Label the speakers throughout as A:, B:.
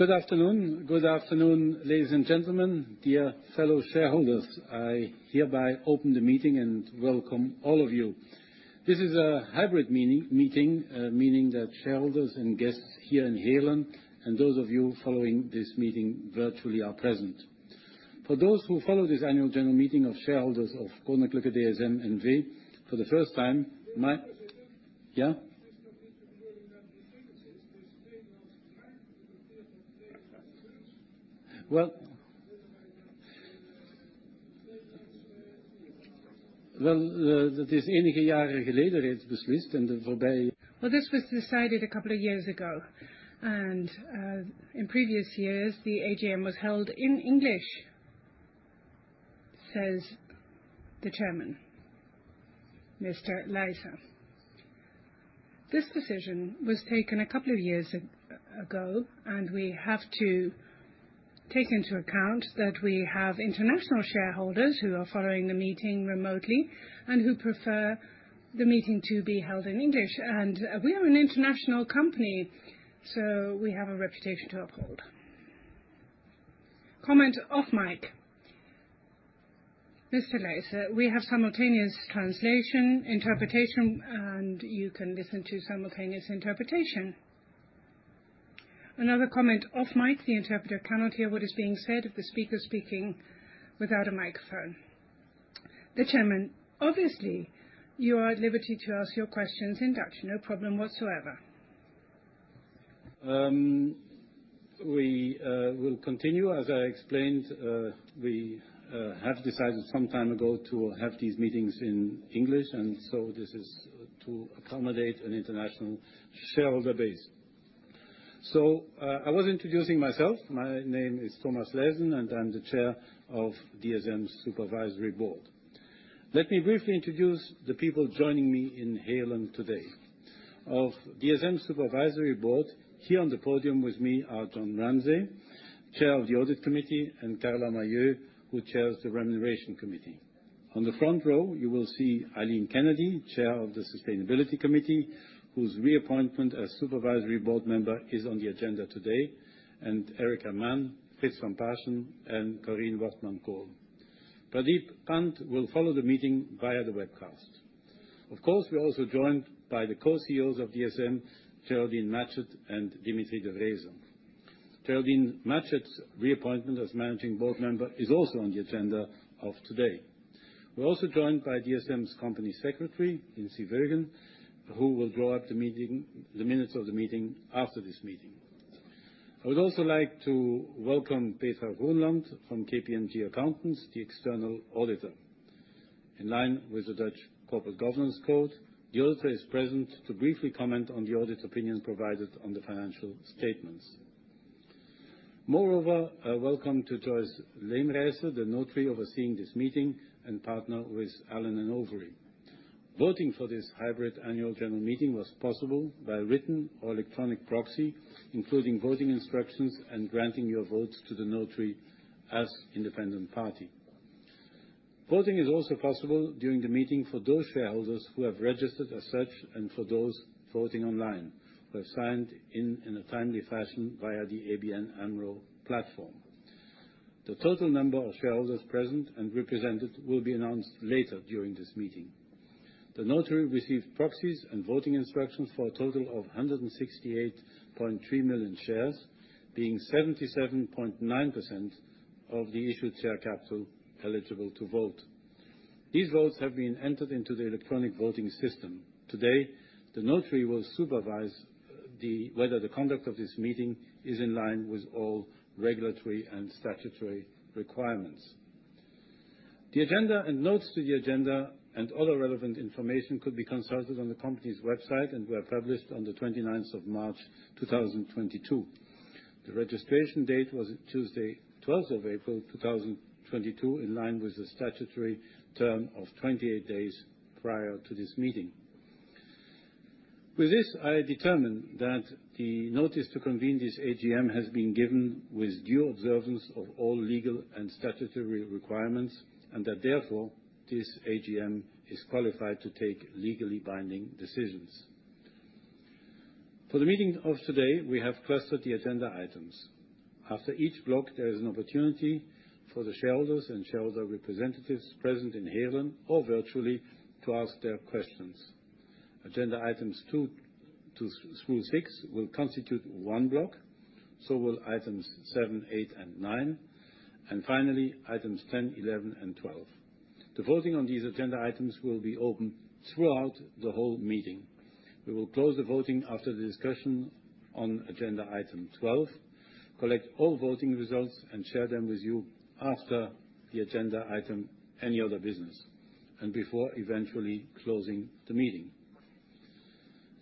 A: Good afternoon. Good afternoon, ladies and gentlemen, dear fellow shareholders. I hereby open the meeting and welcome all of you. This is a hybrid meeting, meaning that shareholders and guests here in Heerlen, and those of you following this meeting virtually are present. For those who follow this annual general meeting of shareholders of Koninklijke DSM N.V. for the first time.
B: Well, this was decided a couple of years ago, and in previous years, the AGM was held in English. Says the chairman, Mr. Leysen. This decision was taken a couple of years ago, and we have to take into account that we have international shareholders who are following the meeting remotely and who prefer the meeting to be held in English. We are an international company, so we have a reputation to uphold. Comment off-mic. Mr. Leysen, we have simultaneous translation, interpretation, and you can listen to simultaneous interpretation. Another comment off-mic. The interpreter cannot hear what is being said if the speaker's speaking without a microphone. The chairman: Obviously, you are at liberty to ask your questions in Dutch. No problem whatsoever.
A: We will continue. As I explained, we have decided some time ago to have these meetings in English, and so this is to accommodate an international shareholder base. I was introducing myself. My name is Thomas Leysen, and I'm the Chair of the DSM Supervisory Board. Let me briefly introduce the people joining me in Heerlen today. Of the DSM Supervisory Board, here on the podium with me are John Ramsay, Chair of the Audit Committee, and Carla Mahieu, who chairs the Remuneration Committee. On the front row, you will see Eileen Kennedy, Chair of the Sustainability Committee, whose reappointment as Supervisory Board member is on the agenda today, and Erica Mann, Frits van Paasschen, and Corien Wortmann-Kool. Pradeep Pant will follow the meeting via the webcast. Of course, we're also joined by the co-CEOs of DSM, Geraldine Matchett and Dimitri de Vreeze. Geraldine Matchett's reappointment as Managing Board member is also on the agenda of today. We're also joined by DSM's company secretary, Lindsy Veugen, who will draw up the minutes of the meeting after this meeting. I would also like to welcome Petra Groenland from KPMG Accountants, the external auditor. In line with the Dutch Corporate Governance Code, the auditor is present to briefly comment on the audit opinion provided on the financial statements. Moreover, a welcome to Joyce Leemrijse, the notary overseeing this meeting and partner with Allen & Overy. Voting for this hybrid annual general meeting was possible by written or electronic proxy, including voting instructions and granting your votes to the notary as independent party. Voting is also possible during the meeting for those shareholders who have registered as such and for those voting online, who have signed in in a timely fashion via the ABN AMRO platform. The total number of shareholders present and represented will be announced later during this meeting. The notary received proxies and voting instructions for a total of 168.3 million shares, being 77.9% of the issued share capital eligible to vote. These votes have been entered into the electronic voting system. Today, the notary will supervise whether the conduct of this meeting is in line with all regulatory and statutory requirements. The agenda and notes to the agenda and other relevant information could be consulted on the company's website and were published on the 29th of March, 2022. The registration date was Tuesday, April 12, 2022, in line with the statutory term of 28 days prior to this meeting. With this, I determine that the notice to convene this AGM has been given with due observance of all legal and statutory requirements, and that therefore, this AGM is qualified to take legally binding decisions. For the meeting of today, we have clustered the agenda items. After each block, there is an opportunity for the shareholders and shareholder representatives present in Heerlen or virtually to ask their questions. Agenda items 2 through 6 will constitute one block, so will items 7, 8, and 9, and finally, items 10, 11, and 12. The voting on these agenda items will be open throughout the whole meeting. We will close the voting after the discussion on agenda item 12, collect all voting results and share them with you after the agenda item, Any Other Business, and before eventually closing the meeting.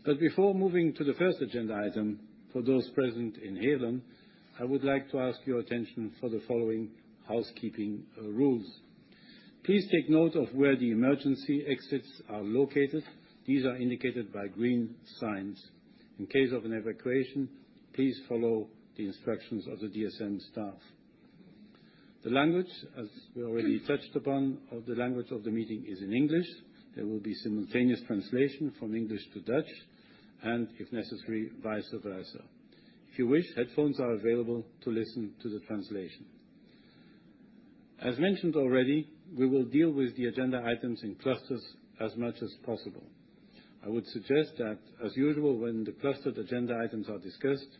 A: Before moving to the first agenda item, for those present in Heerlen, I would like to ask your attention for the following housekeeping rules. Please take note of where the emergency exits are located. These are indicated by green signs. In case of an evacuation, please follow the instructions of the DSM staff. The language, as we already touched upon, of the language of the meeting is in English. There will be simultaneous translation from English to Dutch, and if necessary, vice versa. If you wish, headphones are available to listen to the translation. As mentioned already, we will deal with the agenda items in clusters as much as possible. I would suggest that, as usual, when the clustered agenda items are discussed,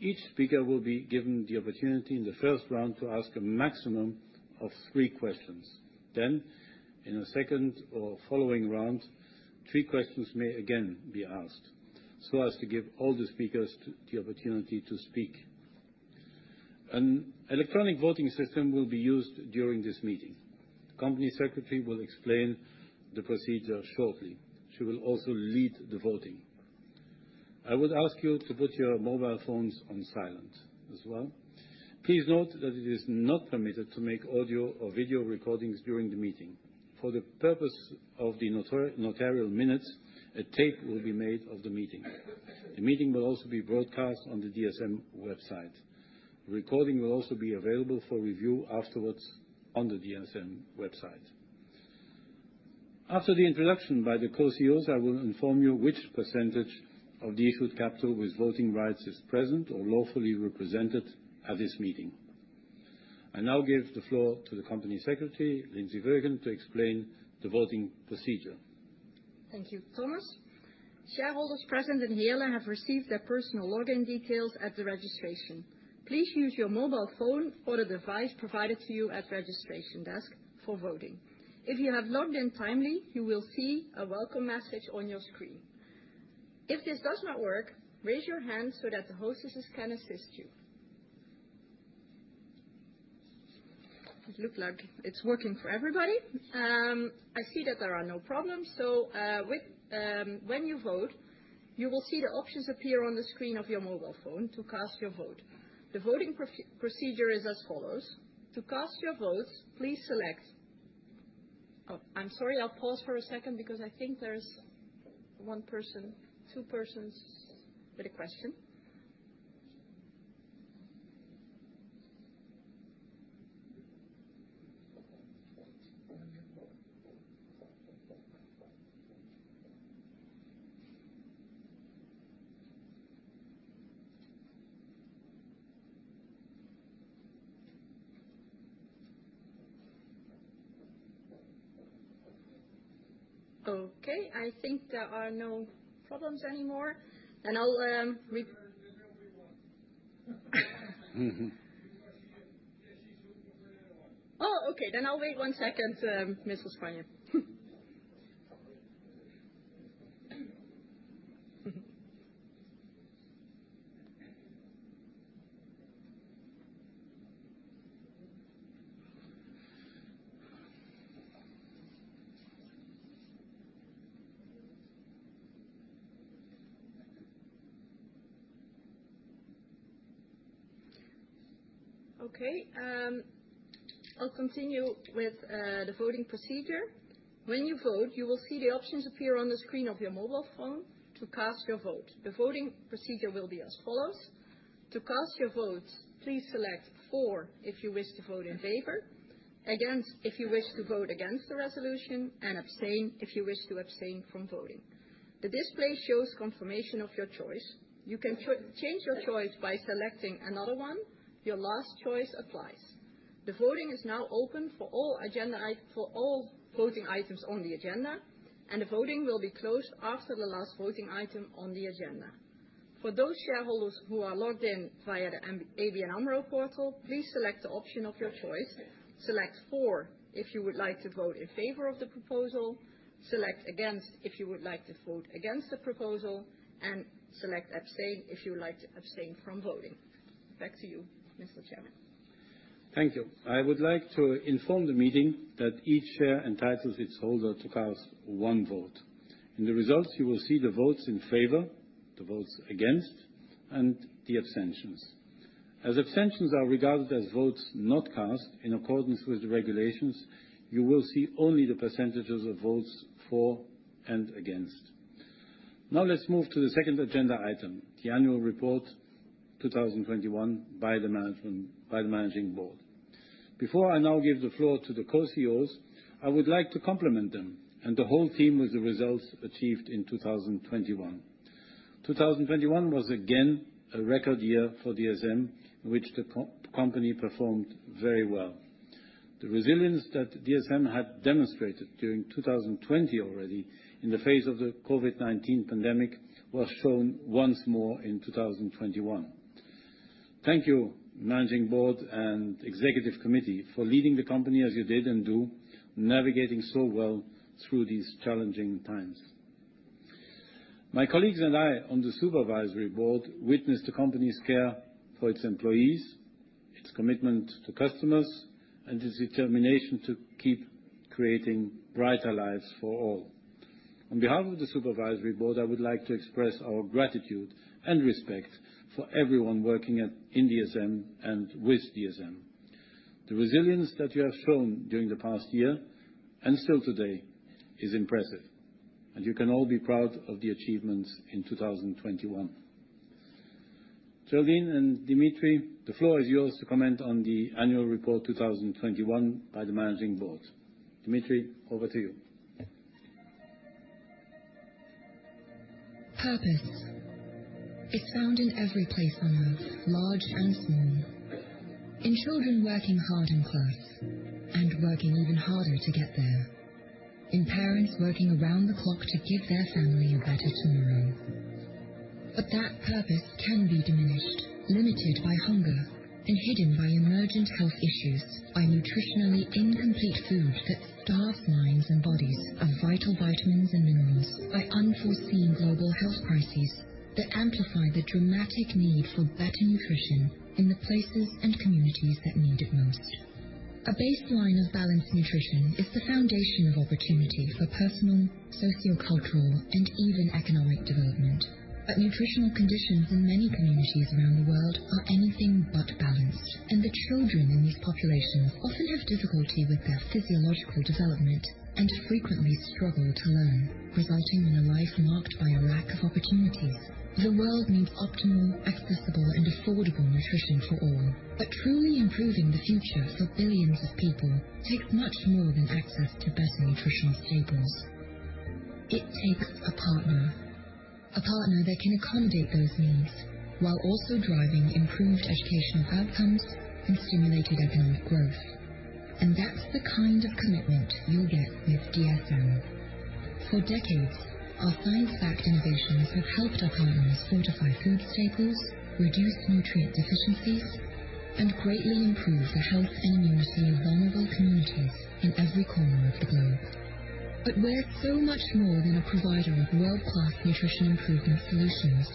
A: each speaker will be given the opportunity in the first round to ask a maximum of three questions. Then, in a second or following round, three questions may again be asked, so as to give all the speakers the opportunity to speak. An electronic voting system will be used during this meeting. The company secretary will explain the procedure shortly. She will also lead the voting. I would ask you to put your mobile phones on silent as well. Please note that it is not permitted to make audio or video recordings during the meeting. For the purpose of the notarial minutes, a tape will be made of the meeting. The meeting will also be broadcast on the DSM website. The recording will also be available for review afterwards on the DSM website. After the introduction by the Co-CEOs, I will inform you which percentage of the issued capital with voting rights is present or lawfully represented at this meeting. I now give the floor to the company secretary, Lindsy Veugen, to explain the voting procedure.
C: Thank you, Thomas. Shareholders present in Heerlen have received their personal login details at the registration. Please use your mobile phone or the device provided to you at registration desk for voting. If you have logged in on time, you will see a welcome message on your screen. If this does not work, raise your hand so that the hostesses can assist you. It looks like it's working for everybody. I see that there are no problems. When you vote, you will see the options appear on the screen of your mobile phone to cast your vote. The voting procedure is as follows. To cast your vote, please select. Oh, I'm sorry, I'll pause for a second because I think there's one person, two persons with a question. Okay, I think there are no problems anymore. I'll we-
A: Mm-hmm.
C: Oh, okay. I'll wait one second, Mr. Spanjer. Okay, I'll continue with the voting procedure. When you vote, you will see the options appear on the screen of your mobile phone to cast your vote. The voting procedure will be as follows. To cast your vote, please select for if you wish to vote in favor, against if you wish to vote against the resolution, and abstain if you wish to abstain from voting. The display shows confirmation of your choice. You can change your choice by selecting another one. Your last choice applies. The voting is now open for all voting items on the agenda, and the voting will be closed after the last voting item on the agenda. For those shareholders who are logged in via the ABN AMRO portal, please select the option of your choice. Select 4 if you would like to vote in favor of the proposal, select against if you would like to vote against the proposal, and select abstain if you would like to abstain from voting. Back to you, Mr. Chairman.
A: Thank you. I would like to inform the meeting that each share entitles its holder to cast one vote. In the results, you will see the votes in favor, the votes against, and the abstentions. As abstentions are regarded as votes not cast, in accordance with the regulations, you will see only the percentages of votes for and against. Now let's move to the second agenda item, the annual report, 2021 by the management, by the managing board. Before I now give the floor to the Co-CEOs, I would like to compliment them and the whole team with the results achieved in 2021. 2021 was again a record year for DSM, in which the company performed very well. The resilience that DSM had demonstrated during 2020 already in the face of the COVID-19 pandemic was shown once more in 2021. Thank you, Managing Board and Executive Committee, for leading the company as you did and do, navigating so well through these challenging times. My colleagues and I on the supervisory board witnessed the company's care for its employees, its commitment to customers, and its determination to keep creating brighter lives for all. On behalf of the supervisory board, I would like to express our gratitude and respect for everyone working at, in DSM and with DSM. The resilience that you have shown during the past year, and still today, is impressive, and you can all be proud of the achievements in 2021.
D: Geraldine Matchett and Dimitri de Vreeze, the floor is yours to comment on the annual report 2021 by the Managing Board. Dimitri, over to you.
E: Purpose is found in every place on Earth, large and small. In children working hard in class and working even harder to get there. In parents working around the clock to give their family a better tomorrow. That purpose can be diminished, limited by hunger, and hidden by emergent health issues, by nutritionally incomplete foods that starves minds and bodies of vital vitamins and minerals, by unforeseen global health crises that amplify the dramatic need for better nutrition in the places and communities that need it most. A baseline of balanced nutrition is the foundation of opportunity for personal, sociocultural, and even economic development. Nutritional conditions in many communities around the world are anything but balanced. The children in these populations often have difficulty with their physiological development and frequently struggle to learn, resulting in a life marked by a lack of opportunities. The world needs optimal, accessible, and affordable nutrition for all. Truly improving the future for billions of people takes much more than access to better nutrition staples. It takes a partner, a partner that can accommodate those needs while also driving improved educational outcomes and stimulated economic growth. That's the kind of commitment you'll get with DSM. For decades, our science-backed innovations have helped our partners fortify food staples, reduce nutrient deficiencies, and greatly improve the health and immunity of vulnerable communities in every corner of the globe. We're so much more than a provider of world-class nutrition improvement solutions.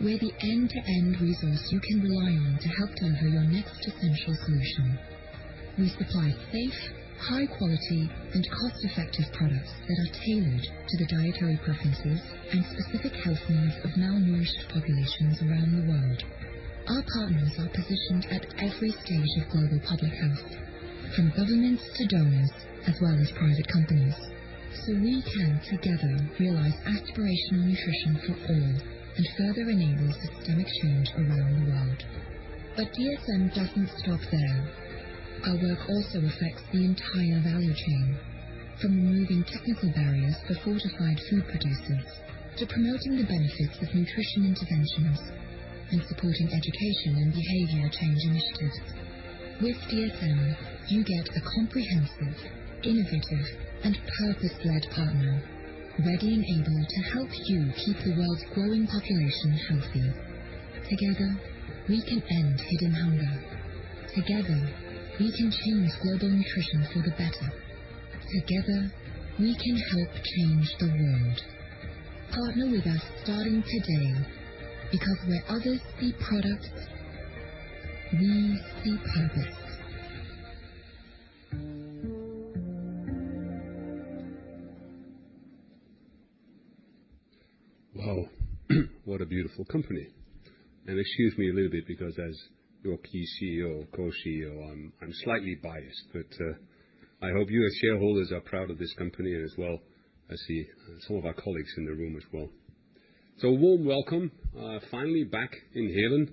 E: We're the end-to-end resource you can rely on to help deliver your next essential solution. We supply safe, high quality, and cost-effective products that are tailored to the dietary preferences and specific health needs of malnourished populations around the world. Our partners are positioned at every stage of global public health, from governments to donors, as well as private companies, so we can together realize aspirational nutrition for all and further enable systemic change around the world. DSM doesn't stop there. Our work also affects the entire value chain, from removing technical barriers for fortified food producers to promoting the benefits of nutrition interventions and supporting education and behavior change initiatives. With DSM, you get a comprehensive, innovative, and purpose-led partner, readily able to help you keep the world's growing population healthy. Together, we can end hidden hunger. Together, we can change global nutrition for the better. Together, we can help change the world. Partner with us starting today, because where others see products, we see purpose.
D: Wow. What a beautiful company. Excuse me a little bit because as your Co-CEO, I'm slightly biased, but I hope you as shareholders are proud of this company as well. I see some of our colleagues in the room as well. Warm welcome. Finally back in Heerlen.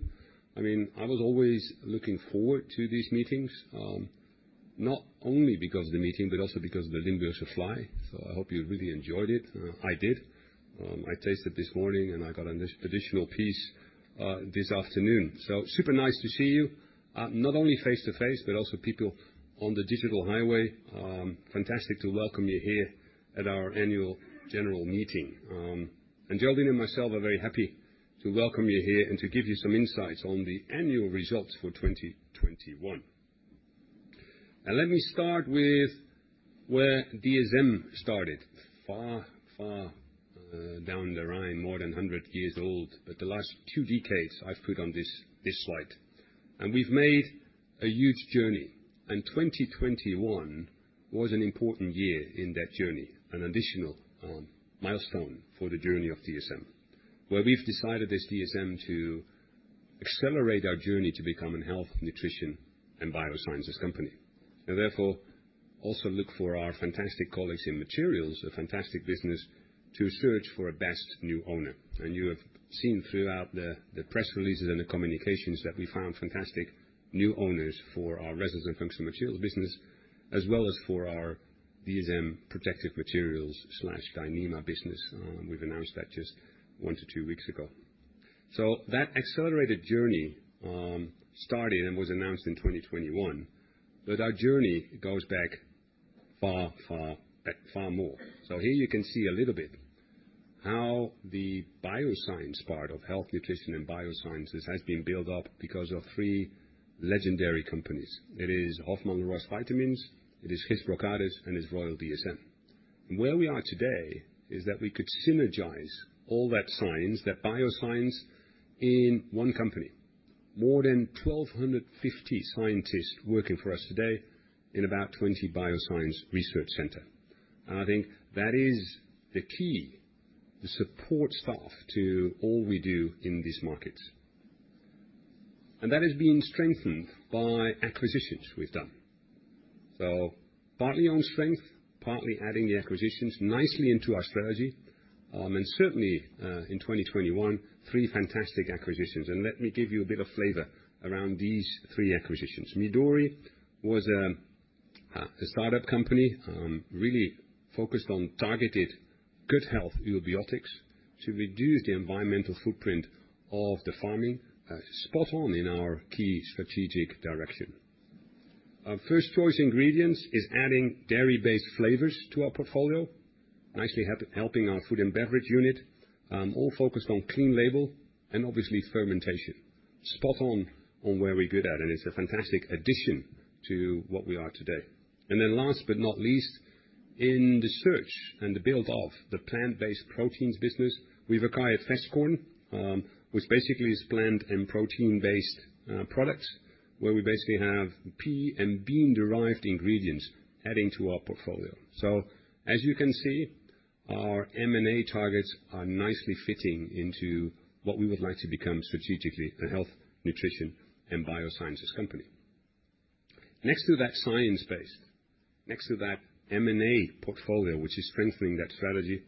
D: I mean, I was always looking forward to these meetings, not only because of the meeting, but also because of the Limburgse Vlaai. I hope you really enjoyed it. I did. I tasted this morning, and I got an additional piece this afternoon. Super nice to see you, not only face to face, but also people on the digital highway. Fantastic to welcome you here at our annual general meeting. Geraldine Matchett and myself are very happy to welcome you here and to give you some insights on the annual results for 2021. Let me start with where DSM started, far, far down the Rhine, more than 100 years old. The last two decades I've put on this slide. We've made a huge journey, and 2021 was an important year in that journey, an additional milestone for the journey of DSM, where we've decided as DSM to accelerate our journey to become a health, nutrition, and biosciences company. Therefore, also look for our fantastic colleagues in materials, a fantastic business, to search for a best new owner. You have seen throughout the press releases and the communications that we found fantastic new owners for our Resins & Functional Materials business, as well as for our DSM Protective Materials/Dyneema business. We've announced that just one to two weeks ago. That accelerated journey started and was announced in 2021, but our journey goes back far, far, far more. Here you can see a little bit how the bioscience part of health, nutrition, and biosciences has been built up because of three legendary companies. It is Hoffmann-La Roche Vitamins, it is Gist-brocades, and it's Royal DSM. Where we are today is that we could synergize all that science, that bioscience, in one company. More than 1,250 scientists working for us today in about 20 bioscience research centers. I think that is the key, the support staff to all we do in these markets. That is being strengthened by acquisitions we've done. Partly on strength, partly adding the acquisitions nicely into our strategy, and certainly, in 2021, three fantastic acquisitions. Let me give you a bit of flavor around these three acquisitions. Midori USA was a startup company, really focused on targeted good health probiotics to reduce the environmental footprint of the farming, spot on in our key strategic direction. Our First Choice Ingredients is adding dairy-based flavors to our portfolio, nicely helping our Food & Beverage unit, all focused on clean label and obviously fermentation. Spot on where we're good at, and it's a fantastic addition to what we are today. Last but not least, in the search and the build of the plant-based proteins business, we've acquired Vestkorn, which basically is plant and protein-based products, where we basically have pea and bean-derived ingredients adding to our portfolio. As you can see, our M&A targets are nicely fitting into what we would like to become strategically a health, nutrition and biosciences company. Next to that science base, next to that M&A portfolio, which is strengthening that strategy,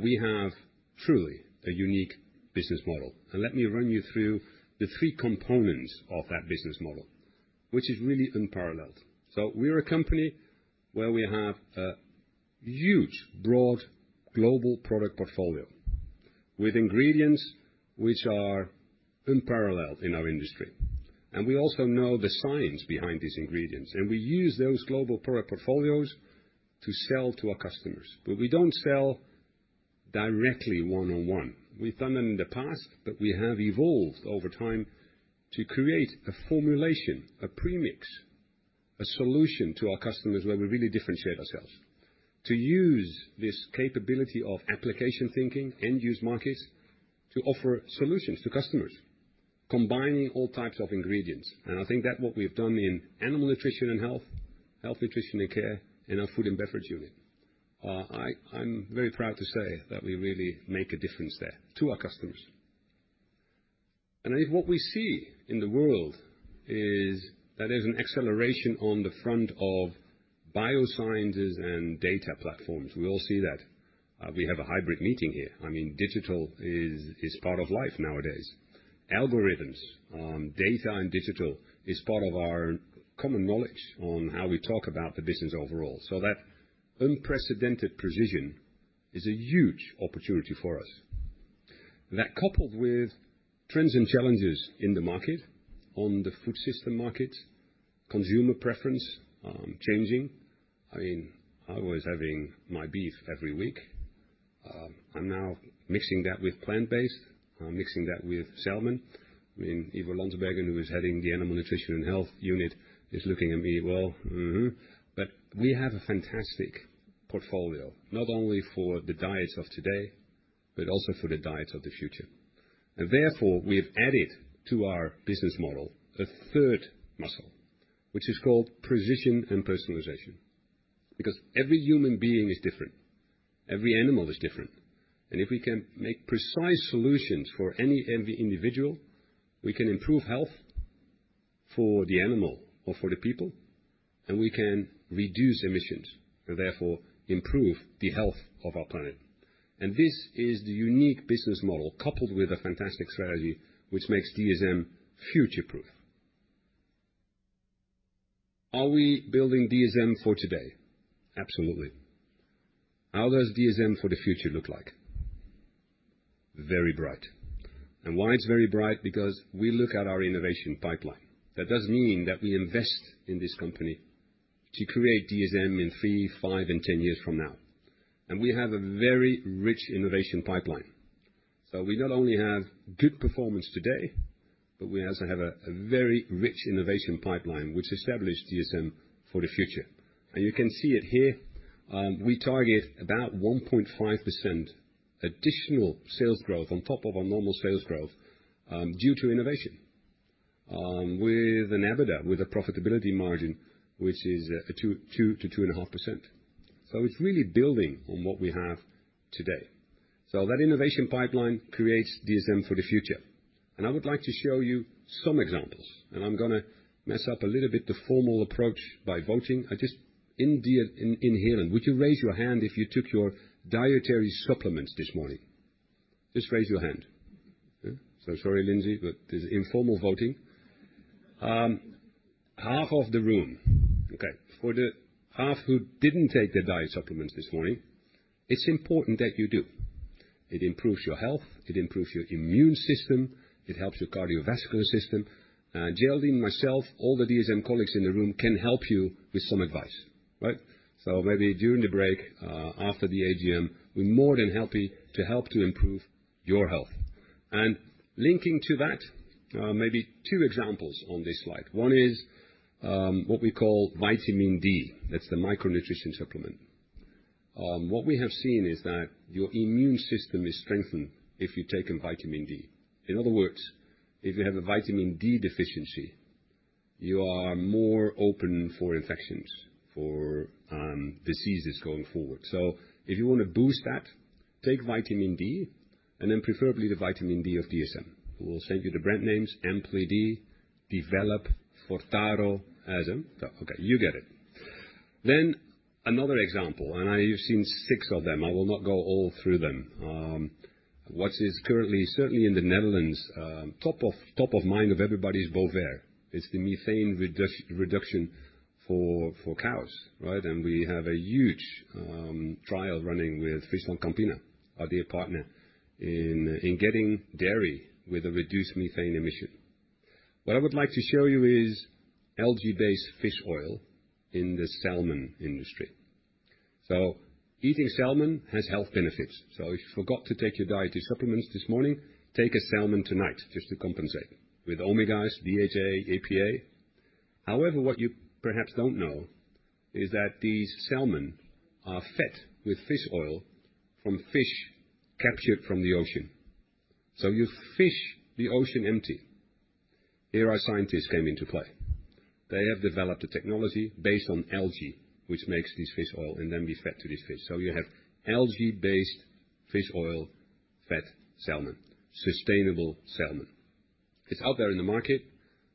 D: we have truly a unique business model. Let me run you through the three components of that business model, which is really unparalleled. We are a company where we have a huge, broad global product portfolio with ingredients which are unparalleled in our industry. We also know the science behind these ingredients, and we use those global product portfolios to sell to our customers. We don't sell directly one-on-one. We've done them in the past, but we have evolved over time to create a formulation, a premix, a solution to our customers where we really differentiate ourselves. To use this capability of application thinking, end use markets, to offer solutions to customers, combining all types of ingredients. I think that what we've done in Animal Nutrition & Health, Nutrition & Care, in our Food & Beverage unit, I'm very proud to say that we really make a difference there to our customers. I think what we see in the world is that there's an acceleration on the front of biosciences and data platforms. We all see that. We have a hybrid meeting here. I mean, digital is part of life nowadays. Algorithms, data and digital is part of our common knowledge on how we talk about the business overall. That unprecedented precision is a huge opportunity for us. That coupled with trends and challenges in the market on the food system market, consumer preference, changing. I mean, I was having my beef every week, I'm now mixing that with plant-based. I'm mixing that with salmon. I mean, Ivo Lansbergen, who is heading the animal nutrition and health unit, is looking at me, "Well, mm-hmm." But we have a fantastic portfolio, not only for the diets of today, but also for the diets of the future. Therefore, we have added to our business model a third muscle, which is called precision and personalization. Because every human being is different, every animal is different, and if we can make precise solutions for any individual, we can improve health for the animal or for the people, and we can reduce emissions, and therefore improve the health of our planet. This is the unique business model coupled with a fantastic strategy which makes DSM future-proof. Are we building DSM for today? Absolutely. How does DSM for the future look like? Very bright. Why it's very bright? Because we look at our innovation pipeline. That does mean that we invest in this company to create DSM in 3, 5 and 10 years from now. We have a very rich innovation pipeline. We not only have good performance today, but we also have a very rich innovation pipeline which established DSM for the future. You can see it here, we target about 1.5% additional sales growth on top of our normal sales growth, due to innovation, with an EBITDA, with a profitability margin, which is, 2%-2.5%. It's really building on what we have today. That innovation pipeline creates DSM for the future. I would like to show you some examples, and I'm gonna mess up a little bit the formal approach by voting. In here, would you raise your hand if you took your dietary supplements this morning? Just raise your hand. Yeah. Sorry, Lindsy, but this is informal voting. Half of the room. Okay. For the half who didn't take their diet supplements this morning, it's important that you do. It improves your health, it improves your immune system, it helps your cardiovascular system. Geraldine Matchett, myself, all the DSM colleagues in the room can help you with some advice, right? Maybe during the break, after the AGM, we're more than happy to help to improve your health. Linking to that, maybe two examples on this slide. One is, what we call vitamin D. That's the micronutrition supplement. What we have seen is that your immune system is strengthened if you're taking vitamin D. In other words, if you have a vitamin D deficiency. You are more open for infections, for diseases going forward. If you want to boost that, take vitamin D and then preferably the vitamin D of DSM. We will send you the brand names ampli-D, d.velop, Fortaro, Azem. Okay, you get it. Another example, and now you've seen six of them. I will not go all through them. What is currently certainly in the Netherlands top of mind of everybody's Bovaer. It's the methane reduction for cows, right? We have a huge trial running with FrieslandCampina, our dear partner, in getting dairy with a reduced methane emission. What I would like to show you is algae-based fish oil in the salmon industry. Eating salmon has health benefits. If you forgot to take your dietary supplements this morning, take a salmon tonight just to compensate with Omega-3 DHA, EPA. However, what you perhaps don't know is that these salmon are fed with fish oil from fish captured from the ocean. You fish the ocean empty. Here our scientists came into play. They have developed a technology based on algae, which makes this fish oil and then be fed to these fish. You have algae-based fish oil fed salmon, sustainable salmon. It's out there in the market.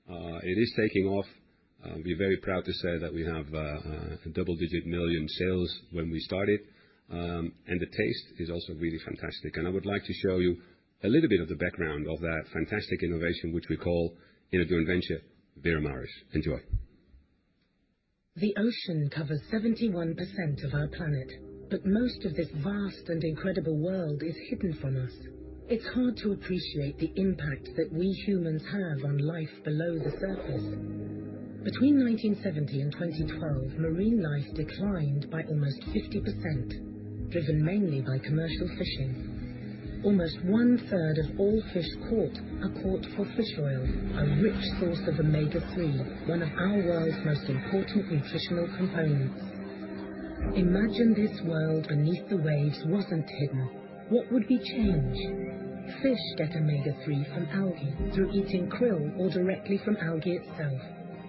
D: It is taking off. We're very proud to say that we have double-digit million EUR sales when we started, and the taste is also really fantastic. I would like to show you a little bit of the background of that fantastic innovation, which we call Innovation Venture Veramaris. Enjoy.
E: The ocean covers 71% of our planet, but most of this vast and incredible world is hidden from us. It's hard to appreciate the impact that we humans have on life below the surface. Between 1970 and 2012, marine life declined by almost 50%, driven mainly by commercial fishing. Almost one-third of all fish caught are caught for fish oil, a rich source of Omega-3, one of our world's most important nutritional components. Imagine this world beneath the waves wasn't hidden. What would be changed? Fish get Omega-3 from algae through eating krill or directly from algae itself.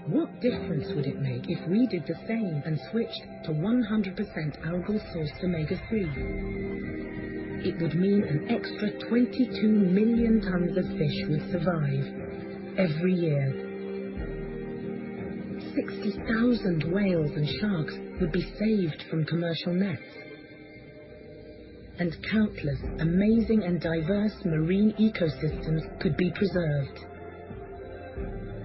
E: What difference would it make if we did the same and switched to 100% algal-sourced Omega-3? It would mean an extra 22 million tons of fish would survive every year. 60,000 whales and sharks would be saved from commercial nets, and countless amazing and diverse marine ecosystems could be preserved.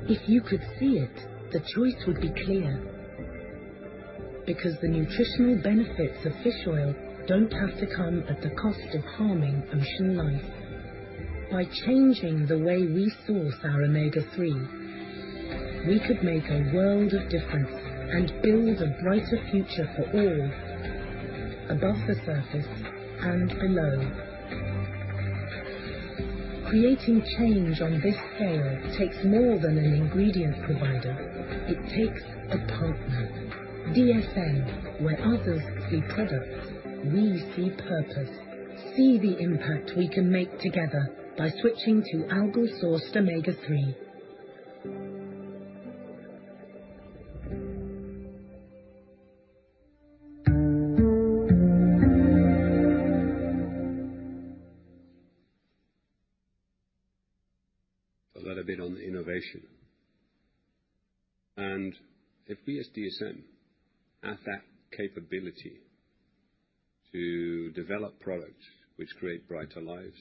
E: If you could see it, the choice would be clear because the nutritional benefits of fish oil don't have to come at the cost of harming ocean life. By changing the way we source our Omega-3, we could make a world of difference and build a brighter future for all above the surface and below. Creating change on this scale takes more than an ingredient provider. It takes a partner. DSM, where others see products, we see purpose. See the impact we can make together by switching to algal-sourced Omega-3.
D: A little bit on innovation. If we as DSM have that capability to develop products which create brighter lives,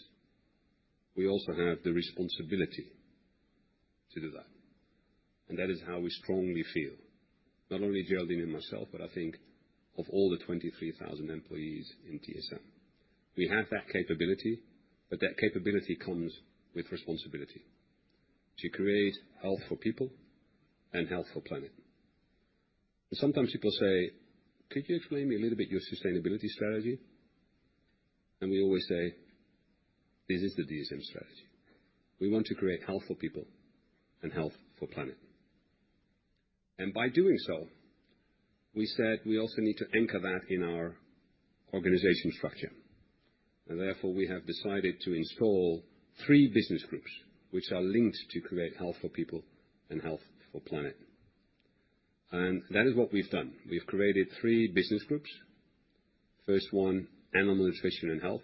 D: we also have the responsibility to do that. That is how we strongly feel. Not only Geraldine Matchett and myself, but I think of all the 23,000 employees in DSM. We have that capability, but that capability comes with responsibility to create health for people and health for planet. Sometimes people say, "Could you explain me a little bit your sustainability strategy?" We always say, "This is the DSM strategy. We want to create health for people and health for planet." By doing so, we said we also need to anchor that in our organizational structure. Therefore, we have decided to install three business groups which are linked to create health for people and health for planet. That is what we've done. We've created three business groups. First one, Animal Nutrition and Health,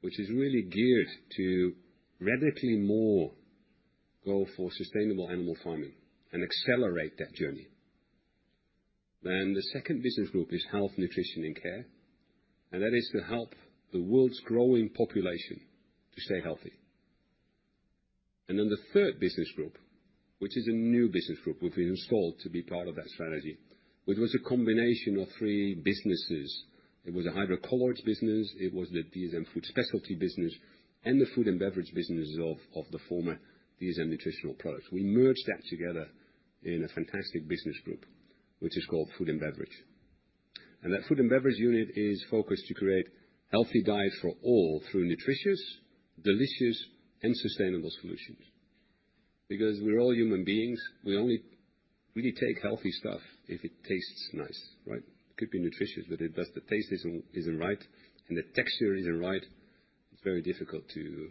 D: which is really geared to radically more go for sustainable animal farming and accelerate that journey. The second business group is Health, Nutrition, and Care, and that is to help the world's growing population to stay healthy. The third business group, which is a new business group, we've installed to be part of that strategy, which was a combination of three businesses. It was a hydrocolloids business, it was the DSM Food Specialties business, and the Food and Beverage business of the former DSM Nutritional Products. We merged that together in a fantastic business group, which is called Food and Beverage. That Food and Beverage unit is focused to create healthy diets for all through nutritious, delicious, and sustainable solutions. Because we're all human beings, we only really take healthy stuff if it tastes nice, right? It could be nutritious, but if just the taste isn't right and the texture isn't right. It's very difficult to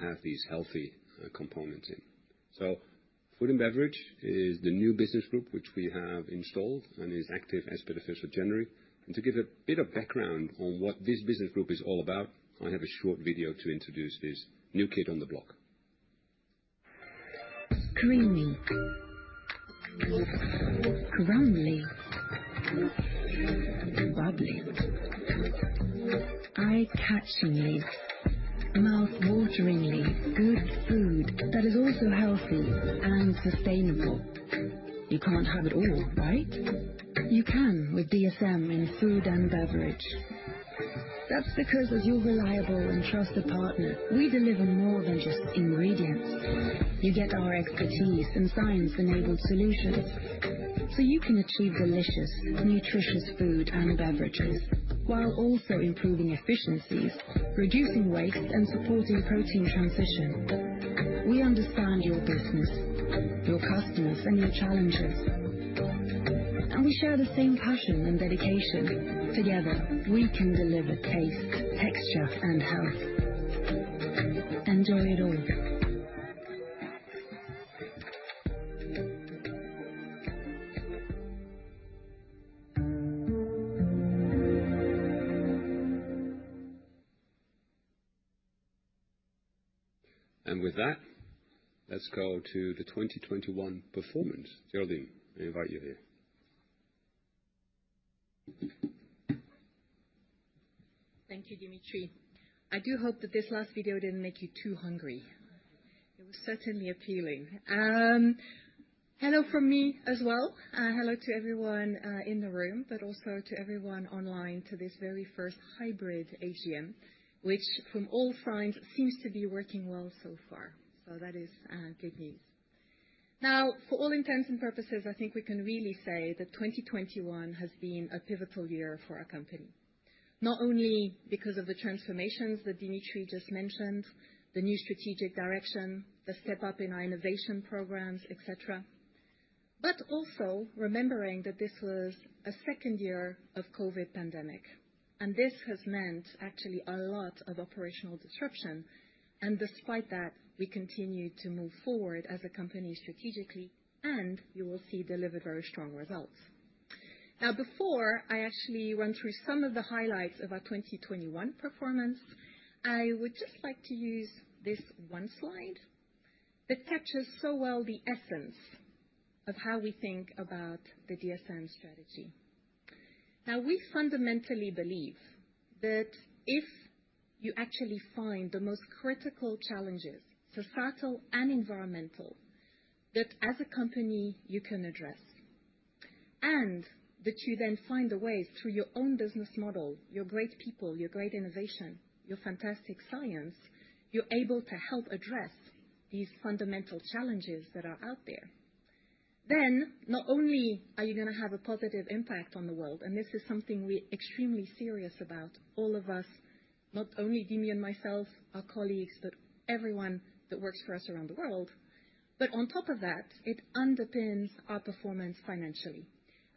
D: have these healthy components in. Food & Beverage is the new business group which we have installed and is active as per the first of January. To give a bit of background on what this business group is all about, I have a short video to introduce this new kid on the block.
E: Creamy. Crumbly. Bubbly. Eye-catchingly. Mouth-wateringly. Good food that is also healthy and sustainable. You can't have it all, right? You can with DSM in Food and Beverage. That's because as your reliable and trusted partner, we deliver more than just ingredients. You get our expertise in science-enabled solutions, so you can achieve delicious, nutritious food and beverages while also improving efficiencies, reducing waste, and supporting protein transition. We understand your business, your customers, and your challenges, and we share the same passion and dedication. Together, we can deliver taste, texture, and health. Enjoy it all.
D: With that, let's go to the 2021 performance. Geraldine Matchett, I invite you here.
F: Thank you, Dimitri. I do hope that this last video didn't make you too hungry. It was certainly appealing. Hello from me as well, and hello to everyone in the room, but also to everyone online to this very first hybrid AGM, which from all fronts seems to be working well so far. That is good news. Now, for all intents and purposes, I think we can really say that 2021 has been a pivotal year for our company. Not only because of the transformations that Dimitri just mentioned, the new strategic direction, the step up in our innovation programs, et cetera, but also remembering that this was a second year of COVID-19 pandemic. This has meant actually a lot of operational disruption, and despite that, we continued to move forward as a company strategically, and you will see delivered very strong results. Now, before I actually run through some of the highlights of our 2021 performance, I would just like to use this one slide that captures so well the essence of how we think about the DSM strategy. Now, we fundamentally believe that if you actually find the most critical challenges, societal and environmental, that as a company you can address, and that you then find a way through your own business model, your great people, your great innovation, your fantastic science, you're able to help address these fundamental challenges that are out there, then not only are you gonna have a positive impact on the world, and this is something we're extremely serious about, all of us, not only Dimitri and myself, our colleagues, but everyone that works for us around the world, but on top of that, it underpins our performance financially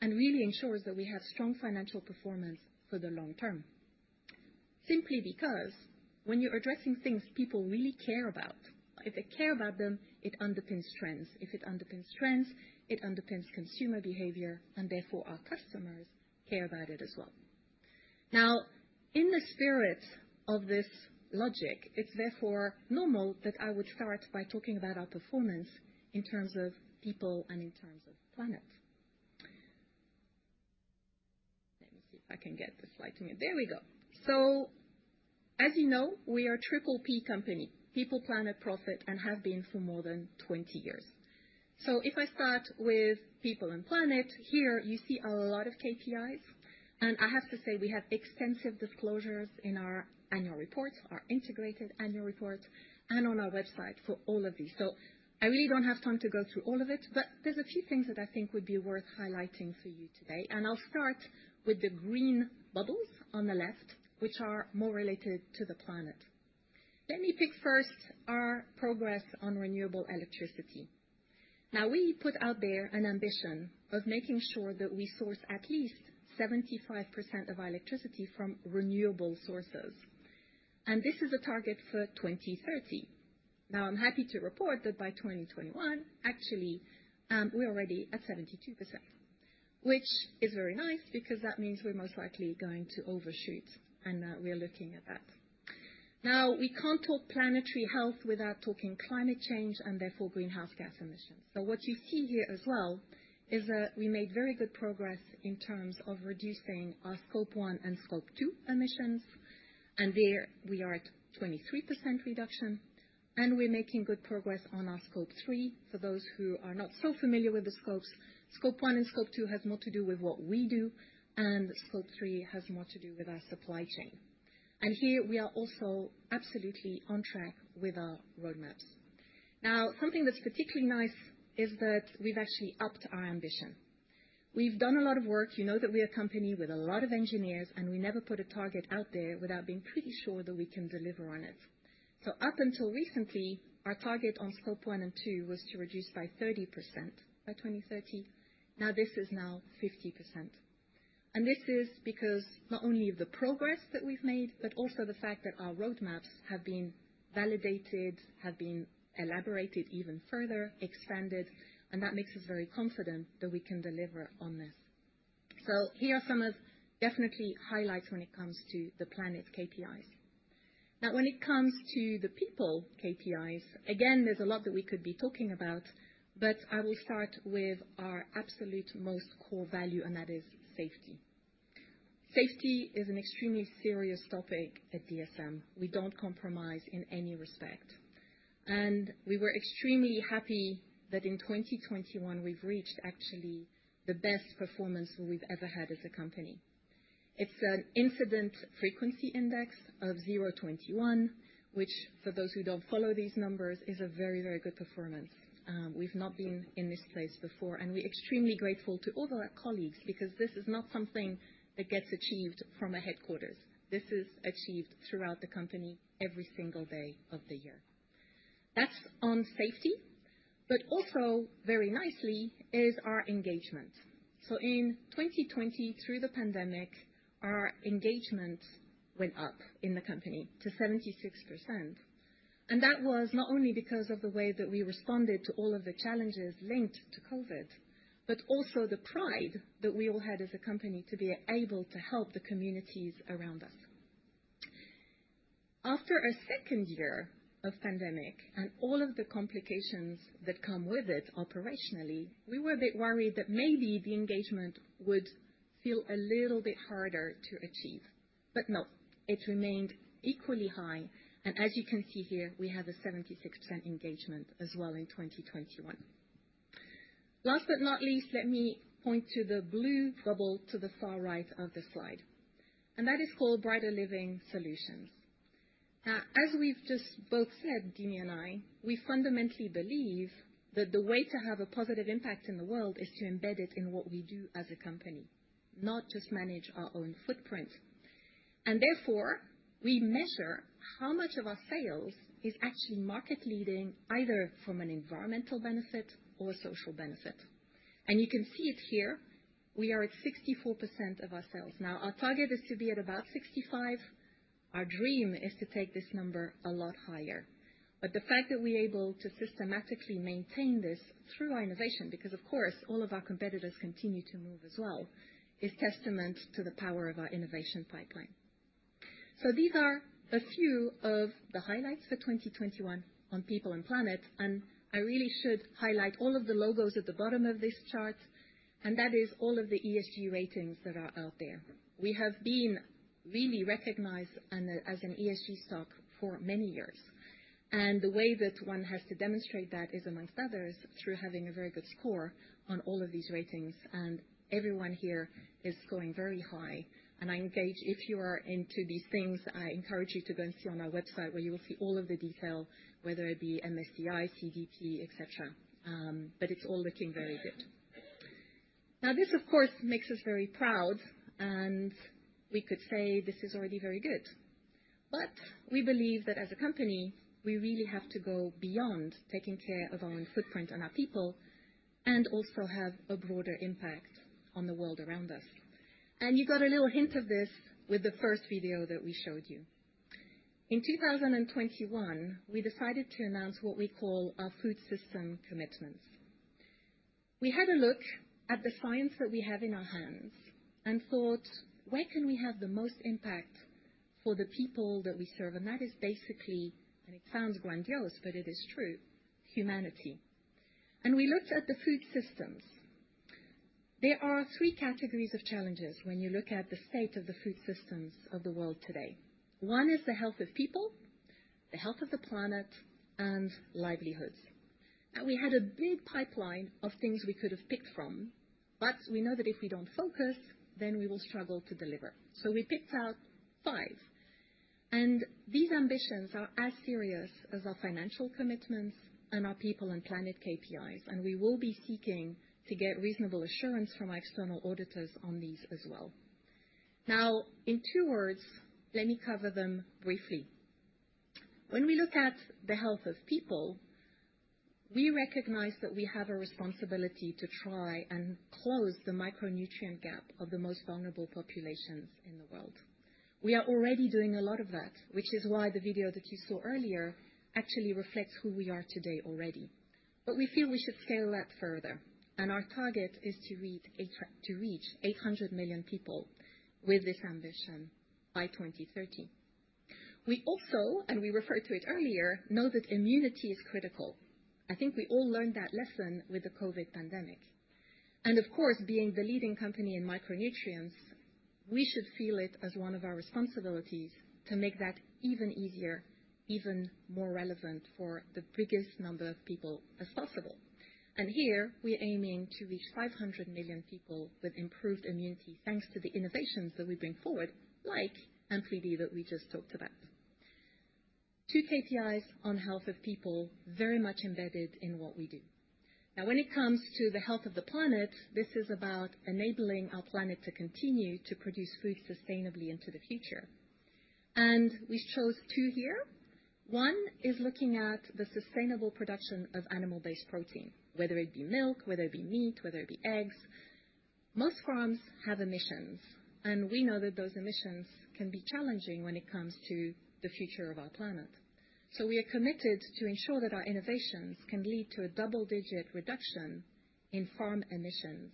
F: and really ensures that we have strong financial performance for the long term. Simply because when you're addressing things people really care about, if they care about them, it underpins trends. If it underpins trends, it underpins consumer behavior, and therefore our customers care about it as well. Now, in the spirit of this logic, it's therefore normal that I would start by talking about our performance in terms of people and in terms of planet. Let me see if I can get the slide to me. There we go. As you know, we are triple P company, people, planet, profit, and have been for more than 20 years. If I start with people and planet, here you see a lot of KPIs, and I have to say we have extensive disclosures in our annual reports, our integrated annual reports, and on our website for all of these. I really don't have time to go through all of it, but there's a few things that I think would be worth highlighting for you today, and I'll start with the green bubbles on the left, which are more related to the planet. Let me pick first our progress on renewable electricity. Now, we put out there an ambition of making sure that we source at least 75% of our electricity from renewable sources, and this is a target for 2030. Now, I'm happy to report that by 2021, actually, we're already at 72%, which is very nice because that means we're most likely going to overshoot, and we are looking at that. Now, we can't talk planetary health without talking climate change, and therefore greenhouse gas emissions. What you see here as well is that we made very good progress in terms of reducing our Scope 1 and Scope 2 emissions, and there we are at a 23% reduction, and we're making good progress on our Scope 3. For those who are not so familiar with the scopes, Scope 1 and Scope 2 has more to do with what we do, and Scope 3 has more to do with our supply chain. Here we are also absolutely on track with our roadmaps. Now, something that's particularly nice is that we've actually upped our ambition. We've done a lot of work. You know that we're a company with a lot of engineers, and we never put a target out there without being pretty sure that we can deliver on it. Up until recently, our target on Scope 1 and 2 was to reduce by 30% by 2030. Now, this is now 50%. This is because not only the progress that we've made, but also the fact that our roadmaps have been validated, have been elaborated even further, expanded, and that makes us very confident that we can deliver on this. Here are some of definitely highlights when it comes to the planet KPIs. When it comes to the people KPIs, again, there's a lot that we could be talking about, but I will start with our absolute most core value, and that is safety. Safety is an extremely serious topic at DSM. We don't compromise in any respect. We were extremely happy that in 2021 we've reached actually the best performance we've ever had as a company. It's an incident frequency index of 0.21, which for those who don't follow these numbers, is a very, very good performance. We've not been in this place before, and we're extremely grateful to all of our colleagues because this is not something that gets achieved from a headquarters. This is achieved throughout the company every single day of the year. That's on safety, but also very nicely is our engagement. In 2020 through the pandemic, our engagement went up in the company to 76%. That was not only because of the way that we responded to all of the challenges linked to COVID, but also the pride that we all had as a company to be able to help the communities around us. After a second year of pandemic and all of the complications that come with it operationally, we were a bit worried that maybe the engagement would feel a little bit harder to achieve. No, it remained equally high, and as you can see here, we have a 76% engagement as well in 2021. Last but not least, let me point to the blue bubble to the far right of the slide, and that is called Brighter Living Solutions. Now, as we've just both said, Dimi and I, we fundamentally believe that the way to have a positive impact in the world is to embed it in what we do as a company, not just manage our own footprint. Therefore, we measure how much of our sales is actually market-leading, either from an environmental benefit or a social benefit. You can see it here. We are at 64% of our sales. Now, our target is to be at about 65. Our dream is to take this number a lot higher. The fact that we're able to systematically maintain this through our innovation, because of course, all of our competitors continue to move as well, is testament to the power of our innovation pipeline. These are a few of the highlights for 2021 on people and planet, and I really should highlight all of the logos at the bottom of this chart, and that is all of the ESG ratings that are out there. We have been really recognized as an ESG stock for many years, and the way that one has to demonstrate that is among others, through having a very good score on all of these ratings. Everyone here is scoring very high, and I engage. If you are into these things, I encourage you to go and see on our website where you will see all of the detail, whether it be MSCI, CDP, et cetera. But it's all looking very good. Now, this of course makes us very proud, and we could say this is already very good. But we believe that as a company, we really have to go beyond taking care of our own footprint and our people, and also have a broader impact on the world around us. You got a little hint of this with the first video that we showed you. In 2021, we decided to announce what we call our food system commitments. We had a look at the science that we have in our hands and thought, "Where can we have the most impact for the people that we serve?" That is basically, and it sounds grandiose, but it is true, humanity. We looked at the food systems. There are three categories of challenges when you look at the state of the food systems of the world today. One is the health of people, the health of the planet, and livelihoods. Now, we had a big pipeline of things we could have picked from, but we know that if we don't focus, then we will struggle to deliver. We picked out five, and these ambitions are as serious as our financial commitments and our people and planet KPIs, and we will be seeking to get reasonable assurance from our external auditors on these as well. Now, in two words, let me cover them briefly. When we look at the health of people, we recognize that we have a responsibility to try and close the micronutrient gap of the most vulnerable populations in the world. We are already doing a lot of that, which is why the video that you saw earlier actually reflects who we are today already. We feel we should scale that further, and our target is to reach 800 million people with this ambition by 2030. We also, and we referred to it earlier, know that immunity is critical. I think we all learned that lesson with the COVID-19 pandemic. Of course, being the leading company in micronutrients, we should feel it as one of our responsibilities to make that even easier, even more relevant for the biggest number of people as possible. Here we're aiming to reach 500 million people with improved immunity, thanks to the innovations that we bring forward, like Ampli-D that we just talked about. 2 KPIs on health of people, very much embedded in what we do. Now, when it comes to the health of the planet, this is about enabling our planet to continue to produce food sustainably into the future. We chose 2 here. One is looking at the sustainable production of animal-based protein, whether it be milk, whether it be meat, whether it be eggs. Most farms have emissions, and we know that those emissions can be challenging when it comes to the future of our planet. We are committed to ensure that our innovations can lead to a double-digit reduction in farm emissions.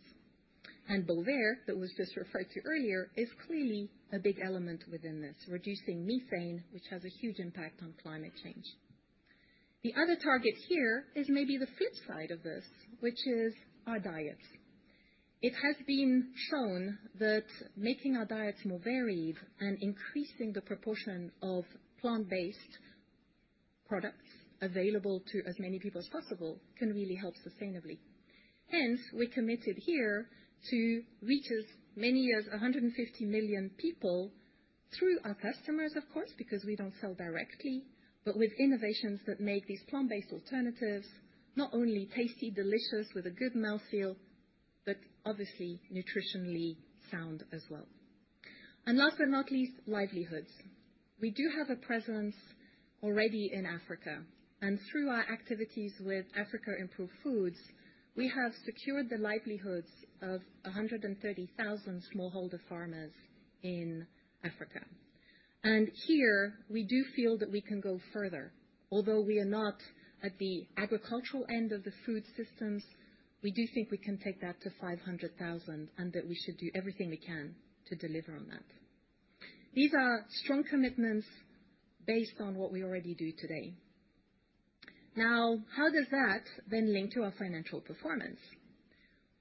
F: Bovaer, that was just referred to earlier, is clearly a big element within this, reducing methane, which has a huge impact on climate change. The other target here is maybe the flip side of this, which is our diets. It has been shown that making our diets more varied and increasing the proportion of plant-based products available to as many people as possible can really help sustainably. Hence, we're committed here to reach as many as 150 million people through our customers, of course, because we don't sell directly, but with innovations that make these plant-based alternatives not only tasty, delicious, with a good mouth feel, but obviously nutritionally sound as well. And last but not least, livelihoods. We do have a presence already in Africa, and through our activities with Africa Improved Foods, we have secured the livelihoods of 130,000 smallholder farmers in Africa. Here, we do feel that we can go further. Although we are not at the agricultural end of the food systems, we do think we can take that to 500,000, and that we should do everything we can to deliver on that. These are strong commitments based on what we already do today. Now, how does that then link to our financial performance?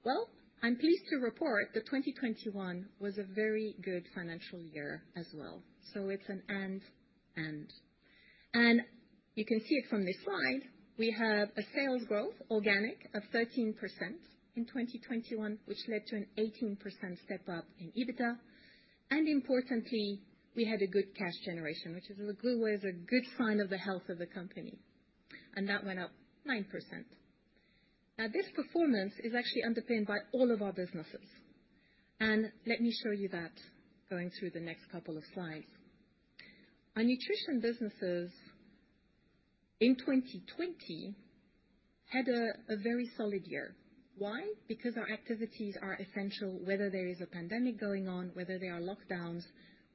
F: Well, I'm pleased to report that 2021 was a very good financial year as well. It's an and. You can see it from this slide, we have a sales growth organic of 13% in 2021, which led to an 18% step-up in EBITDA. Importantly, we had a good cash generation, which, in a good way, is a good sign of the health of the company. That went up 9%. Now this performance is actually underpinned by all of our businesses. Let me show you that going through the next couple of slides. Our nutrition businesses in 2020 had a very solid year. Why? Because our activities are essential, whether there is a pandemic going on, whether there are lockdowns,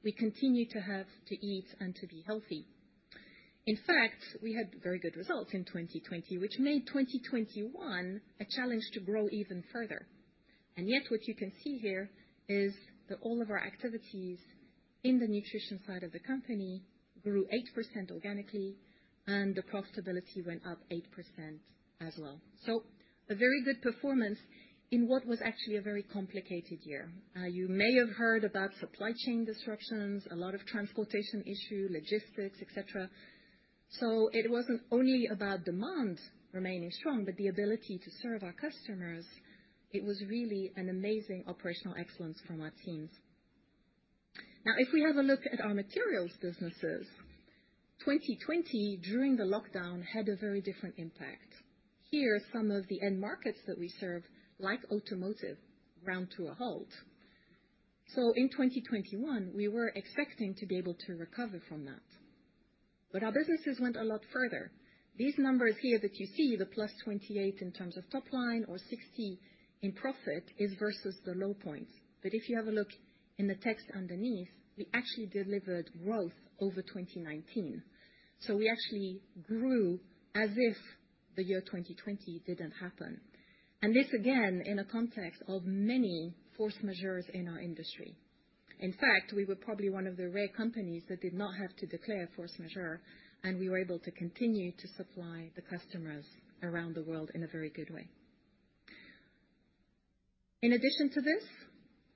F: we continue to have to eat and to be healthy. In fact, we had very good results in 2020, which made 2021 a challenge to grow even further. Yet, what you can see here is that all of our activities in the nutrition side of the company grew 8% organically, and the profitability went up 8% as well. A very good performance in what was actually a very complicated year. You may have heard about supply chain disruptions, a lot of transportation issue, logistics, et cetera. It wasn't only about demand remaining strong, but the ability to serve our customers. It was really an amazing operational excellence from our teams. Now, if we have a look at our materials businesses, 2020, during the lockdown, had a very different impact. Here, some of the end markets that we serve, like automotive, ground to a halt. In 2021, we were expecting to be able to recover from that. Our businesses went a lot further. These numbers here that you see, the +28 in terms of top line or 60 in profit, is versus the low points. If you have a look in the text underneath, we actually delivered growth over 2019. We actually grew as if the year 2020 didn't happen. This again, in a context of many force majeures in our industry. In fact, we were probably one of the rare companies that did not have to declare force majeure, and we were able to continue to supply the customers around the world in a very good way. In addition to this,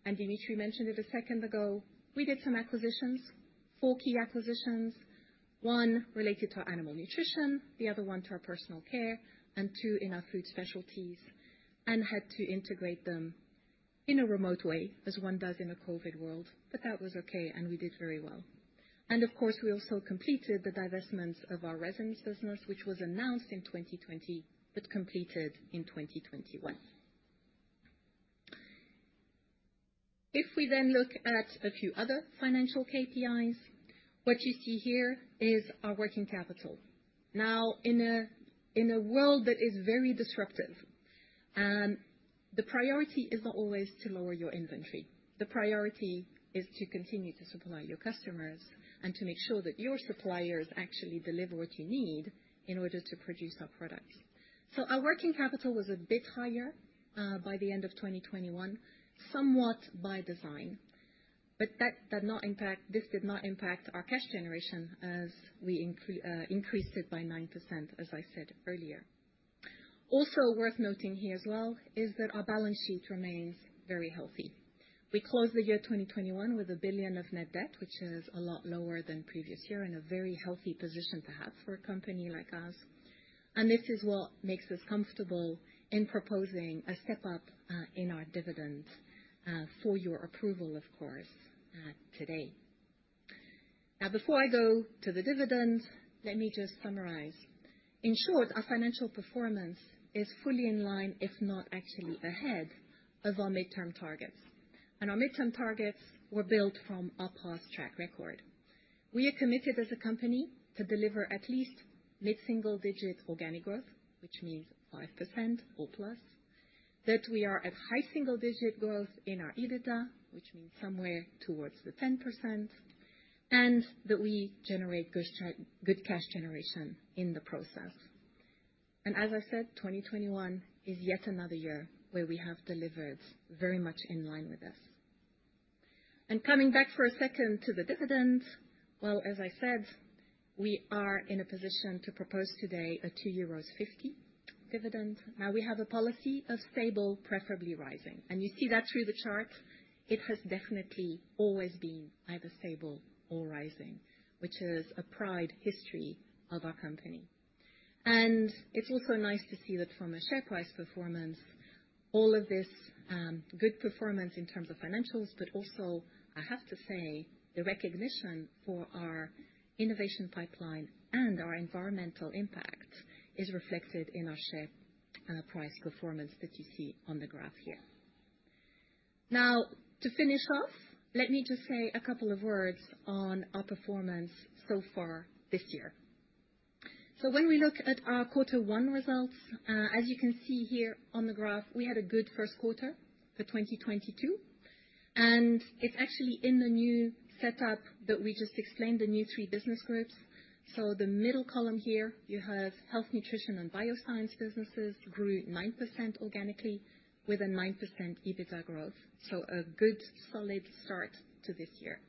F: and Dimitri mentioned it a second ago, we did some acquisitions, four key acquisitions, one related to animal nutrition, the other one to our personal care, and two in our food specialties, and had to integrate them in a remote way, as one does in a COVID-19 world, but that was okay, and we did very well. Of course, we also completed the divestment of our resins business, which was announced in 2020, but completed in 2021. If we then look at a few other financial KPIs, what you see here is our working capital. Now, in a world that is very disruptive, and the priority isn't always to lower your inventory, the priority is to continue to supply your customers and to make sure that your suppliers actually deliver what you need in order to produce our products. Our working capital was a bit higher by the end of 2021, somewhat by design. This did not impact our cash generation as we increased it by 9%, as I said earlier. Also worth noting here as well is that our balance sheet remains very healthy. We closed the year 2021 with 1 billion of net debt, which is a lot lower than previous year and a very healthy position to have for a company like ours. This is what makes us comfortable in proposing a step-up in our dividend for your approval, of course, today. Now, before I go to the dividend, let me just summarize. In short, our financial performance is fully in line, if not actually ahead of our mid-term targets. Our mid-term targets were built from our past track record. We are committed as a company to deliver at least mid-single-digit organic growth, which means 5% or plus, that we are at high single-digit growth in our EBITDA, which means somewhere towards the 10%, and that we generate good cash generation in the process. As I said, 2021 is yet another year where we have delivered very much in line with this. Coming back for a second to the dividends. Well, as I said, we are in a position to propose today a 2.50 euros dividend. Now we have a policy of stable, preferably rising, and you see that through the charts. It has definitely always been either stable or rising, which is a proud history of our company. It's also nice to see that from a share price performance, all of this, good performance in terms of financials, but also, I have to say, the recognition for our innovation pipeline and our environmental impact is reflected in our share, price performance that you see on the graph here. Now to finish off, let me just say a couple of words on our performance so far this year. When we look at our quarter one results, as you can see here on the graph, we had a good first quarter for 2022, and it's actually in the new setup that we just explained, the new three business groups. The middle column here, you have health, nutrition, and bioscience businesses grew 9% organically with a 9% EBITDA growth. A good solid start to this year.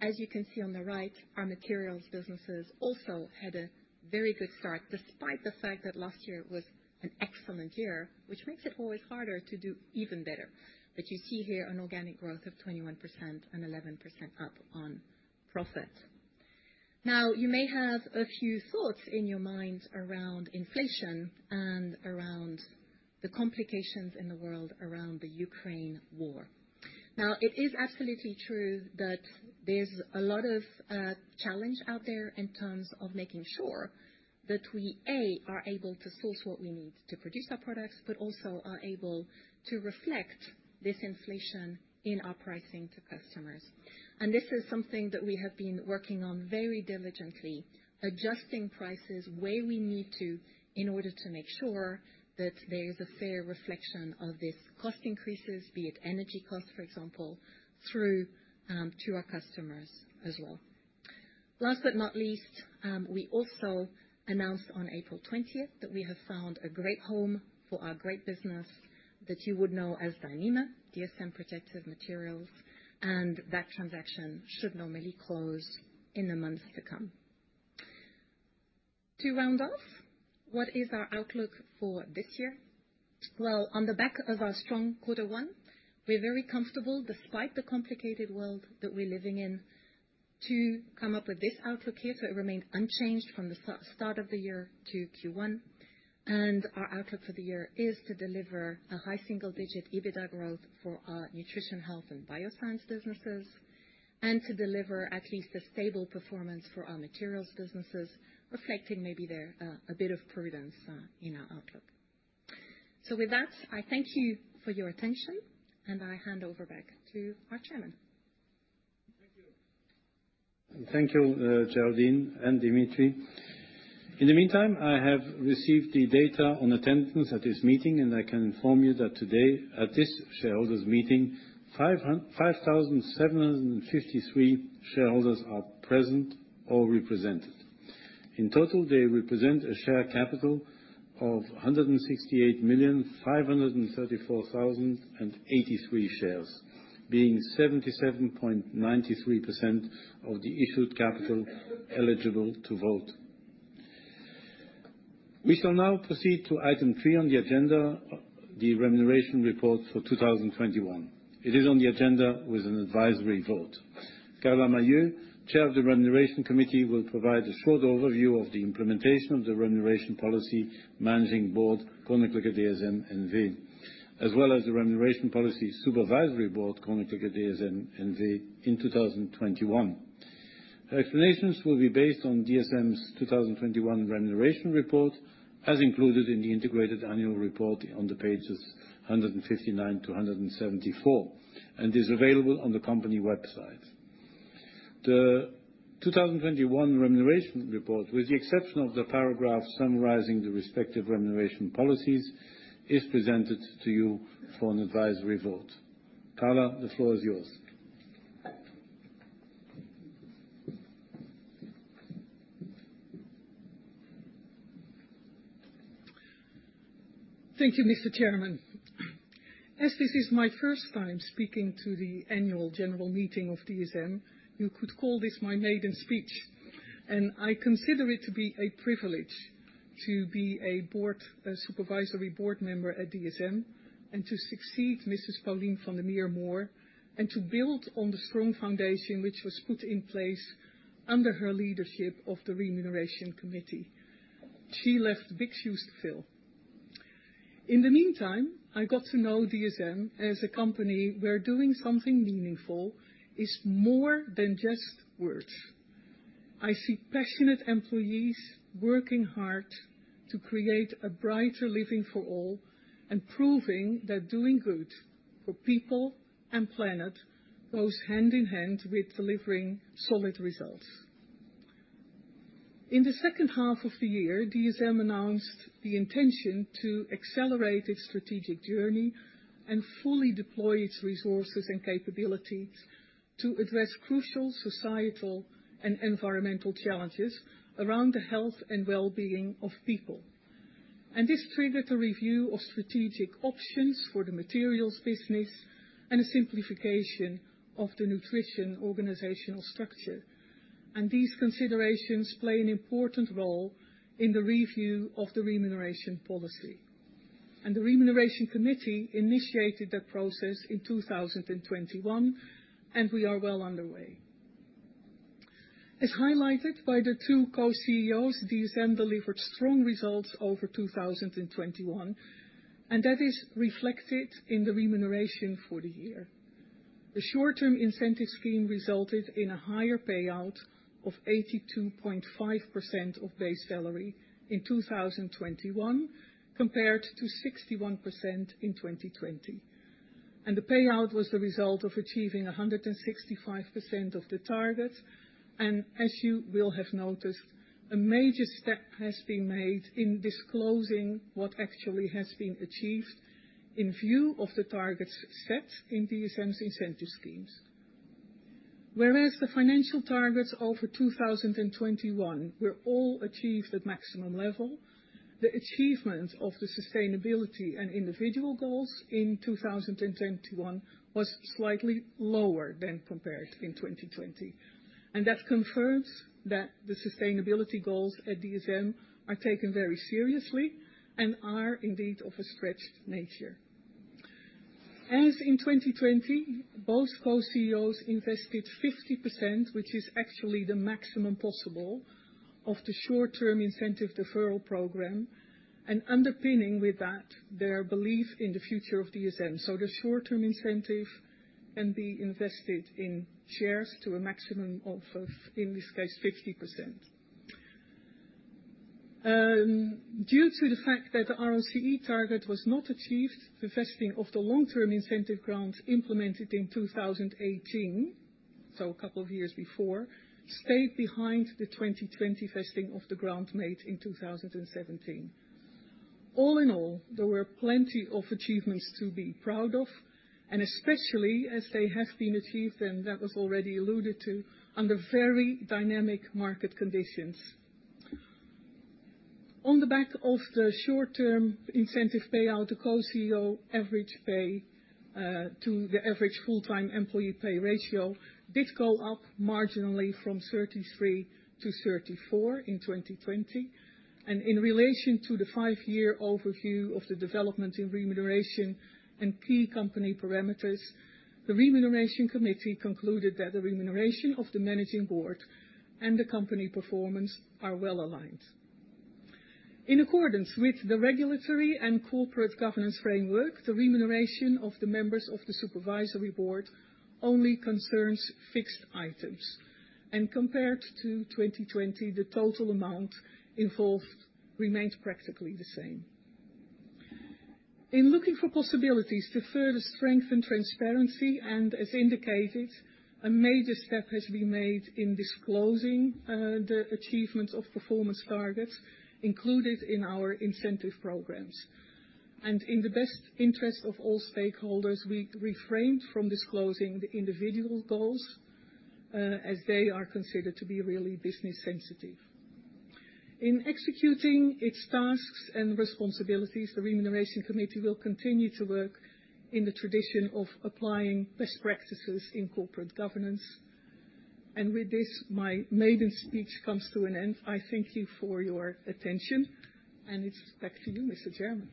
F: As you can see on the right, our materials businesses also had a very good start, despite the fact that last year was an excellent year, which makes it always harder to do even better. You see here an organic growth of 21% and 11% up on profit. Now, you may have a few thoughts in your mind around inflation and around the complications in the world around the Ukraine war. Now, it is absolutely true that there's a lot of challenge out there in terms of making sure that we, A, are able to source what we need to produce our products, but also are able to reflect this inflation in our pricing to customers. This is something that we have been working on very diligently, adjusting prices where we need to in order to make sure that there is a fair reflection of this cost increases, be it energy costs, for example, through to our customers as well. Last but not least, we also announced on April 20 that we have found a great home for our great business that you would know as Dyneema, DSM Protective Materials, and that transaction should normally close in the months to come. To round off, what is our outlook for this year? Well, on the back of our strong Q1, we're very comfortable despite the complicated world that we're living in to come up with this outlook here. It remains unchanged from the start of the year to Q1. Our outlook for the year is to deliver a high single-digit EBITDA growth for our nutrition, health, and bioscience businesses. To deliver at least a stable performance for our materials businesses, reflecting maybe there a bit of prudence in our outlook. With that, I thank you for your attention, and I hand over back to our Chairman.
A: Thank you. Thank you, Geraldine and Dimitri. In the meantime, I have received the data on attendance at this meeting, and I can inform you that today, at this shareholders' meeting, 5,753 shareholders are present or represented. In total, they represent a share capital of 168,534,083 shares, being 77.93% of the issued capital eligible to vote. We shall now proceed to item three on the agenda, the remuneration report for 2021. It is on the agenda with an advisory vote. Carla Mahieu, Chair of the Remuneration Committee, will provide a short overview of the implementation of the Remuneration Policy Managing Board Koninklijke DSM N.V., as well as the Remuneration Policy Supervisory Board Koninklijke DSM N.V. in 2021. Her explanations will be based on DSM's 2021 Remuneration Report, as included in the integrated annual report on pages 159-174, and is available on the company website. The 2021 Remuneration Report, with the exception of the paragraph summarizing the respective remuneration policies, is presented to you for an advisory vote. Carla, the floor is yours.
G: Thank you, Mr. Chairman. As this is my first time speaking to the annual general meeting of DSM, you could call this my maiden speech, and I consider it to be a privilege to be a board, a supervisory board member at DSM, and to succeed Mrs. Pauline van der Meer Mohr, and to build on the strong foundation which was put in place under her leadership of the Remuneration Committee. She left big shoes to fill. In the meantime, I got to know DSM as a company where doing something meaningful is more than just words. I see passionate employees working hard to create a brighter living for all and proving that doing good for people and planet goes hand in hand with delivering solid results. In the second half of the year, DSM announced the intention to accelerate its strategic journey and fully deploy its resources and capabilities to address crucial societal and environmental challenges around the health and well-being of people. This triggered a review of strategic options for the materials business and a simplification of the nutrition organizational structure. These considerations play an important role in the review of the remuneration policy. The Remuneration Committee initiated that process in 2021, and we are well underway. As highlighted by the two Co-CEOs, DSM delivered strong results over 2021, and that is reflected in the remuneration for the year. The short-term incentive scheme resulted in a higher payout of 82.5% of base salary in 2021 compared to 61% in 2020. The payout was the result of achieving 165% of the target. As you will have noticed, a major step has been made in disclosing what actually has been achieved in view of the targets set in DSM's incentive schemes. Whereas the financial targets over 2021 were all achieved at maximum level, the achievements of the sustainability and individual goals in 2021 was slightly lower than compared in 2020. That confirms that the sustainability goals at DSM are taken very seriously and are indeed of a stretched nature. As in 2020, both Co-CEOs invested 50%, which is actually the maximum possible, of the short-term incentive deferral program, and underpinning with that their belief in the future of DSM. The short-term incentive can be invested in shares to a maximum of, in this case, 50%. Due to the fact that the ROCE target was not achieved, the vesting of the long-term incentive grant implemented in 2018, so a couple of years before, stayed behind the 2020 vesting of the grant made in 2017. All in all, there were plenty of achievements to be proud of, and especially as they have been achieved, and that was already alluded to, under very dynamic market conditions. On the back of the short-term incentive payout, the Co-CEO average pay to the average full-time employee pay ratio did go up marginally from 33 to 34 in 2020. In relation to the five-year overview of the development in remuneration and key company parameters, the Remuneration Committee concluded that the remuneration of the managing board and the company performance are well aligned. In accordance with the regulatory and corporate governance framework, the remuneration of the members of the supervisory board only concerns fixed items. Compared to 2020, the total amount involved remains practically the same. In looking for possibilities to further strengthen transparency, and as indicated, a major step has been made in disclosing the achievement of performance targets included in our incentive programs. In the best interest of all stakeholders, we refrained from disclosing the individual goals, as they are considered to be really business sensitive. In executing its tasks and responsibilities, the Remuneration Committee will continue to work in the tradition of applying best practices in corporate governance. With this, my maiden speech comes to an end. I thank you for your attention, and it's back to you, Mr. Chairman.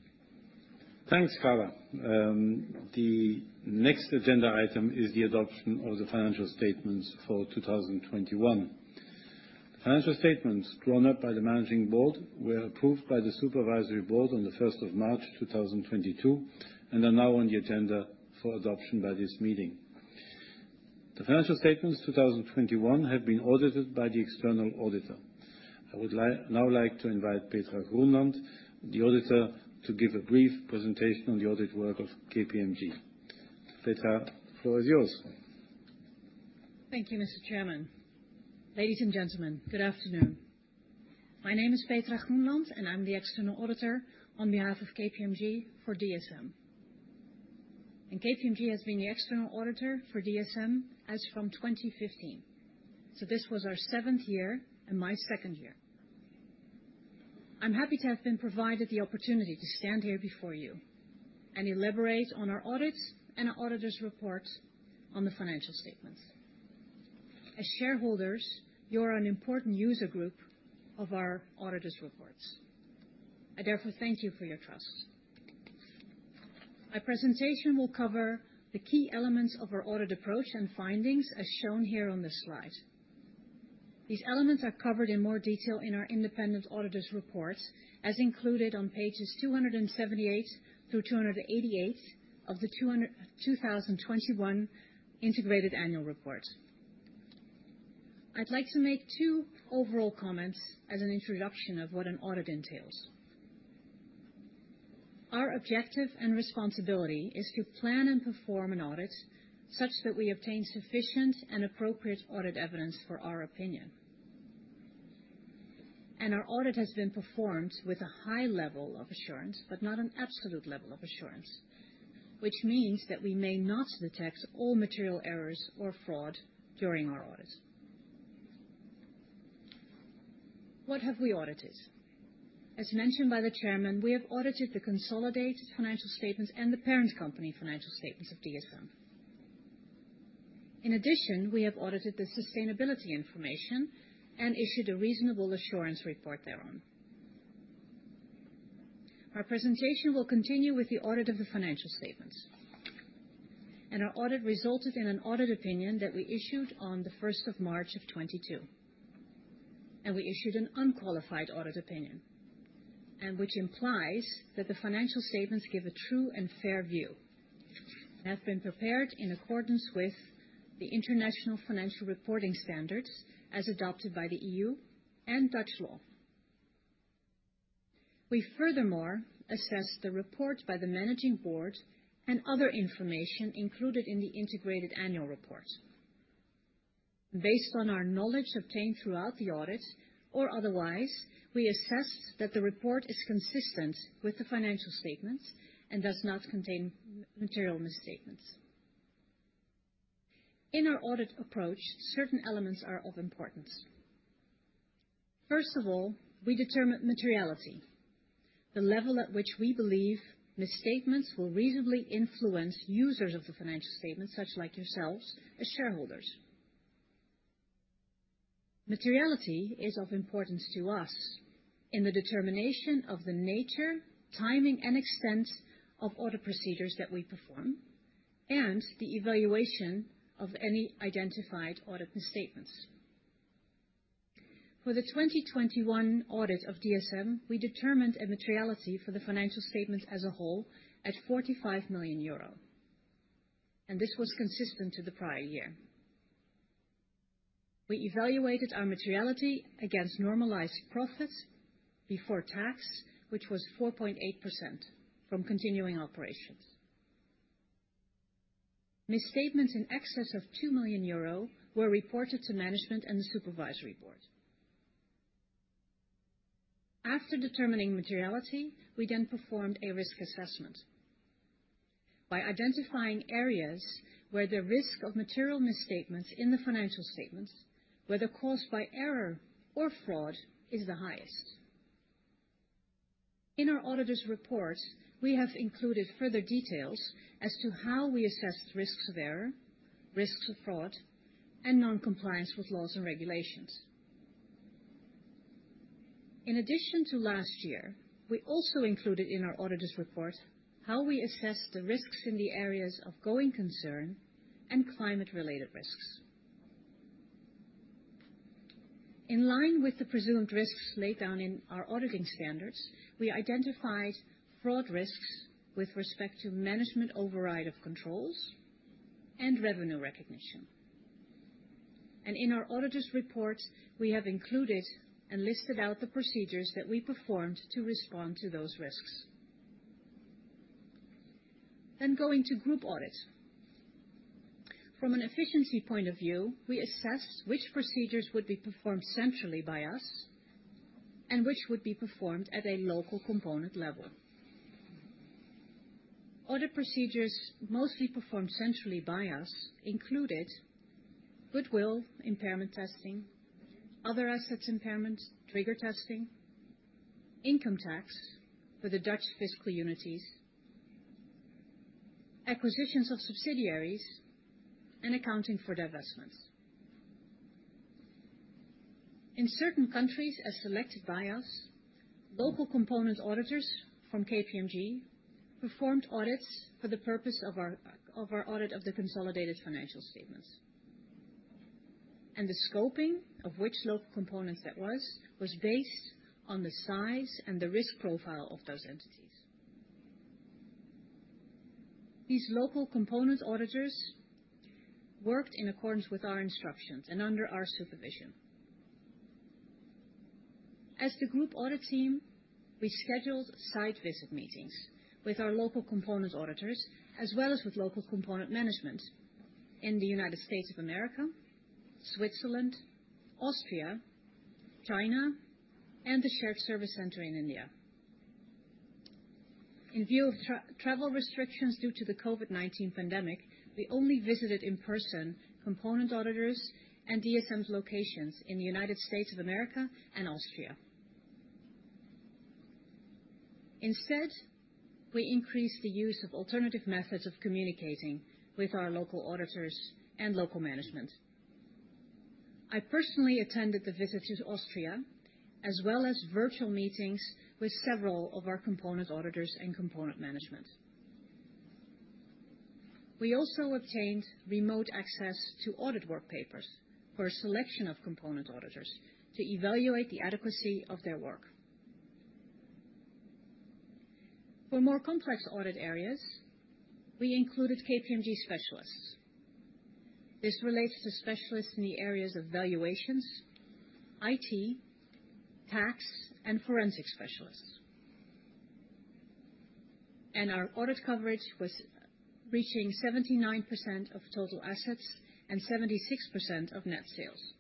A: Thanks, Carla. The next agenda item is the adoption of the financial statements for 2021. Financial statements drawn up by the managing board were approved by the supervisory board on the first of March, 2022, and are now on the agenda for adoption by this meeting. The financial statements 2021 have been audited by the external auditor. I would now like to invite Petra Groenland, the auditor, to give a brief presentation on the audit work of KPMG. Petra, the floor is yours.
H: Thank you, Mr. Chairman. Ladies and gentlemen, good afternoon. My name is Petra Groenland, and I'm the external auditor on behalf of KPMG for DSM. KPMG has been the external auditor for DSM as from 2015. This was our seventh year and my second year. I'm happy to have been provided the opportunity to stand here before you and elaborate on our audits and our auditor's report on the financial statements. As shareholders, you're an important user group of our auditor's reports. I therefore thank you for your trust. My presentation will cover the key elements of our audit approach and findings, as shown here on this slide. These elements are covered in more detail in our independent auditor's report, as included on pages 278 through 288 of the 2021 integrated annual report. I'd like to make two overall comments as an introduction of what an audit entails. Our objective and responsibility is to plan and perform an audit such that we obtain sufficient and appropriate audit evidence for our opinion. Our audit has been performed with a high level of assurance, but not an absolute level of assurance, which means that we may not detect all material errors or fraud during our audit. What have we audited? As mentioned by the Chairman, we have audited the consolidated financial statements and the parent company financial statements of DSM. In addition, we have audited the sustainability information and issued a reasonable assurance report thereon. Our presentation will continue with the audit of the financial statements. Our audit resulted in an audit opinion that we issued on the first of March 2022. We issued an unqualified audit opinion, which implies that the financial statements give a true and fair view, and have been prepared in accordance with the International Financial Reporting Standards as adopted by the EU and Dutch law. We furthermore assessed the report by the managing board and other information included in the integrated annual report. Based on our knowledge obtained throughout the audit, or otherwise, we assessed that the report is consistent with the financial statements and does not contain material misstatements. In our audit approach, certain elements are of importance. First of all, we determine materiality, the level at which we believe misstatements will reasonably influence users of the financial statements, such as yourselves, the shareholders. Materiality is of importance to us in the determination of the nature, timing, and extent of audit procedures that we perform, and the evaluation of any identified audit misstatements. For the 2021 audit of DSM, we determined a materiality for the financial statement as a whole at 45 million euro, and this was consistent to the prior year. We evaluated our materiality against normalized profit before tax, which was 4.8% from continuing operations. Misstatements in excess of 2 million euro were reported to management and the supervisory board. After determining materiality, we then performed a risk assessment by identifying areas where the risk of material misstatements in the financial statements, whether caused by error or fraud, is the highest. In our auditor's report, we have included further details as to how we assessed risks of error, risks of fraud, and non-compliance with laws and regulations. In addition to last year, we also included in our auditor's report how we assessed the risks in the areas of going concern and climate-related risks. In line with the presumed risks laid down in our auditing standards, we identified fraud risks with respect to management override of controls and revenue recognition. In our auditor's report, we have included and listed out the procedures that we performed to respond to those risks. Going to group audit. From an efficiency point of view, we assessed which procedures would be performed centrally by us, and which would be performed at a local component level. Audit procedures mostly performed centrally by us included goodwill impairment testing, other assets impairment trigger testing, income tax for the Dutch fiscal entities, acquisitions of subsidiaries, and accounting for divestments. In certain countries, as selected by us, local component auditors from KPMG performed audits for the purpose of our audit of the consolidated financial statements. The scoping of which local components that was based on the size and the risk profile of those entities. These local component auditors worked in accordance with our instructions and under our supervision. As the Group Audit Team, we scheduled site visit meetings with our local component auditors, as well as with local component management in the United States of America, Switzerland, Austria, China, and the shared service center in India. In view of travel restrictions due to the COVID-19 pandemic, we only visited in person component auditors and DSM's locations in the United States of America and Austria. Instead, we increased the use of alternative methods of communicating with our local auditors and local management. I personally attended the visit to Austria, as well as virtual meetings with several of our component auditors and component management.
I: We also obtained remote access to audit work papers for a selection of component auditors to evaluate the adequacy of their work. For more complex audit areas, we included KPMG specialists. This relates to specialists in the areas of valuations, IT, tax, and forensic specialists. Our audit coverage was reaching 79% of total assets and 76% of net sales.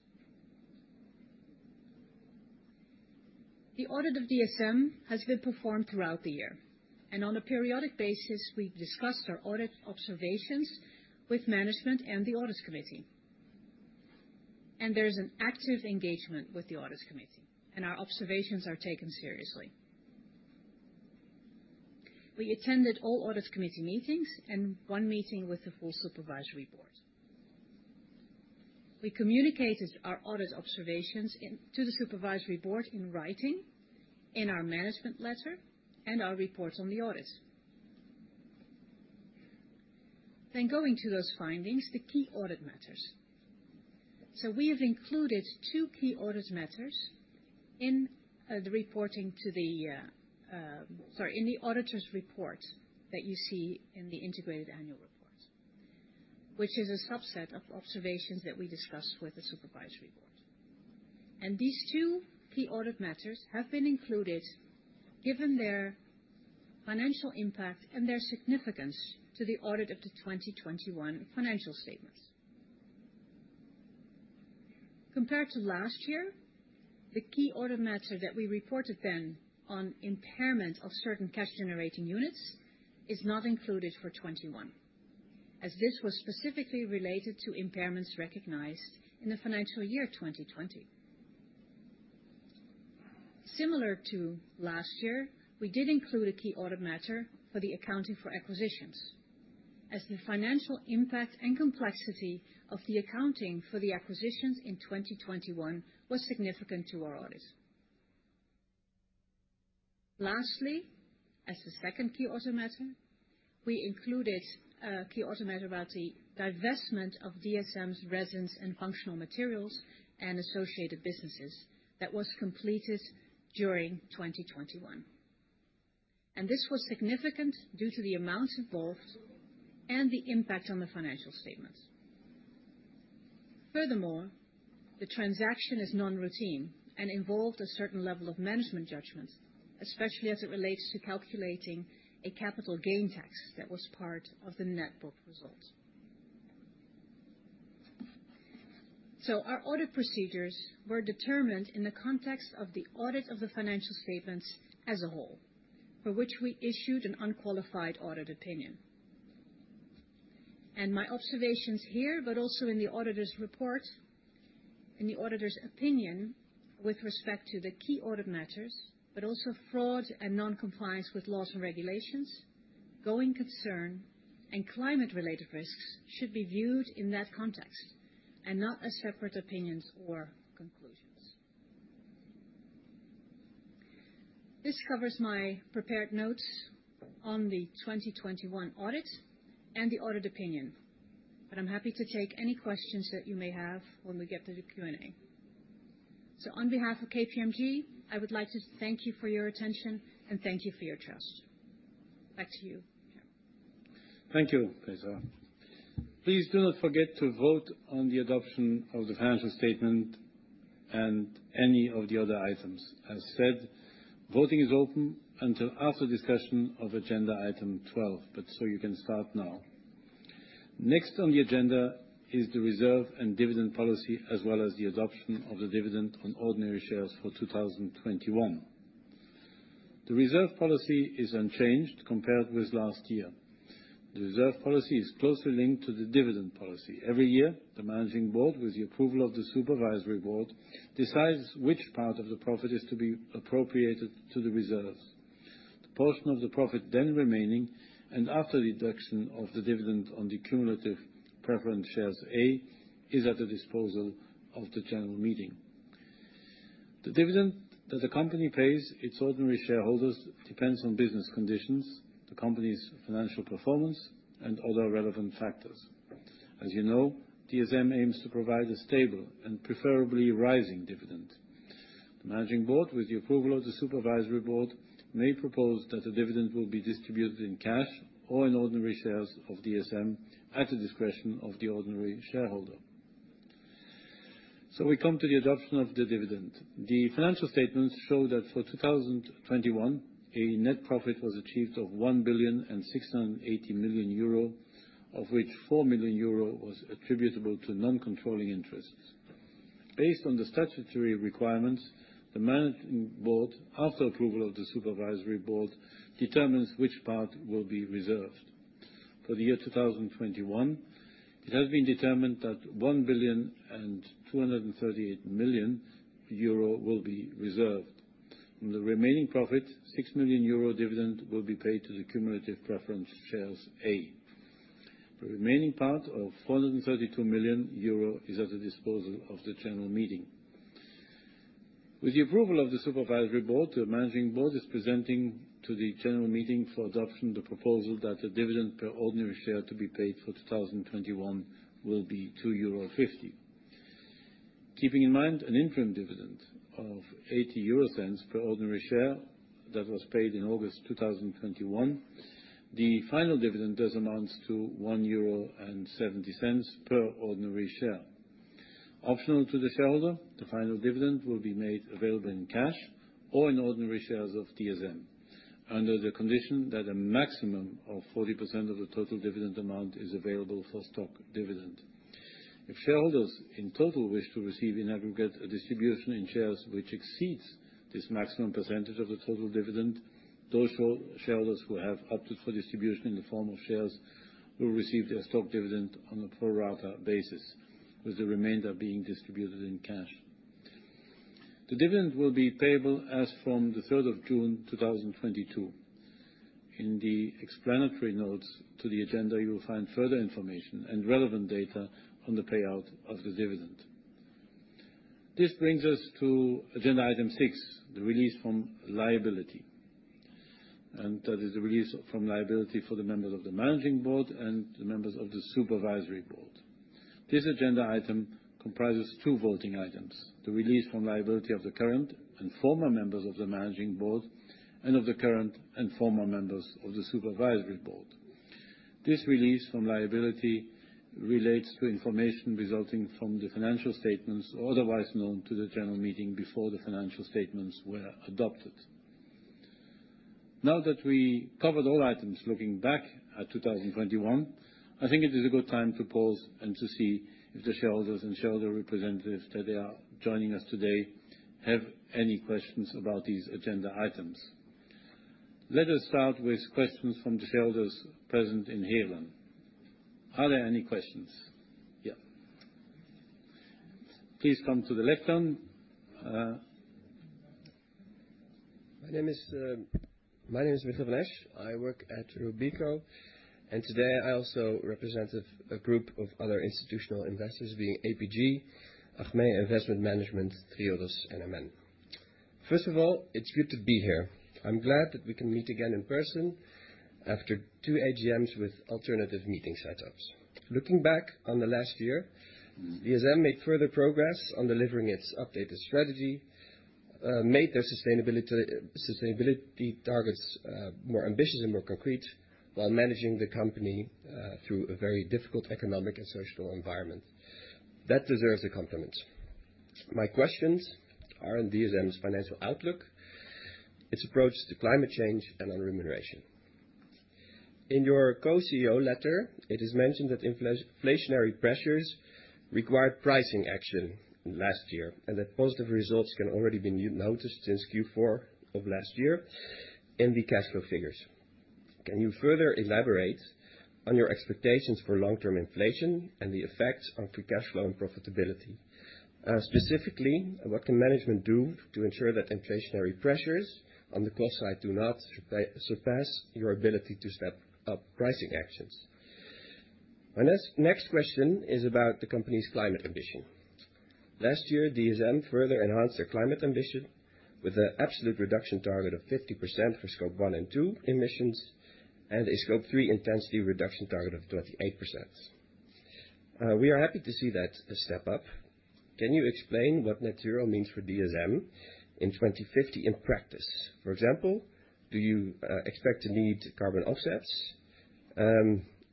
I: The audit of DSM has been performed throughout the year, and on a periodic basis, we've discussed our audit observations with management and the audit committee. There's an active engagement with the audit committee, and our observations are taken seriously. We attended all audit committee meetings and one meeting with the full supervisory board. We communicated our audit observations to the supervisory board in writing, in our management letter, and our reports on the audit. Going to those findings, the key audit matters. We have included two key audit matters in the auditor's report that you see in the integrated annual report, which is a subset of observations that we discussed with the supervisory board. These two key audit matters have been included given their financial impact and their significance to the audit of the 2021 financial statements. Compared to last year, the key audit matter that we reported then on impairment of certain cash-generating units is not included for 2021, as this was specifically related to impairments recognized in the financial year of 2020. Similar to last year, we did include a key audit matter for the accounting for acquisitions, as the financial impact and complexity of the accounting for the acquisitions in 2021 was significant to our audits. Lastly, as the second key audit matter, we included a key audit matter about the divestment of DSM's Resins & Functional Materials and associated businesses that was completed during 2021. This was significant due to the amount involved and the impact on the financial statements. Furthermore, the transaction is non-routine and involved a certain level of management judgment, especially as it relates to calculating a capital gain tax that was part of the net book result. Our audit procedures were determined in the context of the audit of the financial statements as a whole, for which we issued an unqualified audit opinion. My observations here, but also in the auditor's report, in the auditor's opinion with respect to the key audit matters, but also fraud and noncompliance with laws and regulations, going concern, and climate-related risks should be viewed in that context and not as separate opinions or conclusions. This covers my prepared notes on the 2021 audit and the audit opinion, but I'm happy to take any questions that you may have when we get to the Q&A. On behalf of KPMG, I would like to thank you for your attention and thank you for your trust. Back to you, Chair.
A: Thank you, Petra. Please do not forget to vote on the adoption of the financial statement and any of the other items. As said, voting is open until after discussion of agenda item 12, but so you can start now. Next on the agenda is the reserve and dividend policy, as well as the adoption of the dividend on ordinary shares for 2021. The reserve policy is unchanged compared with last year. The reserve policy is closely linked to the dividend policy. Every year, the Managing Board, with the approval of the Supervisory Board, decides which part of the profit is to be appropriated to the reserves. The portion of the profit then remaining, and after deduction of the dividend on the cumulative preference shares A, is at the disposal of the general meeting. The dividend that the company pays its ordinary shareholders depends on business conditions, the company's financial performance, and other relevant factors. As you know, DSM aims to provide a stable and preferably rising dividend. The managing board, with the approval of the supervisory board, may propose that the dividend will be distributed in cash or in ordinary shares of DSM at the discretion of the ordinary shareholder. We come to the adoption of the dividend. The financial statements show that for 2021, a net profit was achieved of 1.68 billion, of which 4 million euro was attributable to non-controlling interests. Based on the statutory requirements, the managing board, after approval of the supervisory board, determines which part will be reserved. For the year 2021, it has been determined that 1,238 million euro will be reserved. From the remaining profit, 6 million euro dividend will be paid to the cumulative preference shares A. The remaining part of 432 million euro is at the disposal of the General Meeting. With the approval of the Supervisory Board, the Managing Board is presenting to the General Meeting for adoption the proposal that the dividend per ordinary share to be paid for 2021 will be 2.50 euro. Keeping in mind an interim dividend of 80 euro cents per ordinary share that was paid in August 2021, the final dividend does amount to 1.70 euro per ordinary share. Optional to the shareholder, the final dividend will be made available in cash or in ordinary shares of DSM, under the condition that a maximum of 40% of the total dividend amount is available for stock dividend. If shareholders in total wish to receive in aggregate a distribution in shares which exceeds this maximum percentage of the total dividend, those shareholders who have opted for distribution in the form of shares will receive their stock dividend on a pro rata basis, with the remainder being distributed in cash. The dividend will be payable as from the third of June 2022. In the explanatory notes to the agenda, you will find further information and relevant data on the payout of the dividend. This brings us to agenda item six, the release from liability. That is the release from liability for the members of the managing board and the members of the supervisory board. This agenda item comprises two voting items, the release from liability of the current and former members of the managing board, and of the current and former members of the supervisory board. This release from liability relates to information resulting from the financial statements otherwise known to the general meeting before the financial statements were adopted. Now that we covered all items looking back at 2021, I think it is a good time to pause and to see if the shareholders and shareholder representatives that are joining us today have any questions about these agenda items. Let us start with questions from the shareholders present in Heerlen. Are there any questions? Yeah. Please come to the lectern.
J: My name is Michiel van Esch. I work at Robeco, and today I also represent a group of other institutional investors, being APG, Achmea Investment Management, Triodos and MN. First of all, it's good to be here. I'm glad that we can meet again in person after two AGMs with alternative meeting setups. Looking back on the last year, DSM made further progress on delivering its updated strategy, made their sustainability targets more ambitious and more concrete while managing the company through a very difficult economic and social environment. That deserves a compliment. My questions are on DSM's financial outlook, its approach to climate change, and on remuneration. In your Co-CEO letter, it is mentioned that inflationary pressures required pricing action last year, and that positive results can already be noticed since Q4 of last year in the cash flow figures. Can you further elaborate on your expectations for long-term inflation and the effects on free cash flow and profitability? Specifically, what can management do to ensure that inflationary pressures on the cost side do not surpass your ability to step up pricing actions? My next question is about the company's climate ambition. Last year, DSM further enhanced their climate ambition with an absolute reduction target of 50% for Scope 1 and 2 emissions and a Scope 3 intensity reduction target of 28%. We are happy to see that step up. Can you explain what net zero means for DSM in 2050 in practice? For example, do you expect to need carbon offsets?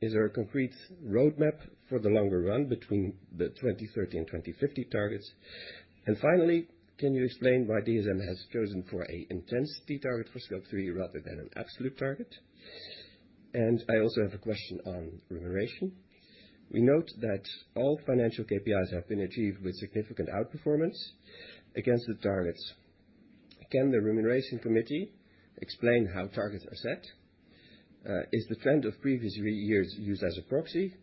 J: Is there a concrete roadmap for the longer run between the 2030 and 2050 targets? Finally, can you explain why DSM has chosen for an intensity target for Scope 3 rather than an absolute target? I also have a question on remuneration. We note that all financial KPIs have been achieved with significant outperformance against the targets. Can the remuneration committee explain how targets are set? Is the trend of previous years used as a proxy,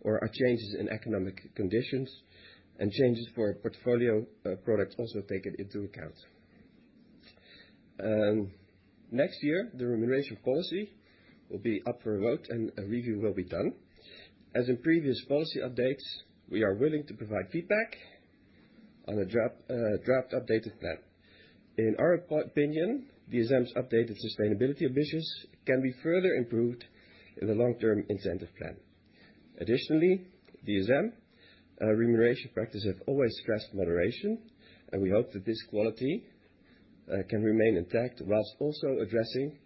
J: or are changes in economic conditions and changes in portfolio, products also taken into account? Next year, the remuneration policy will be up for a vote and a review will be done. As in previous policy updates, we are willing to provide feedback on a draft updated plan. In our opinion, DSM's updated sustainability ambitions can be further improved in the long-term incentive plan. Additionally, DSM, remuneration practice have always stressed moderation, and we hope that this quality can remain intact while also addressing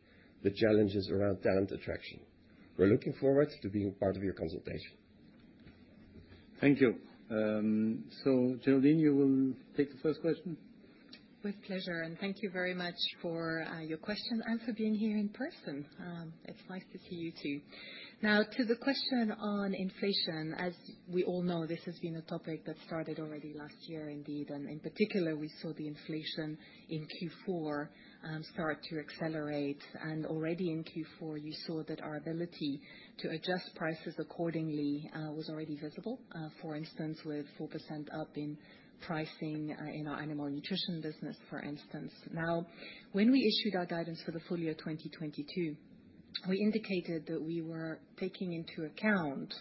J: the challenges around talent attraction. We're looking forward to being part of your consultation.
A: Thank you. Geraldine, you will take the first question.
F: With pleasure, and thank you very much for your question and for being here in person. It's nice to see you too. Now, to the question on inflation, as we all know, this has been a topic that started already last year indeed, and in particular, we saw the inflation in Q4 start to accelerate. Already in Q4, you saw that our ability to adjust prices accordingly was already visible. For instance, with 4% up in pricing in our animal nutrition business, for instance. Now, when we issued our guidance for the full year 2022. We indicated that we were taking into account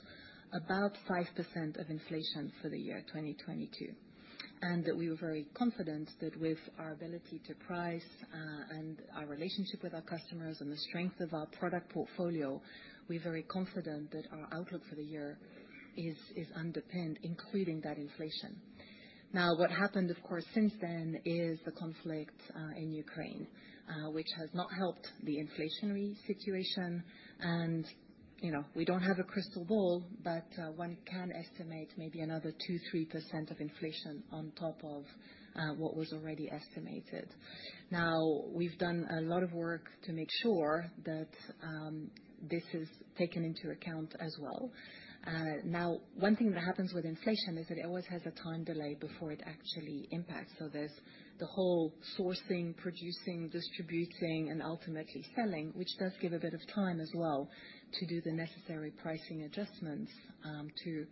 F: about 5% of inflation for the year 2022, and that we were very confident that with our ability to price, and our relationship with our customers and the strength of our product portfolio, we're very confident that our outlook for the year is underpinned, including that inflation. Now, what happened, of course, since then is the conflict in Ukraine, which has not helped the inflationary situation. You know, we don't have a crystal ball, but one can estimate maybe another 2-3% of inflation on top of what was already estimated. Now, we've done a lot of work to make sure that this is taken into account as well. Now, one thing that happens with inflation is that it always has a time delay before it actually impacts. There's the whole sourcing, producing, distributing, and ultimately selling, which does give a bit of time as well to do the necessary pricing adjustments to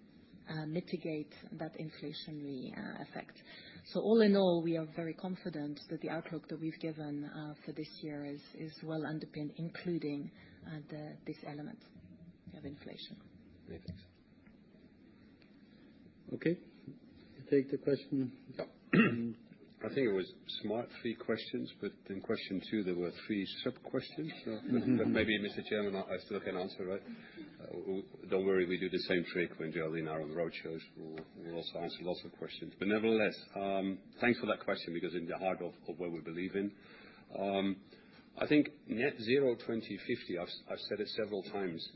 F: mitigate that inflationary effect. All in all, we are very confident that the outlook that we've given for this year is well underpinned, including this element of inflation.
A: Okay. Take the question.
D: I think it was smart, three questions, but in question two, there were three sub-questions. Maybe, Mr. Chairman, I still can answer, right? Don't worry, we do the same trick when Geraldine are on the roadshows. We'll also answer lots of questions. Nevertheless, thanks for that question, because in the heart of what we believe in. I think net zero 2050, I've said it several times.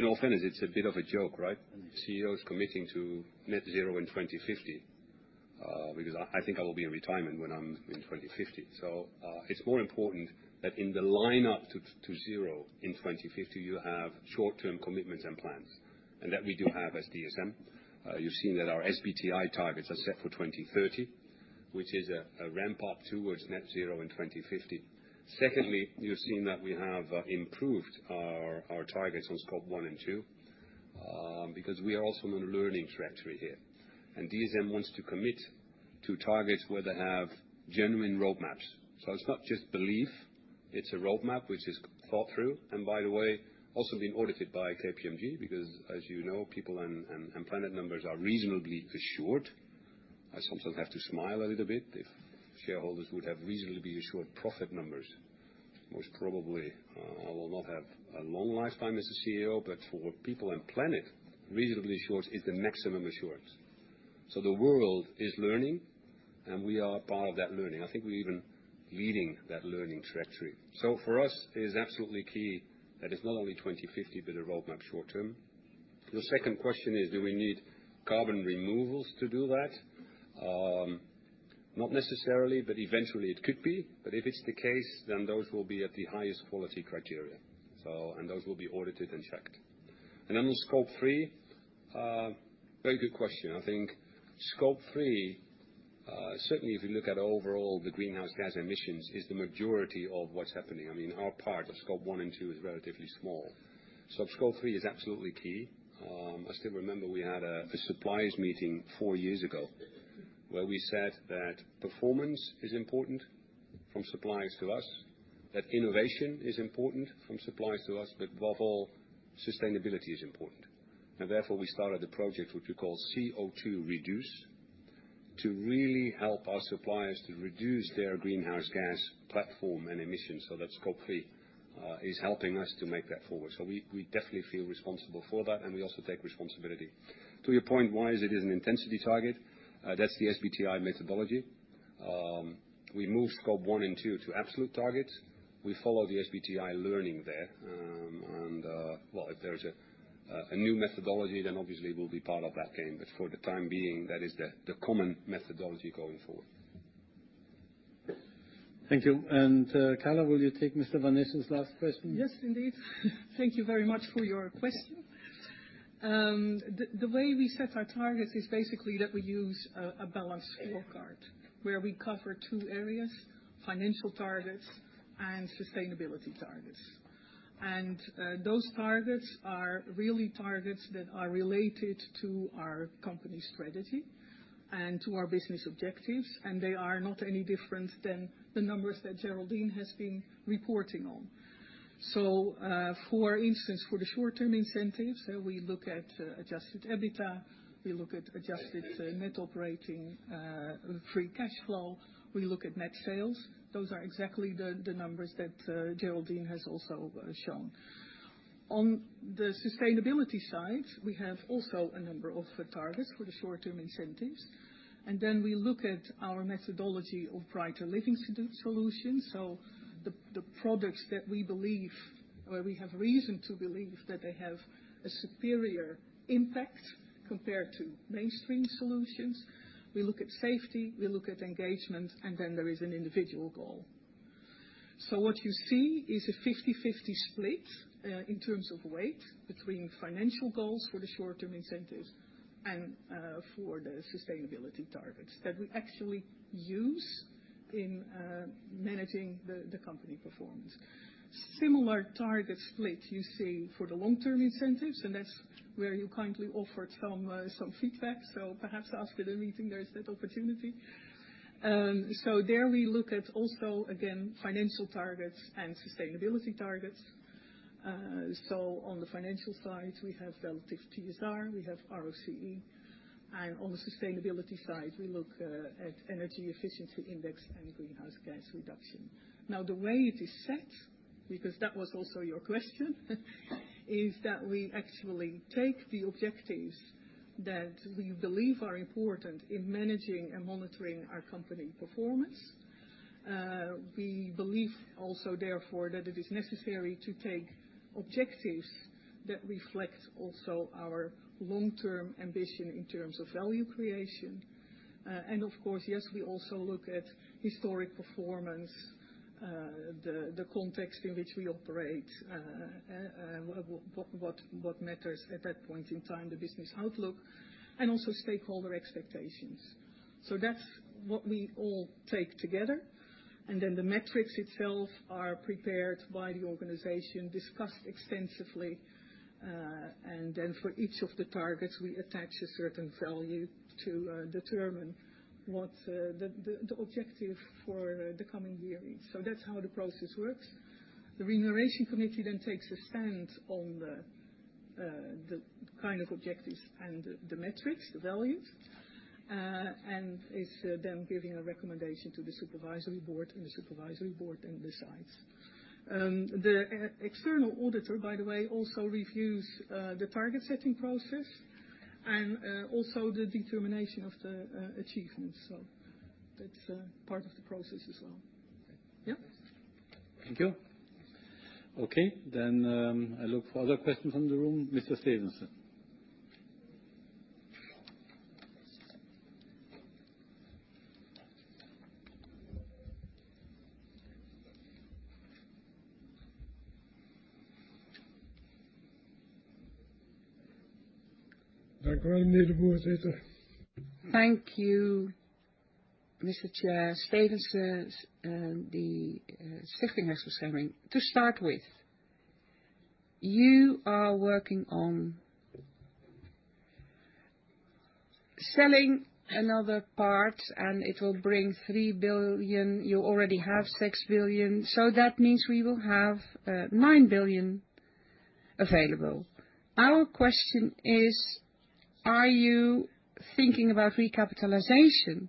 D: In all fairness, it's a bit of a joke, right? CEO is committing to net zero in 2050, because I think I will be in retirement when I'm in 2050. It's more important that in the line-up to zero in 2050, you have short-term commitments and plans, and that we do have as DSM. You've seen that our SBTi targets are set for 2030, which is a ramp-up towards net zero in 2050. Secondly, you've seen that we have improved our targets on Scope 1 and 2, because we are also on a learning trajectory here. DSM wants to commit to targets where they have genuine roadmaps. It's not just belief, it's a roadmap which is thought through, and by the way, also being audited by KPMG, because as you know, people and planet numbers are reasonably assured. I sometimes have to smile a little bit. If shareholders would have reasonably be assured profit numbers, most probably, I will not have a long lifetime as a CEO, but for people and planet, reasonably assured is the maximum assured. The world is learning, and we are part of that learning. I think we're even leading that learning trajectory. For us, it is absolutely key that it's not only 2050, but a roadmap short-term. The second question is, do we need carbon removals to do that? Not necessarily, but eventually it could be. If it's the case, then those will be at the highest quality criteria, so, and those will be audited and checked. On Scope 3, very good question. I think Scope 3, certainly if you look at overall the greenhouse gas emissions, is the majority of what's happening. I mean, our part of Scope 1 and 2 is relatively small. Scope 3 is absolutely key. I still remember we had a suppliers meeting four years ago where we said that performance is important from suppliers to us, that innovation is important from suppliers to us, but above all, sustainability is important. Therefore, we started a project, which we call CO2REDUCE, to really help our suppliers to reduce their greenhouse gas footprint and emissions. That Scope 3 is helping us to move that forward. We definitely feel responsible for that, and we also take responsibility. To your point, why is it an intensity target? That's the SBTi methodology. We moved Scope 1 and 2 to absolute targets. We follow the SBTi guidelines there. If there's a new methodology, then obviously we'll be part of that game. For the time being, that is the common methodology going forward.
A: Thank you. Carla, will you take Mr. Van Esch's last question?
G: Yes, indeed. Thank you very much for your question. The way we set our targets is basically that we use a balanced scorecard where we cover two areas, financial targets and sustainability targets. Those targets are really targets that are related to our company strategy and to our business objectives, and they are not any different than the numbers that Geraldine has been reporting on. For instance, for the short-term incentives, we look at adjusted EBITDA, we look at adjusted net operating free cash flow, we look at net sales. Those are exactly the numbers that Geraldine has also shown. On the sustainability side, we have also a number of targets for the short-term incentives. Then we look at our methodology of Brighter Living Solutions. The products that we believe or we have reason to believe that they have a superior impact compared to mainstream solutions. We look at safety, we look at engagement, and then there is an individual goal. What you see is a 50-50 split in terms of weight between financial goals for the short-term incentives and for the sustainability targets that we actually use in managing the company performance. Similar target split you see for the long-term incentives, and that's where you kindly offered some feedback. Perhaps after the meeting, there's that opportunity. There we look at also, again, financial targets and sustainability targets. On the financial side we have relative TSR, we have ROCE, and on the sustainability side, we look at energy efficiency index and greenhouse gas reduction. Now, the way it is set, because that was also your question, is that we actually take the objectives that we believe are important in managing and monitoring our company performance. We believe also, therefore, that it is necessary to take objectives that reflect also our long-term ambition in terms of value creation. Of course, yes, we also look at historic performance, the context in which we operate, what matters at that point in time, the business outlook and also stakeholder expectations. That's what we all take together. The metrics itself are prepared by the organization, discussed extensively, and then for each of the targets, we attach a certain value to determine what the objective for the coming year is. That's how the process works. The Remuneration Committee then takes a stand on the kind of objectives and the metrics, the values, and is then giving a recommendation to the Supervisory Board and the Supervisory Board then decides. The external auditor, by the way, also reviews the target setting process and also the determination of the achievements. That's part of the process as well.
A: Thank you. Okay, I look for other questions in the room. Mr. Stevense.
B: Thank you, Mr. Chair. Stevense, Stichting Pensioenfonds Schering. To start with, you are working on selling another part, and it will bring 3 billion. You already have 6 billion, so that means we will have 9 billion available. Our question is, are you thinking about recapitalization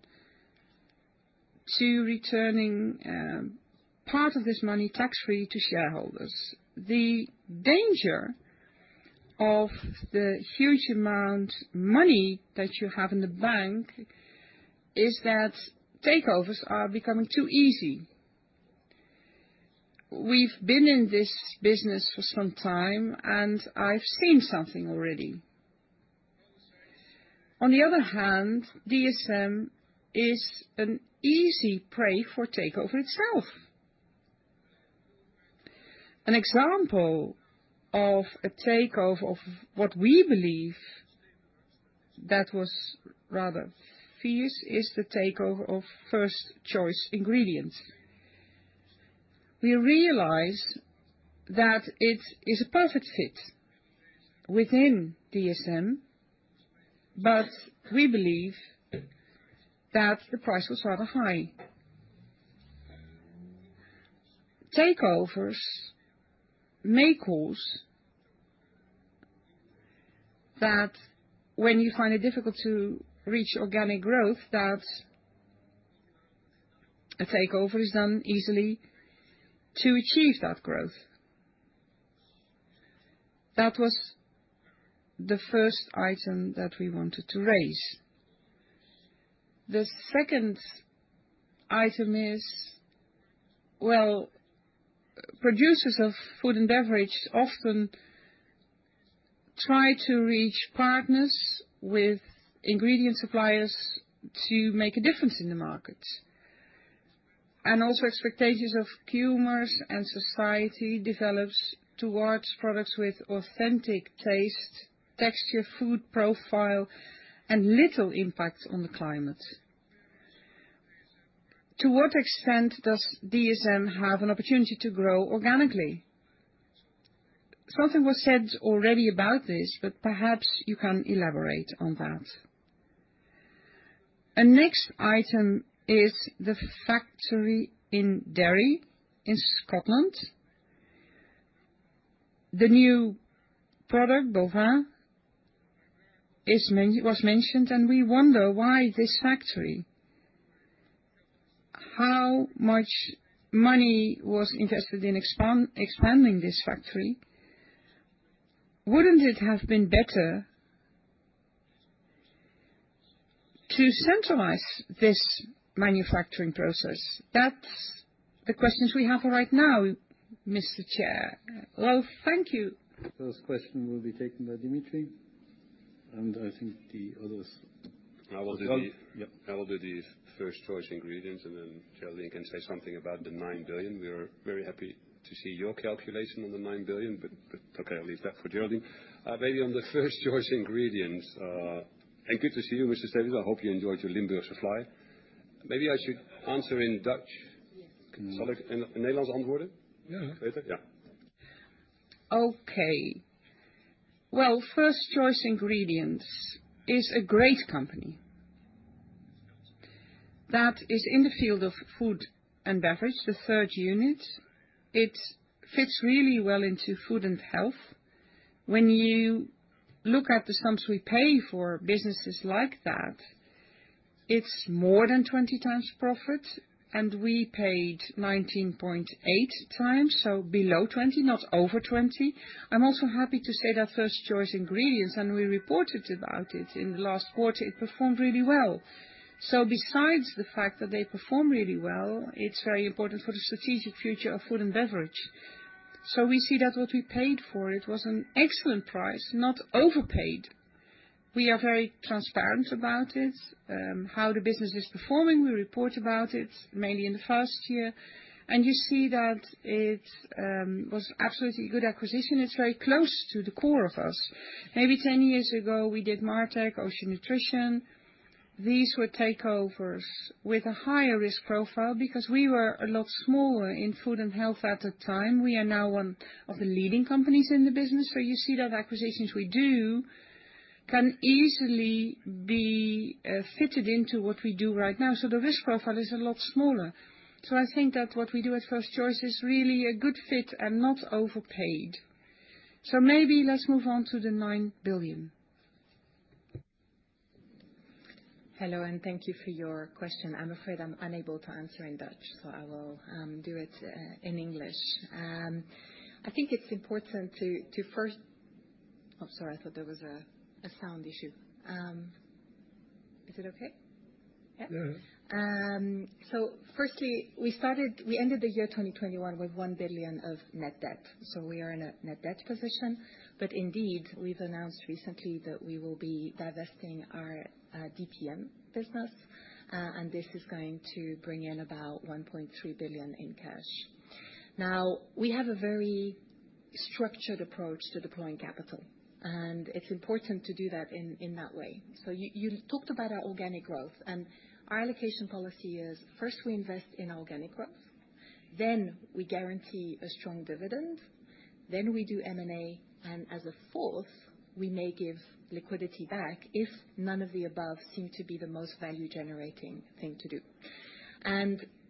B: to returning part of this money tax-free to shareholders? The danger of the huge amount money that you have in the bank is that takeovers are becoming too easy. We've been in this business for some time, and I've seen something already. On the other hand, DSM is an easy prey for takeover itself. An example of a takeover of what we believe that was rather fierce is the takeover of First Choice Ingredients. We realize that it is a perfect fit within DSM, but we believe that the price was rather high. Takeovers may cause that when you find it difficult to reach organic growth, that a takeover is done easily to achieve that growth. That was the first item that we wanted to raise. The second item is, well, producers of Food and Beverage often try to reach partners with ingredient suppliers to make a difference in the market. Also expectations of consumers and society develops towards products with authentic taste, texture, food profile, and little impact on the climate. To what extent does DSM have an opportunity to grow organically? Something was said already about this, but perhaps you can elaborate on that. A next item is the factory in Dalry, in Scotland. The new product, Bovaer, was mentioned, and we wonder why this factory. How much money was invested in expanding this factory? Wouldn't it have been better to centralize this manufacturing process? That's the questions we have for right now, Mr. Chair. Well, thank you.
A: First question will be taken by Dimitri, and I think the others.
D: I will do the-
A: Yep.
D: I will do the First Choice Ingredients, and then Geraldine can say something about the 9 billion. We are very happy to see your calculation on the 9 billion, but okay, I'll leave that for Geraldine. Maybe on the First Choice Ingredients. Good to see you, Mr. Stevense. I hope you enjoyed your Limburgse vlaai. Maybe I should answer in Dutch.
A: Yes.
D: Zal ik in het Nederlands antwoorden?
A: Ja.
D: Beter? Ja.
B: Well, First Choice Ingredients is a great company that is in the field of Food and Beverage, the third unit. It fits really well into food and health. When you look at the sums we pay for businesses like that, it's more than 20 times profit, and we paid 19.8 times, so below 20, not over 20. I'm also happy to say that First Choice Ingredients, and we reported about it in the last quarter, it performed really well. Besides the fact that they perform really well, it's very important for the strategic future of Food and Beverage. We see that what we paid for it was an excellent price, not overpaid. We are very transparent about it, how the business is performing. We report about it mainly in the first year, and you see that it was absolutely a good acquisition. It's very close to the core of us. Maybe 10 years ago, we did Martek, Ocean Nutrition. These were takeovers with a higher risk profile because we were a lot smaller in food and health at the time. We are now one of the leading companies in the business. You see that acquisitions we do can easily be fitted into what we do right now. The risk profile is a lot smaller. I think that what we do at First Choice Ingredients is really a good fit and not overpaid. Maybe let's move on to the 9 billion.
F: Hello, and thank you for your question. I'm afraid I'm unable to answer in Dutch, so I will do it in English. I think it's important to first. Oh, sorry, I thought there was a sound issue. Is it okay? Yeah.
K: Mm-hmm.
F: First, we ended the year 2021 with 1 billion of net debt, so we are in a net debt position. Indeed, we've announced recently that we will be divesting our DPM business, and this is going to bring in about 1.3 billion in cash. We have a very structured approach to deploying capital, and it's important to do that in that way. You talked about our organic growth, and our allocation policy is first we invest in organic growth, then we guarantee a strong dividend, then we do M&A, and as a fourth, we may give liquidity back if none of the above seem to be the most value-generating thing to do.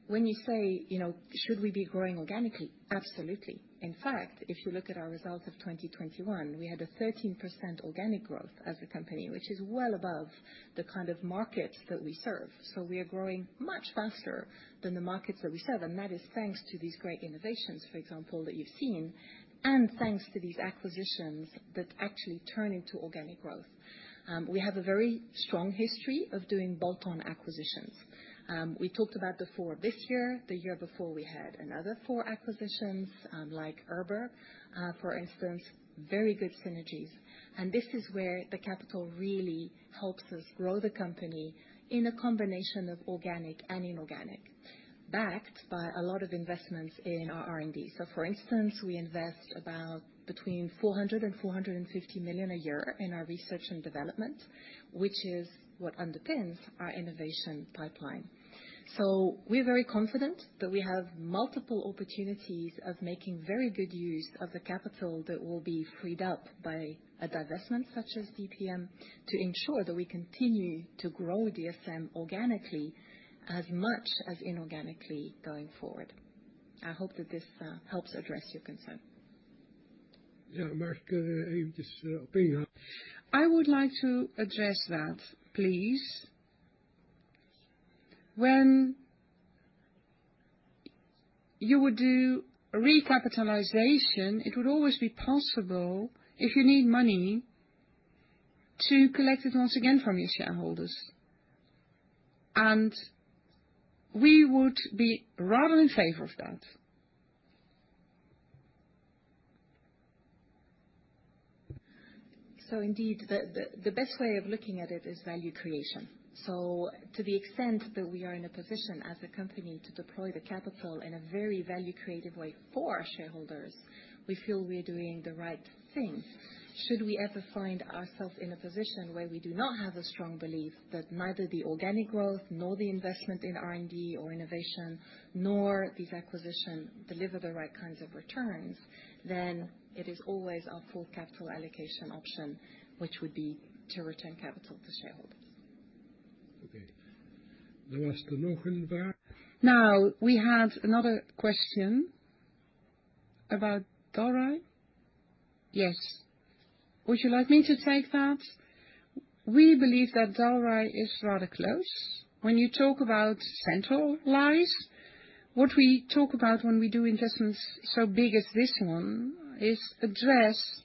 F: When you say, you know, should we be growing organically? Absolutely. In fact, if you look at our results of 2021, we had a 13% organic growth as a company, which is well above the kind of markets that we serve. We are growing much faster than the markets that we serve, and that is thanks to these great innovations, for example, that you've seen, and thanks to these acquisitions that actually turn into organic growth. We have a very strong history of doing bolt-on acquisitions. We talked about the four this year. The year before we had another four acquisitions, like Erber, for instance, very good synergies. This is where the capital really helps us grow the company in a combination of organic and inorganic, backed by a lot of investments in our R&D. For instance, we invest about between 400 million and 450 million a year in our research and development, which is what underpins our innovation pipeline. We're very confident that we have multiple opportunities of making very good use of the capital that will be freed up by a divestment such as DPM to ensure that we continue to grow DSM organically as much as inorganically going forward. I hope that this helps address your concern.
B: I would like to address that please. When you would do recapitalization, it would always be possible, if you need money, to collect it once again from your shareholders, and we would be rather in favor of that.
F: Indeed, the best way of looking at it is value creation. To the extent that we are in a position as a company to deploy the capital in a very value-creative way for our shareholders, we feel we're doing the right thing. Should we ever find ourselves in a position where we do not have a strong belief that neither the organic growth nor the investment in R&D or innovation, nor these acquisition deliver the right kinds of returns, then it is always our full capital allocation option, which would be to return capital to shareholders.
B: Okay. Now, we had another question about Dalry. Yes. Would you like me to take that? We believe that Dalry is rather close. When you talk about centralized, what we talk about when we do investments so big as this one is to address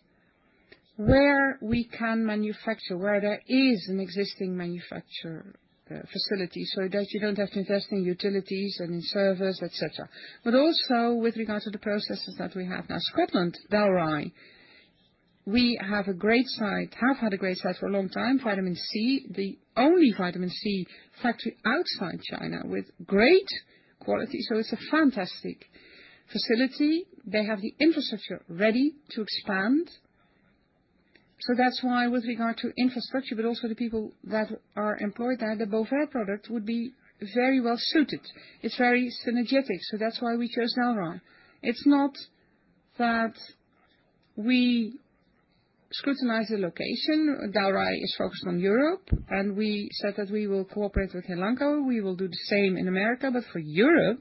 B: where we can manufacture, where there is an existing manufacturing facility, so that you don't have to invest in utilities and in sewers, et cetera. But also with regard to the processes that we have. Now, Scotland, Dalry, we have a great site, have had a great site for a long time, vitamin C, the only vitamin C factory outside China with great quality, so it's a fantastic facility. They have the infrastructure ready to expand. So that's why with regard to infrastructure, but also the people that are employed there, the Bovaer product would be very well-suited. It's very synergetic. That's why we chose Dalry. It's not that we scrutinize the location. Dalry is focused on Europe, and we said that we will cooperate with Elanco. We will do the same in America, but for Europe,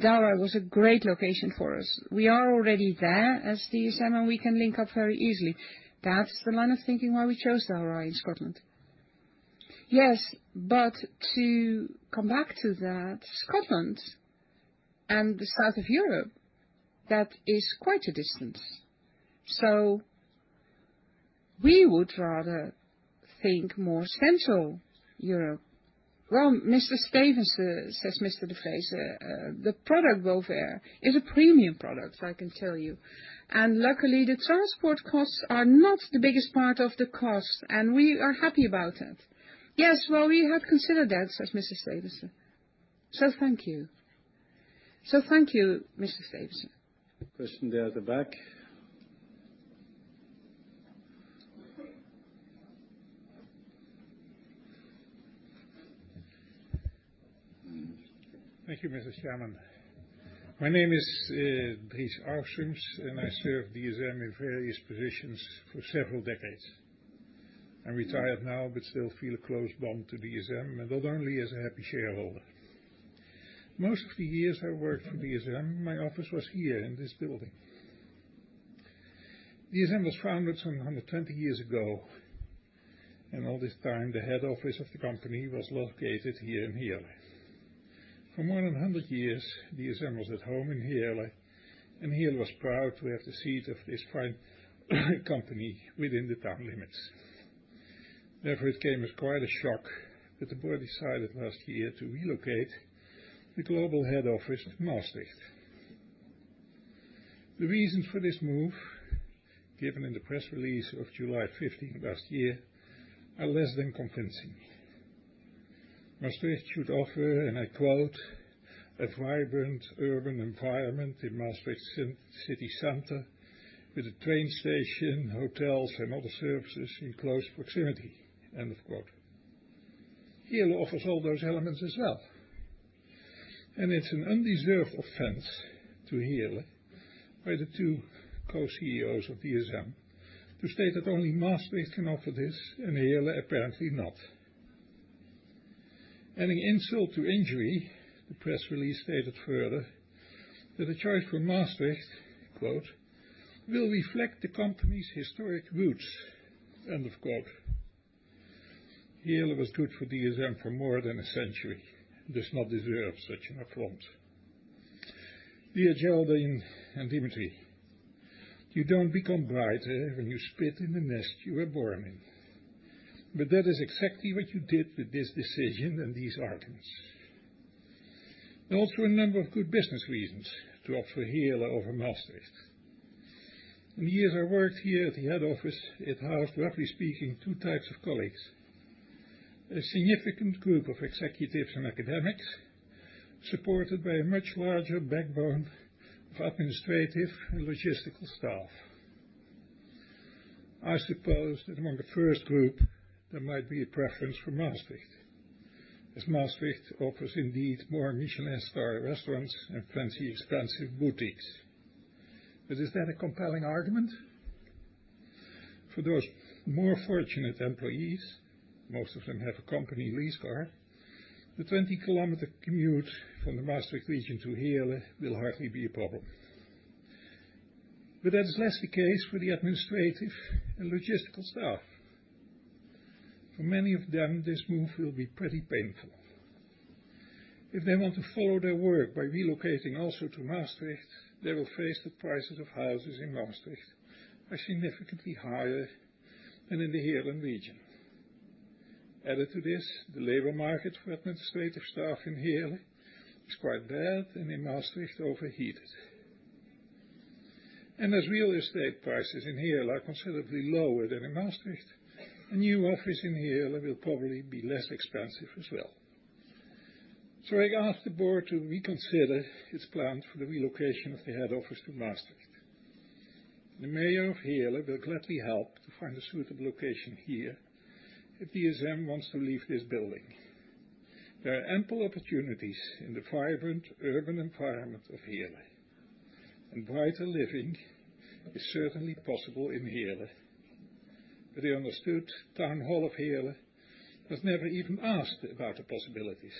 B: Dalry was a great location for us. We are already there as DSM, and we can link up very easily. That's the line of thinking why we chose Dalry in Scotland. Yes, to come back to that, Scotland and the south of Europe, that is quite a distance. We would rather think more central Europe. Well, Mr. Stevens, says Mr. de Vreeze, the product Bovaer is a premium product, I can tell you. Luckily, the transport costs are not the biggest part of the cost, and we are happy about it. Yes. Well, we have considered that, says Mr. Stevens. Thank you. Thank you, Mr. Stevens.
A: A question there at the back.
L: Thank you, Mr. Chairman. My name is Dries Verhaeghe, and I served DSM in various positions for several decades. I'm retired now, but still feel a close bond to DSM, and not only as a happy shareholder. Most of the years I worked for DSM, my office was here in this building. DSM was founded some 120 years ago, and all this time, the head office of the company was located here in Heerlen. For more than 100 years, DSM was at home in Heerlen, and Heerlen was proud to have the seat of this fine company within the town limits. Therefore, it came as quite a shock that the board decided last year to relocate the global head office to Maastricht. The reasons for this move, given in the press release of July 15th last year, are less than convincing. Maastricht should offer, and I quote, "A vibrant urban environment in Maastricht city center with a train station, hotels, and other services in close proximity." End of quote. Heerlen offers all those elements as well, and it's an undeserved offense to Heerlen by the two co-CEOs of DSM to state that only Maastricht can offer this, and Heerlen apparently not. Adding insult to injury, the press release stated further that a choice for Maastricht, quote, "Will reflect the company's historic roots." End of quote. Heerlen was good for DSM for more than a century. It does not deserve such an affront. Dear Geraldine Matchett and Dimitri de Vreeze, you don't become brighter when you spit in the nest you were born in. That is exactly what you did with this decision and these arguments. There are also a number of good business reasons to offer Heerlen over Maastricht. In the years I worked here at the head office, it housed, roughly speaking, two types of colleagues, a significant group of executives and academics, supported by a much larger backbone of administrative and logistical staff. I suppose that among the first group, there might be a preference for Maastricht, as Maastricht offers indeed more Michelin star restaurants and plenty expensive boutiques. Is that a compelling argument? For those more fortunate employees, most of them have a company lease car. The 20-kilometer commute from the Maastricht region to Heerlen will hardly be a problem. That is less the case for the administrative and logistical staff. For many of them, this move will be pretty painful. If they want to follow their work by relocating also to Maastricht, they will face the prices of houses in Maastricht are significantly higher than in the Heerlen region. Added to this, the labor market for administrative staff in Heerlen is quite bad, and in Maastricht, overheated. As real estate prices in Heerlen are considerably lower than in Maastricht, a new office in Heerlen will probably be less expensive as well. I ask the board to reconsider its plan for the relocation of the head office to Maastricht. The mayor of Heerlen will gladly help to find a suitable location here if DSM wants to leave this building. There are ample opportunities in the vibrant urban environment of Heerlen. Brighter Living is certainly possible in Heerlen. The town hall of Heerlen was never even asked about the possibilities.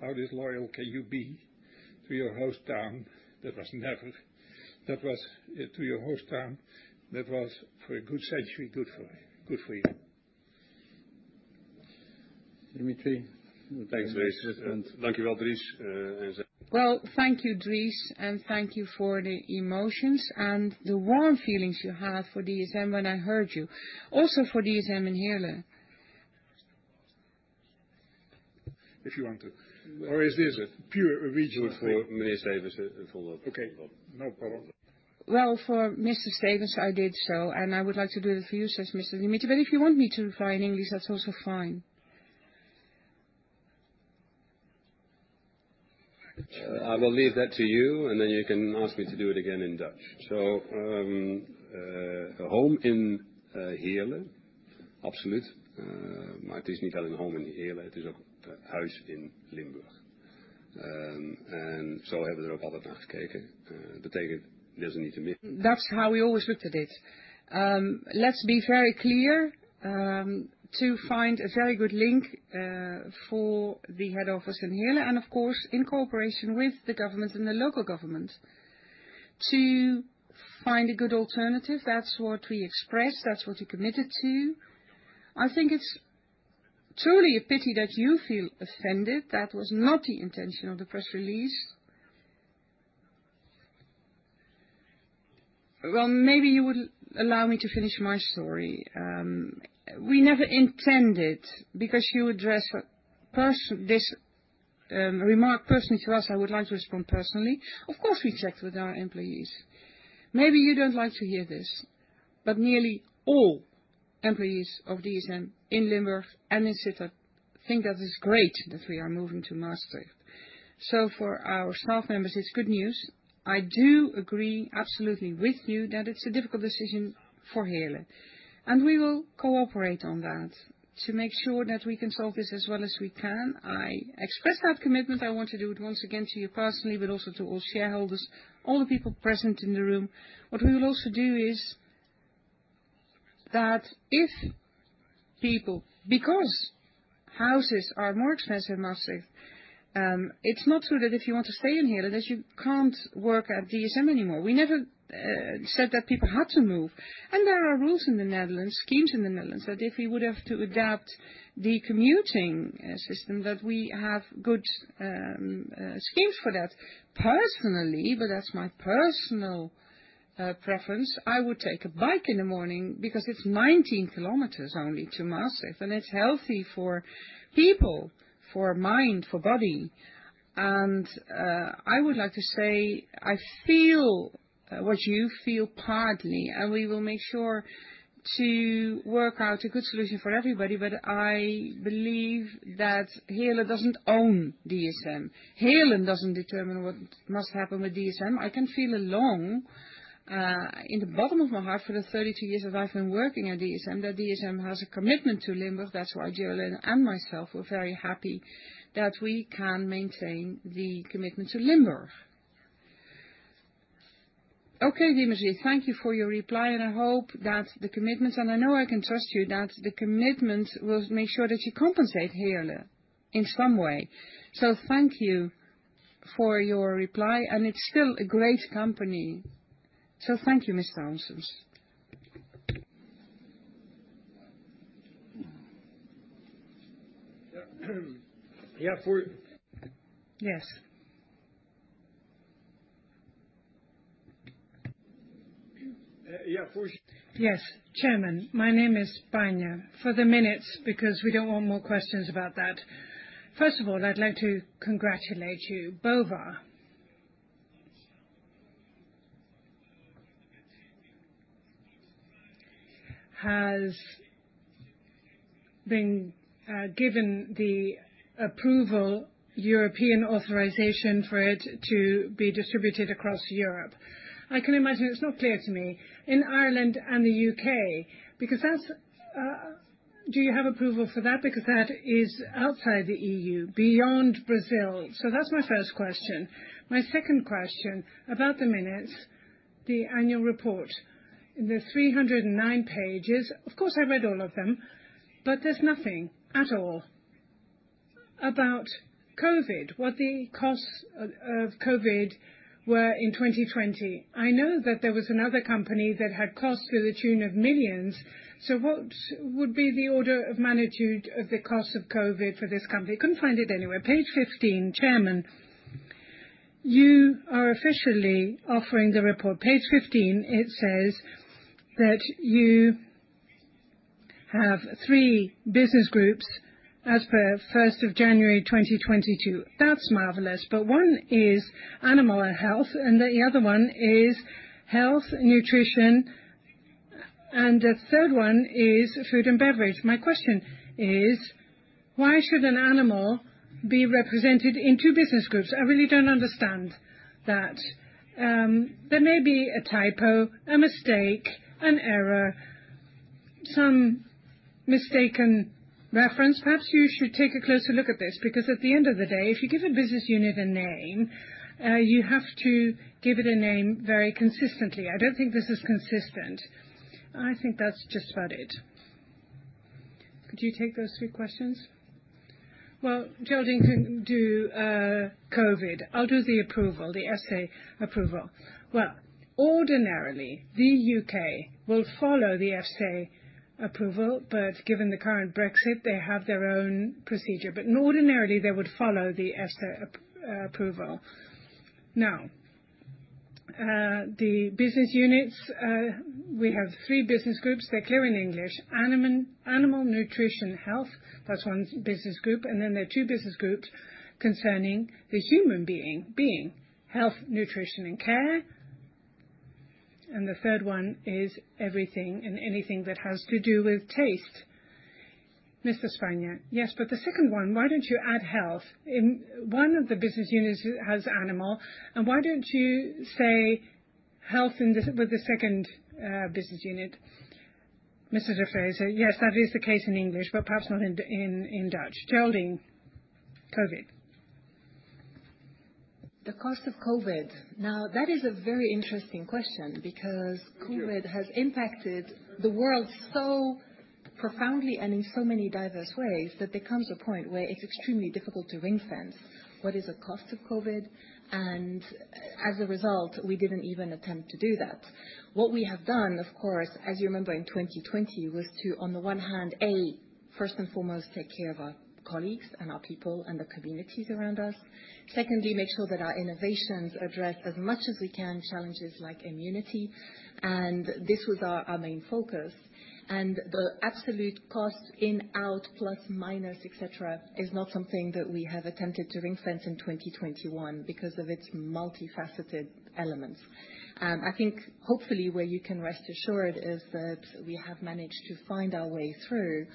L: How disloyal can you be to your host town that was for a good century, good for you.
A: Dimitri.
B: Well, thank you, Dries, and thank you for the emotions and the warm feelings you have for DSM when I heard you. Also for DSM in Heerlen.
A: If you want to. Is this pure regional thing? Okay. No problem.
B: Well, for Mr. Stevens, I did so, and I would like to do it for you, says Mr. Dimitri de Vreeze, but if you want me to reply in English, that's also fine. I will leave that to you, and then you can ask me to do it again in Dutch. Home in Heerlen. Absolutely. That's how we always looked at it. Let's be very clear, to find a very good link for the head office in Heerlen, and of course, in cooperation with the government and the local government to find a good alternative. That's what we expressed. That's what we committed to. I think it's truly a pity that you feel offended. That was not the intention of the press release. Well, maybe you would allow me to finish my story. We never intended, because you address this remark personally to us, I would like to respond personally. Of course, we checked with our employees. Maybe you don't like to hear this, but nearly all employees of DSM in Limburg and in Sittard think that it's great that we are moving to Maastricht. For our staff members, it's good news. I do agree absolutely with you that it's a difficult decision for Heerlen, and we will cooperate on that to make sure that we can solve this as well as we can. I expressed that commitment. I want to do it once again to you personally, but also to all shareholders, all the people present in the room. What we will also do is that because houses are more expensive in Maastricht, it's not true that if you want to stay in Heerlen that you can't work at DSM anymore. We never said that people had to move. There are rules in the Netherlands, schemes in the Netherlands, that if we would have to adapt the commuting system, that we have good schemes for that. Personally, but that's my personal preference, I would take a bike in the morning because it's 19 kilometers only to Maastricht, and it's healthy for people, for mind, for body. I would like to say I feel what you feel partly, and we will make sure to work out a good solution for everybody. I believe that Heerlen doesn't own DSM. Heerlen doesn't determine what must happen with DSM. I can feel along in the bottom of my heart for the 32 years that I've been working at DSM, that DSM has a commitment to Limburg. That's why Geraldine and myself were very happy that we can maintain the commitment to Limburg. Okay, Dimitri, thank you for your reply, and I hope that the commitment, and I know I can trust you, that the commitment will make sure that you compensate Heerlen in some way. Thank you for your reply, and it's still a great company. Thank you, Miss Janssens.
A: Yeah.
C: Yes.
B: Yeah. Yes, Chairman. My name is Pania. For the minutes, because we don't want more questions about that. First of all, I'd like to congratulate you. Bovaer has been given the approval, European authorization for it to be distributed across Europe. I can imagine it's not clear to me in Ireland and the U.K., because that's... Do you have approval for that? Because that is outside the E.U., beyond Brazil. That's my first question. My second question, about the minutes, the annual report. In the 309 pages, of course, I read all of them, but there's nothing at all about COVID-19, what the costs of COVID-19 were in 2020. I know that there was another company that had costs to the tune of millions. So what would be the order of magnitude of the cost of COVID-19 for this company? Couldn't find it anywhere. Page 15, Chairman, you are officially offering the report. Page 15, it says that you have three business groups as per January 1, 2022. That's marvelous. One is Animal Nutrition & Health, and the other one is Health, Nutrition and Care, and the third one is Food and Beverage. My question is, why should an animal be represented in two business groups? I really don't understand that. There may be a typo, a mistake, an error, some mistaken reference. Perhaps you should take a closer look at this, because at the end of the day, if you give a business unit a name, you have to give it a name very consistently. I don't think this is consistent. I think that's just about it. Could you take those two questions? Well, Geraldine can do COVID. I'll do the approval, the ESG approval. Well, ordinarily, the U.K. will follow the EFSA approval, but given the current Brexit, they have their own procedure. Ordinarily, they would follow the EFSA approval. Now, the business units, we have three business groups. They're called in English. Animal Nutrition & Health, that's one business group. There are two business groups concerning the human health, nutrition and care. The third one is everything and anything that has to do with taste. Mr. Swania, yes, but the second one, why don't you add health? One of the business units has animal, and why don't you say health with the second business unit? Mr. de Vreeze, yes, that is the case in English, but perhaps not in Dutch. Geraldine, COVID.
F: The cost of COVID. Now, that is a very interesting question because COVID has impacted the world so profoundly and in so many diverse ways that there comes a point where it's extremely difficult to ring-fence what is the cost of COVID. As a result, we didn't even attempt to do that. What we have done, of course, as you remember in 2020, was to, on the one hand, first and foremost, take care of our colleagues and our people and the communities around us. Secondly, make sure that our innovations address as much as we can, challenges like immunity. This was our main focus, and the absolute cost in, out, plus, minus, et cetera, is not something that we have attempted to ring-fence in 2021 because of its multifaceted elements. I think hopefully where you can rest assured is that we have managed to find our way through,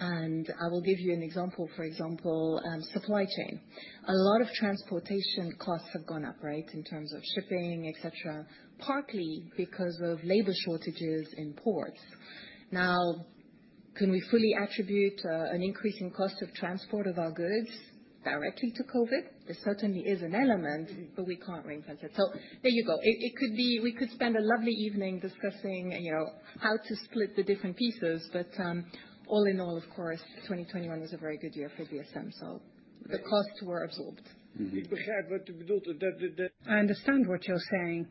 F: and I will give you an example. For example, supply chain. A lot of transportation costs have gone up, right, in terms of shipping, et cetera, partly because of labor shortages in ports. Now, can we fully attribute an increase in cost of transport of our goods directly to COVID? It certainly is an element, but we can't ring-fence it. There you go. It could be. We could spend a lovely evening discussing, you know, how to split the different pieces, but, all in all, of course, 2021 was a very good year for DSM, so the costs were absorbed.
B: I understand what you're saying.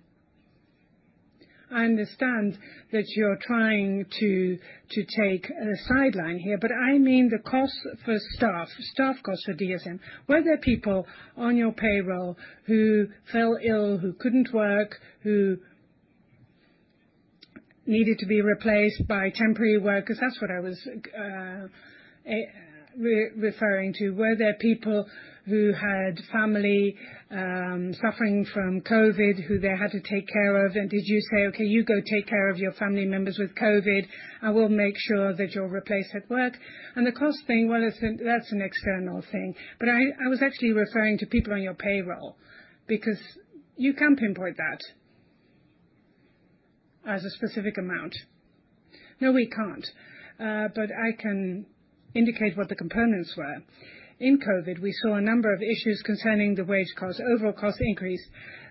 B: I understand that you're trying to take a sideline here, but I mean the cost for staff. Staff costs for DSM. Were there people on your payroll who fell ill, who couldn't work, who needed to be replaced by temporary workers? That's what I was referring to. Were there people who had family suffering from COVID, who they had to take care of? And did you say, "Okay, you go take care of your family members with COVID. I will make sure that you're replaced at work." And the cost thing, well, listen, that's an external thing, but I was actually referring to people on your payroll because you can pinpoint that as a specific amount. No, we can't. But I can indicate what the components were. In COVID, we saw a number of issues concerning the wage cost, overall cost increase,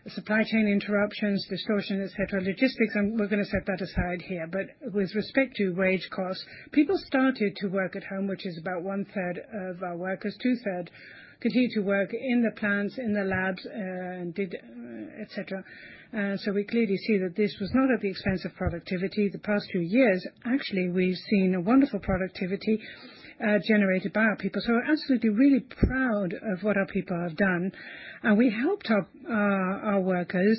B: supply chain interruptions, distortion, et cetera, logistics, and we're gonna set that aside here. With respect to wage costs, people started to work at home, which is about one-third of our workers. Two-thirds continued to work in the plants, in the labs, and did, et cetera. We clearly see that this was not at the expense of productivity. The past 2 years, actually, we've seen a wonderful productivity generated by our people. We're absolutely really proud of what our people have done. We helped our workers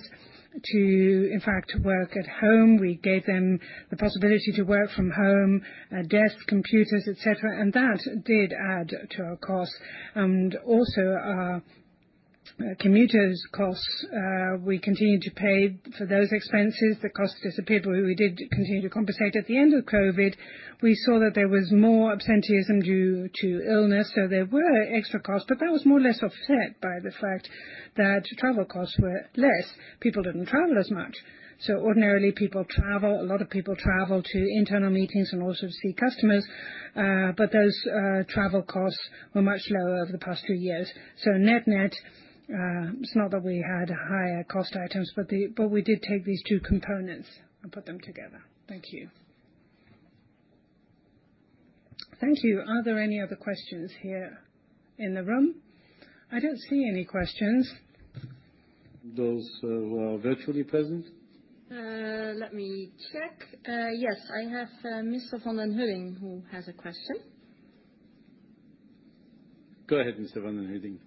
B: to, in fact, work at home. We gave them the possibility to work from home, desk, computers, et cetera, and that did add to our cost. Also our commuters' costs, we continued to pay for those expenses. The cost is the people who we did continue to compensate. At the end of COVID-19, we saw that there was more absenteeism due to illness, so there were extra costs, but that was more or less offset by the fact that travel costs were less. People didn't travel as much. Ordinarily, people travel. A lot of people travel to internal meetings and also to see customers, but those travel costs were much lower over the past 2 years. Net-net, it's not that we had higher cost items, but we did take these two components and put them together. Thank you. Thank you. Are there any other questions here in the room? I don't see any questions.
A: Those who are virtually present?
C: Let me check. Yes, I have Mr. Van den Hudding, who has a question.
A: Go ahead, Mr. Van den Hudding.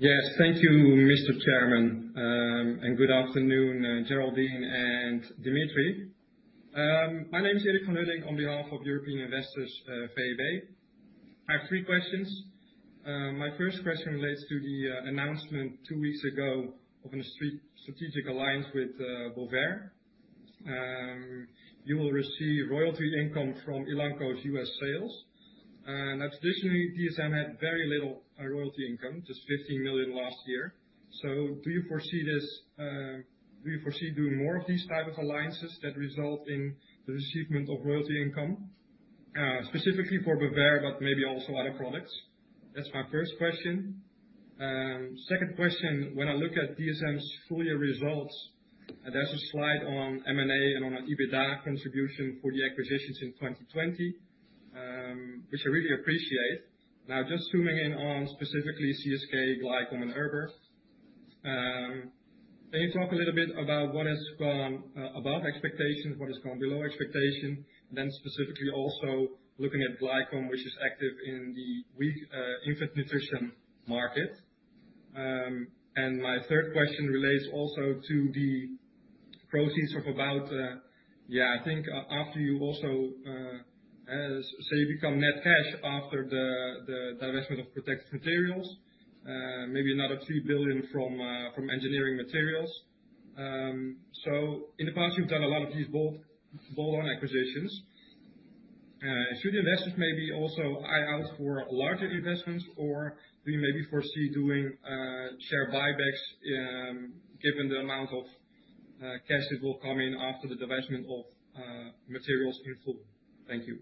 M: Yes, thank you, Mr. Chairman, and good afternoon, Geraldine and Dimitri. My name is Eric van den Hudding on behalf of European Investors, VEB. I have three questions. My first question relates to the announcement two weeks ago of a strategic alliance with Bovaer. You will receive royalty income from Elanco's U.S. sales. Now traditionally, DSM had very little royalty income, just 15 million last year. Do you foresee doing more of these type of alliances that result in the receipt of royalty income, specifically for Bovaer, but maybe also other products? That's my first question. Second question, when I look at DSM's full year results, there's a slide on M&A and on an EBITDA contribution for the acquisitions in 2020, which I really appreciate. Now, just zooming in on specifically CSK, Glycom and Erber. Can you talk a little bit about what has gone above expectations, what has gone below expectation? Then specifically also looking at Glycom, which is active in the weak infant nutrition market. My third question relates also to the proceeds of about, yeah, I think after you also, as you say, become net cash after the divestment of Protective Materials, maybe another 3 billion from Engineering Materials. In the past, you've done a lot of these bolt-on acquisitions. Should investors maybe also keep an eye out for larger investments, or do you maybe foresee doing share buybacks, given the amount of cash that will come in after the divestment of Materials in full? Thank you.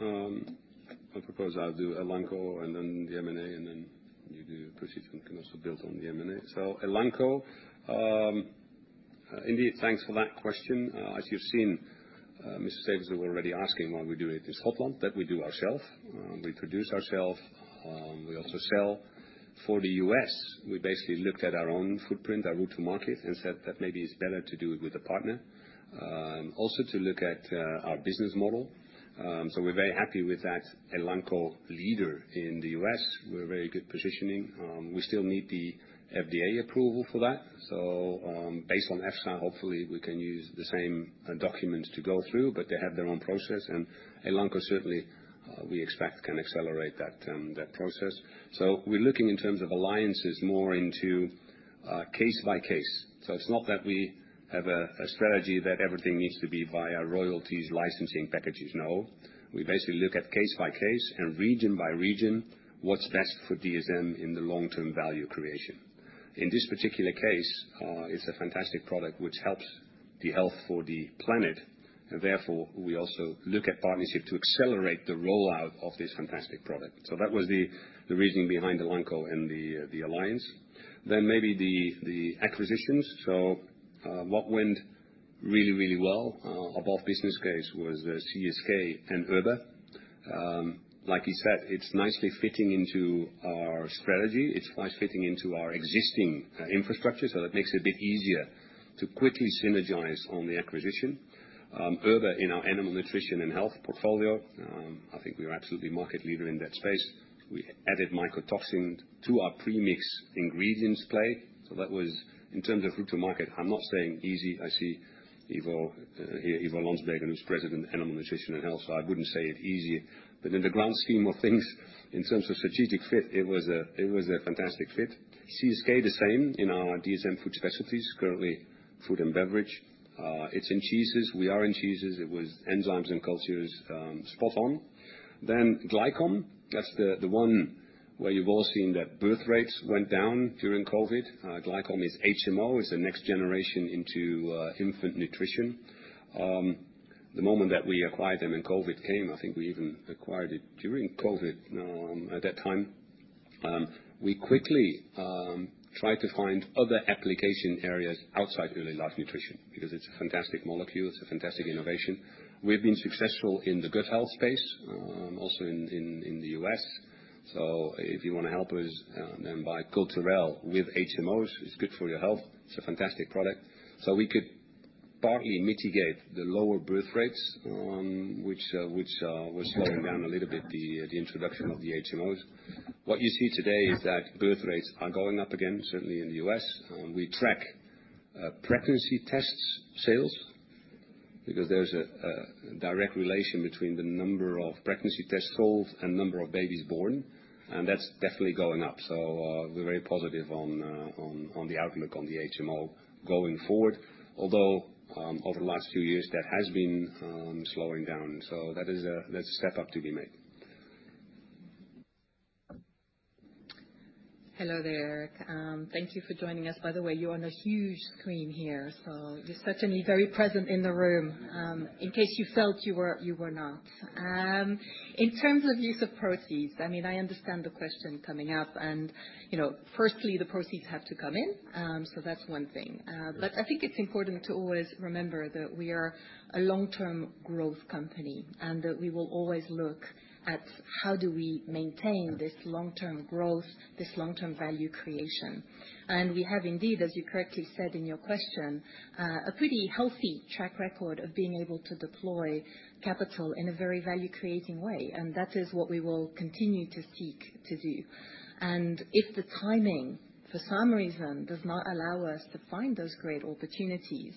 D: I propose I'll do Elanco and then the M&A, and then you do proceeds, and can also build on the M&A. Elanco, indeed, thanks for that question. As you've seen, Mr. Stevens was already asking why we do it in Scotland, that we do ourselves. We produce ourselves, we also sell. For the U.S., we basically looked at our own footprint, our route to market, and said that maybe it's better to do it with a partner. Also to look at our business model. We're very happy with that Elanco leader in the U.S. We're very good positioning. We still need the FDA approval for that. Based on EFSA, hopefully we can use the same documents to go through, but they have their own process. Elanco, certainly, we expect can accelerate that process. We're looking in terms of alliances more into case by case. It's not that we have a strategy that everything needs to be via royalties licensing packages. No. We basically look at case by case and region by region what's best for DSM in the long term value creation. In this particular case, it's a fantastic product which helps the health for the planet and therefore, we also look at partnership to accelerate the rollout of this fantastic product. That was the reasoning behind Elanco and the alliance. Maybe the acquisitions. What went really well above business case was CSK and Erber. Like you said, it's nicely fitting into our strategy. It's nice fitting into our existing infrastructure, so that makes it a bit easier to quickly synergize on the acquisition. Erber in our Animal Nutrition & Health portfolio, I think we are absolutely market leader in that space. We added mycotoxin to our premix ingredients play. That was, in terms of route to market, I'm not saying easy. I see Ivo here, Ivo Lansbergen, who's President Animal Nutrition & Health, so I wouldn't say it easy. In the grand scheme of things, in terms of strategic fit, it was a fantastic fit. CSK, the same. In our DSM Food Specialties, currently Food and Beverage. It's in cheeses. We are in cheeses. It was enzymes and cultures. Spot on. Then Glycom. That's the one where you've all seen that birthrates went down during COVID. Glycom is HMO, the next generation into infant nutrition. The moment that we acquired them and COVID came, I think we even acquired it during COVID, at that time, we quickly tried to find other application areas outside early life nutrition because it's a fantastic molecule. It's a fantastic innovation. We've been successful in the gut health space, also in the U.S. If you wanna help us, then buy Culturelle with HMOs. It's good for your health. It's a fantastic product. We could partly mitigate the lower birthrates, which was slowing down a little bit the introduction of the HMOs. What you see today is that birthrates are going up again, certainly in the U.S. We track pregnancy tests sales because there's a direct relation between the number of pregnancy tests sold and number of babies born. That's definitely going up. We're very positive on the outlook on the HMO going forward. Although, over the last few years that has been slowing down. That is a step up to be made.
F: Hello there. Thank you for joining us. By the way, you're on a huge screen here, so you're certainly very present in the room, in case you felt you were not. In terms of use of proceeds, I mean, I understand the question coming up. You know, firstly, the proceeds have to come in, so that's one thing. But I think it's important to always remember that we are a long-term growth company, and that we will always look at how do we maintain this long-term growth, this long-term value creation. We have indeed, as you correctly said in your question, a pretty healthy track record of being able to deploy capital in a very value-creating way, and that is what we will continue to seek to do. If the timing, for some reason, does not allow us to find those great opportunities,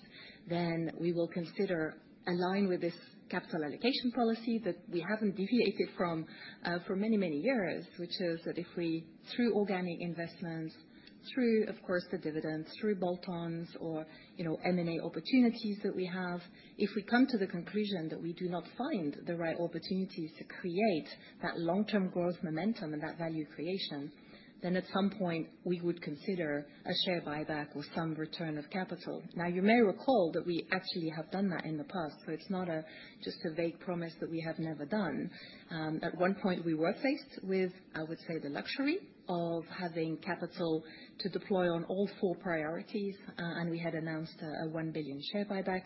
F: then we will consider align with this capital allocation policy that we haven't deviated from, for many, many years. Which is that if we, through organic investments, through, of course, the dividends, through bolt-ons or, you know, M&A opportunities that we have, if we come to the conclusion that we do not find the right opportunities to create that long-term growth momentum and that value creation, then at some point we would consider a share buyback or some return of capital. Now, you may recall that we actually have done that in the past, so it's not just a vague promise that we have never done. At one point we were faced with, I would say, the luxury of having capital to deploy on all four priorities, and we had announced a 1 billion share buyback.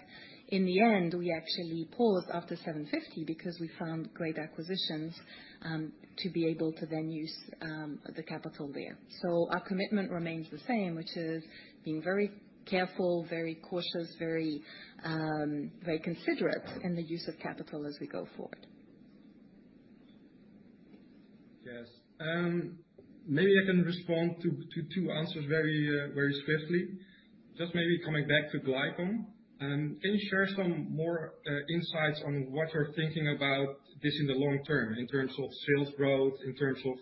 F: In the end, we actually paused after 750 million because we found great acquisitions, to be able to then use the capital there. Our commitment remains the same, which is being very careful, very cautious, very considerate in the use of capital as we go forward.
M: Yes. Maybe I can respond to two answers very swiftly. Just maybe coming back to Glycom. Can you share some more insights on what you're thinking about this in the long term, in terms of sales growth, in terms of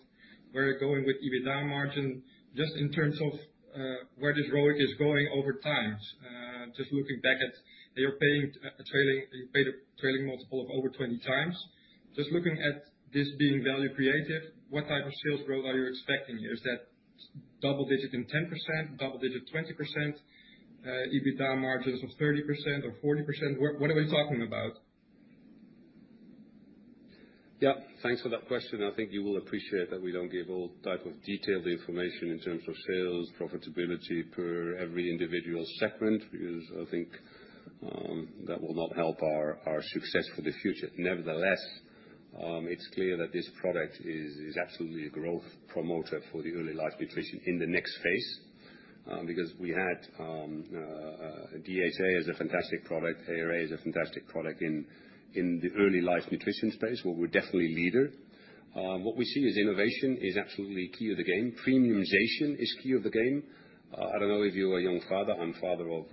M: where you're going with EBITDA margin, just in terms of where this ROIC is going over time? Just looking back at. You paid a trailing multiple of over 20x. Just looking at this being value creative, what type of sales growth are you expecting here? Is that double-digit 10%, double-digit 20%, EBITDA margins of 30% or 40%? What are we talking about?
D: Yeah. Thanks for that question. I think you will appreciate that we don't give all type of detailed information in terms of sales, profitability per every individual segment, because I think that will not help our success for the future. Nevertheless, it's clear that this product is absolutely a growth promoter for the early life nutrition in the next phase, because DHA is a fantastic product. ARA is a fantastic product in the early life nutrition space, where we're definitely leader. What we see is innovation is absolutely key to the game. Premiumization is key to the game. I don't know if you're a young father. I'm father of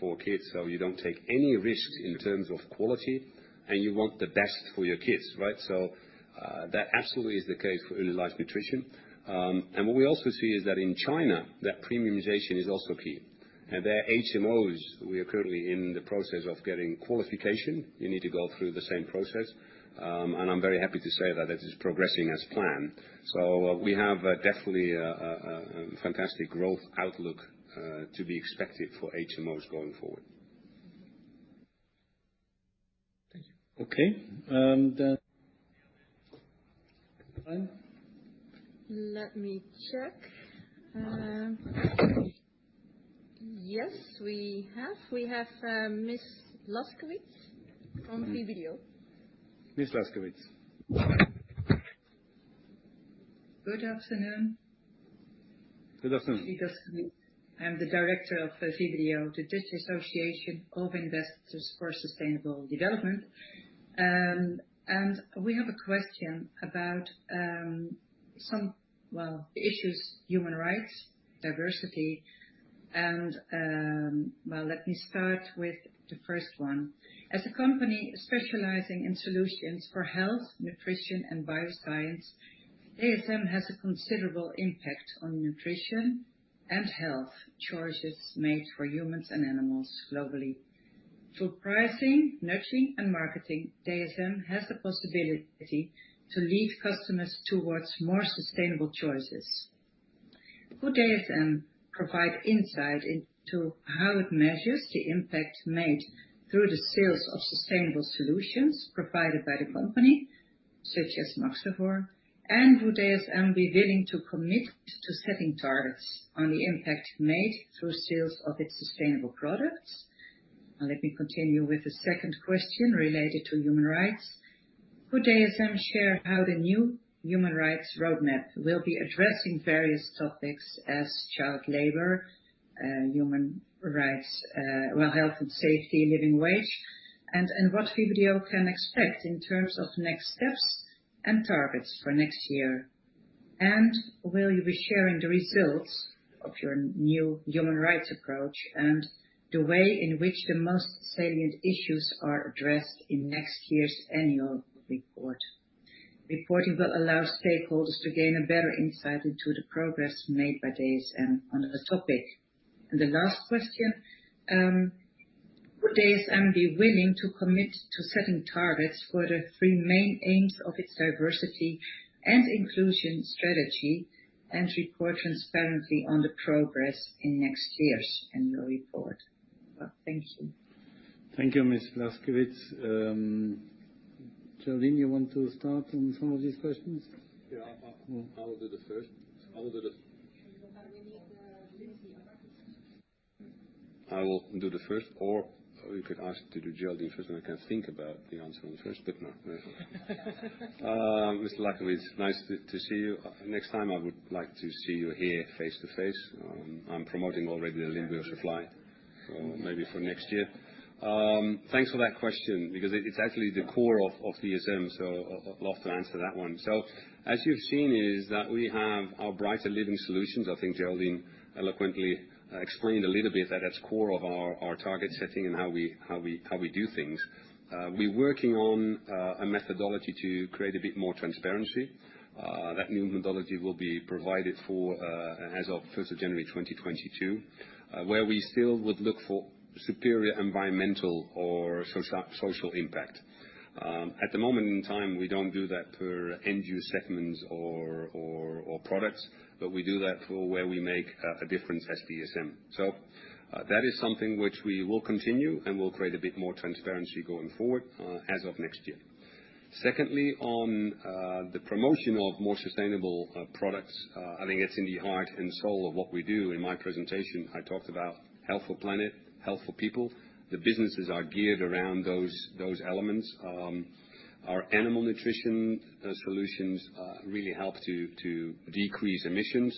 D: four kids, so you don't take any risks in terms of quality, and you want the best for your kids, right? That absolutely is the case for early life nutrition. What we also see is that in China, that premiumization is also key. Their HMOs, we are currently in the process of getting qualification. You need to go through the same process. I'm very happy to say that it is progressing as planned. We have definitely a fantastic growth outlook to be expected for HMOs going forward.
M: Thank you.
A: Okay. Anyone?
C: Let me check. Yes, we have Miss Laskewitz from VBDO.
A: Miss Laskewitz.
N: Good afternoon.
A: Good afternoon.
N: Good afternoon. I'm the director of VBDO, the Dutch Association of Investors for Sustainable Development. We have a question about some issues, human rights, diversity, and let me start with the first one. As a company specializing in solutions for health, nutrition, and bioscience, DSM has a considerable impact on nutrition and health choices made for humans and animals globally. Through pricing, nurturing, and marketing, DSM has the possibility to lead customers towards more sustainable choices. Could DSM provide insight into how it measures the impact made through the sales of sustainable solutions provided by the company, such as Maxavor? And would DSM be willing to commit to setting targets on the impact made through sales of its sustainable products? Now, let me continue with the second question related to human rights. Could DSM share how the new human rights roadmap will be addressing various topics as child labor, human rights, well, health and safety, living wage, and what VBDO can expect in terms of next steps and targets for next year? Will you be sharing the results of your new human rights approach and the way in which the most salient issues are addressed in next year's annual report? Reporting will allow stakeholders to gain a better insight into the progress made by DSM on the topic. The last question, would DSM be willing to commit to setting targets for the three main aims of its diversity and inclusion strategy and report transparently on the progress in next year's annual report? Thank you.
A: Thank you, Miss Laskewitz. Geraldine, you want to start on some of these questions?
D: Yeah. I will do the first.
N: We need Lindsy.
D: I will do the first, or you could ask to do Geraldine first, and I can think about the answer on the first, but no. Miss Laskewitz, nice to see you. Next time, I would like to see you here face-to-face. I'm promoting already a Limburger supply, maybe for next year. Thanks for that question because it's actually the core of DSM, so I'd love to answer that one. As you've seen is that we have our Brighter Living Solutions. I think Geraldine eloquently explained a little bit that it's core of our target setting and how we do things. We're working on a methodology to create a bit more transparency. That new methodology will be provided for as of January 1, 2022, where we still would look for superior environmental or social impact. At the moment in time, we don't do that per end use segments or products, but we do that for where we make a difference as DSM. That is something which we will continue, and we'll create a bit more transparency going forward as of next year. Secondly, on the promotion of more sustainable products, I think it's in the heart and soul of what we do. In my presentation, I talked about health for planet, health for people. The businesses are geared around those elements. Our animal nutrition solutions really help to decrease emissions.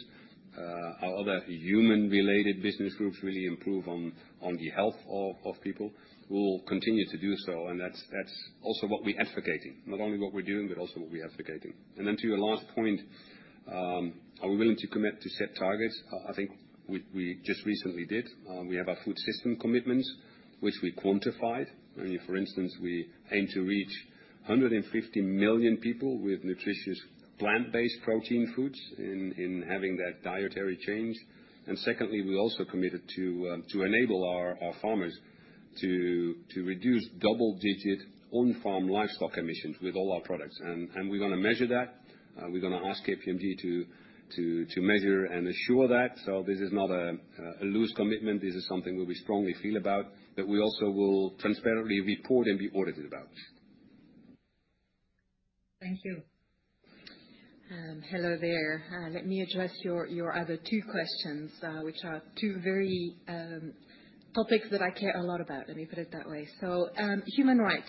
D: Our other human-related business groups really improve on the health of people. We'll continue to do so, and that's also what we're advocating, not only what we're doing, but also what we're advocating. To your last point, are we willing to commit to set targets? I think we just recently did. We have our food system commitments, which we quantified. I mean, for instance, we aim to reach 150 million people with nutritious plant-based protein foods in having that dietary change. Secondly, we also committed to enable our farmers to reduce double-digit on-farm livestock emissions with all our products. We're gonna measure that. We're gonna ask KPMG to measure and assure that. This is not a loose commitment. This is something where we strongly feel about, that we also will transparently report and be audited about.
C: Thank you.
F: Hello there. Let me address your other two questions, which are two very topics that I care a lot about. Let me put it that way. Human rights.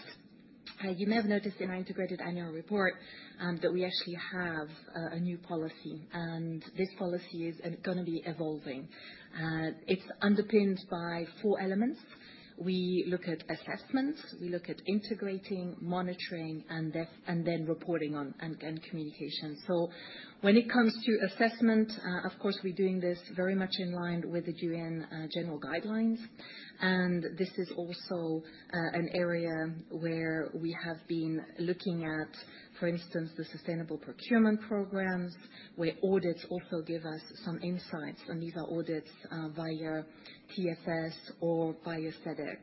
F: You may have noticed in our integrated annual report that we actually have a new policy, and this policy is gonna be evolving. It's underpinned by four elements. We look at assessment, we look at integrating, monitoring, and then reporting on and communication. When it comes to assessment, of course, we're doing this very much in line with the UN general guidelines. This is also an area where we have been looking at, for instance, the sustainable procurement programs, where audits also give us some insights, and these are audits via TfS or via Sedex.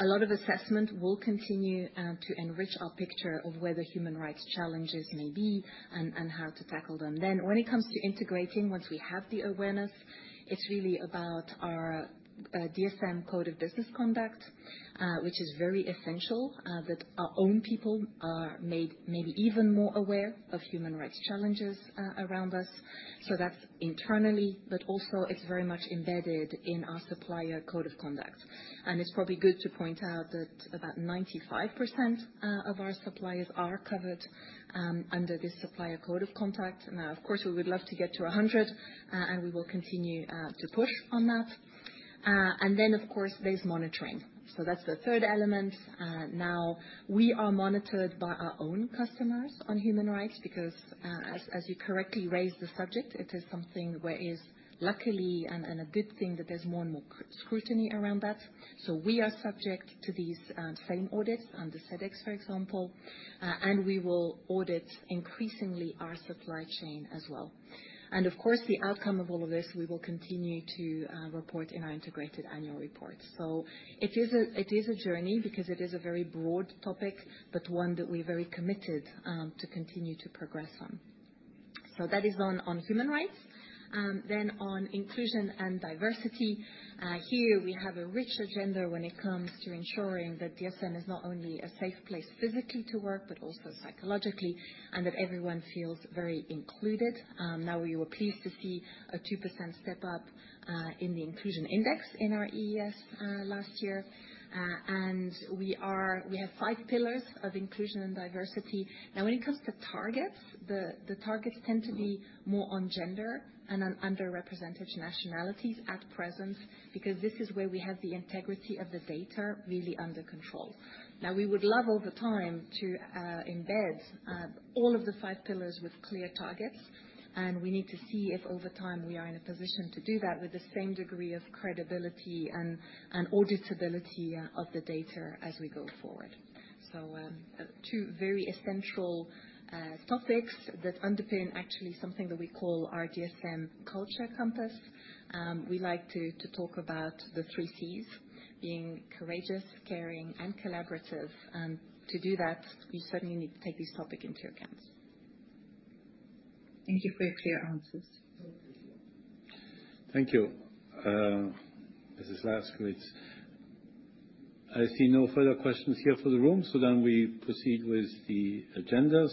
F: A lot of assessment will continue to enrich our picture of where the human rights challenges may be and how to tackle them. When it comes to integrating, once we have the awareness, it's really about our DSM Code of Business Conduct, which is very essential that our own people are made maybe even more aware of human rights challenges around us. That's internally, but also it's very much embedded in our supplier code of conduct. It's probably good to point out that about 95% of our suppliers are covered under this supplier code of conduct. Now, of course, we would love to get to 100, and we will continue to push on that. Of course, there's monitoring. That's the third element. Now we are monitored by our own customers on human rights because, as you correctly raised the subject, it is something whereas luckily and a good thing that there's more and more scrutiny around that. We are subject to these same audits under Sedex, for example. We will audit increasingly our supply chain as well. Of course, the outcome of all of this, we will continue to report in our integrated annual report. It is a journey because it is a very broad topic, but one that we're very committed to continue to progress on. That is on human rights. On inclusion and diversity, here we have a rich agenda when it comes to ensuring that DSM is not only a safe place physically to work, but also psychologically, and that everyone feels very included. Now we were pleased to see a 2% step up in the inclusion index in our ESG last year. We have five pillars of inclusion and diversity. When it comes to targets, the targets tend to be more on gender and on underrepresented nationalities at present, because this is where we have the integrity of the data really under control. Now, we would love all the time to embed all of the five pillars with clear targets, and we need to see if over time we are in a position to do that with the same degree of credibility and auditability of the data as we go forward. Two very essential topics that underpin actually something that we call our DSM Culture Compass. We like to talk about the three Cs, being courageous, caring, and collaborative. To do that, you certainly need to take this topic into account.
N: Thank you for your clear answers.
A: I see no further questions here for the room. We proceed with the agenda.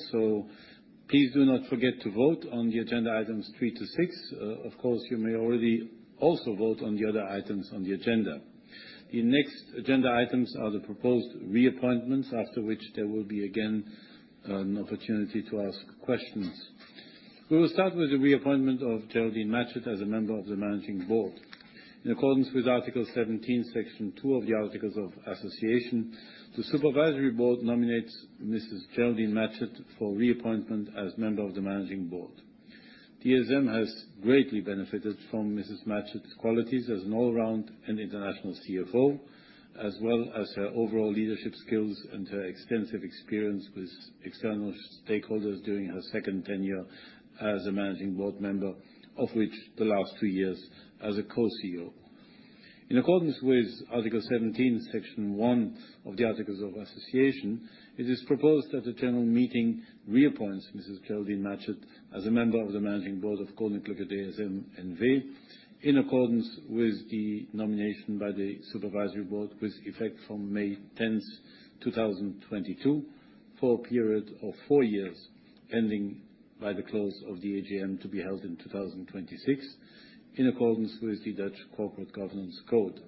A: Please do not forget to vote on the agenda items 3-6. Of course, you may already also vote on the other items on the agenda. The next agenda items are the proposed reappointments, after which there will be again an opportunity to ask questions. We will start with the reappointment of Geraldine Matchett as a member of the managing board. In accordance with Article 17, Section 2 of the Articles of Association, the supervisory board nominates Ms. Geraldine Matchett for reappointment as member of the managing board. DSM has greatly benefited from Ms. Matchett's qualities as an all-around and international CFO, as well as her overall leadership skills and her extensive experience with external stakeholders during her second tenure as a Managing Board member, of which the last two years as a Co-CEO. In accordance with Article 17, Section 1 of the Articles of Association, it is proposed that the general meeting reappoints Mrs. Geraldine Matchett as a member of the Managing Board of Koninklijke DSM N.V., in accordance with the nomination by the Supervisory Board, with effect from May 10, 2022, for a period of 4 years, ending by the close of the AGM to be held in 2026, in accordance with the Dutch Corporate Governance Code.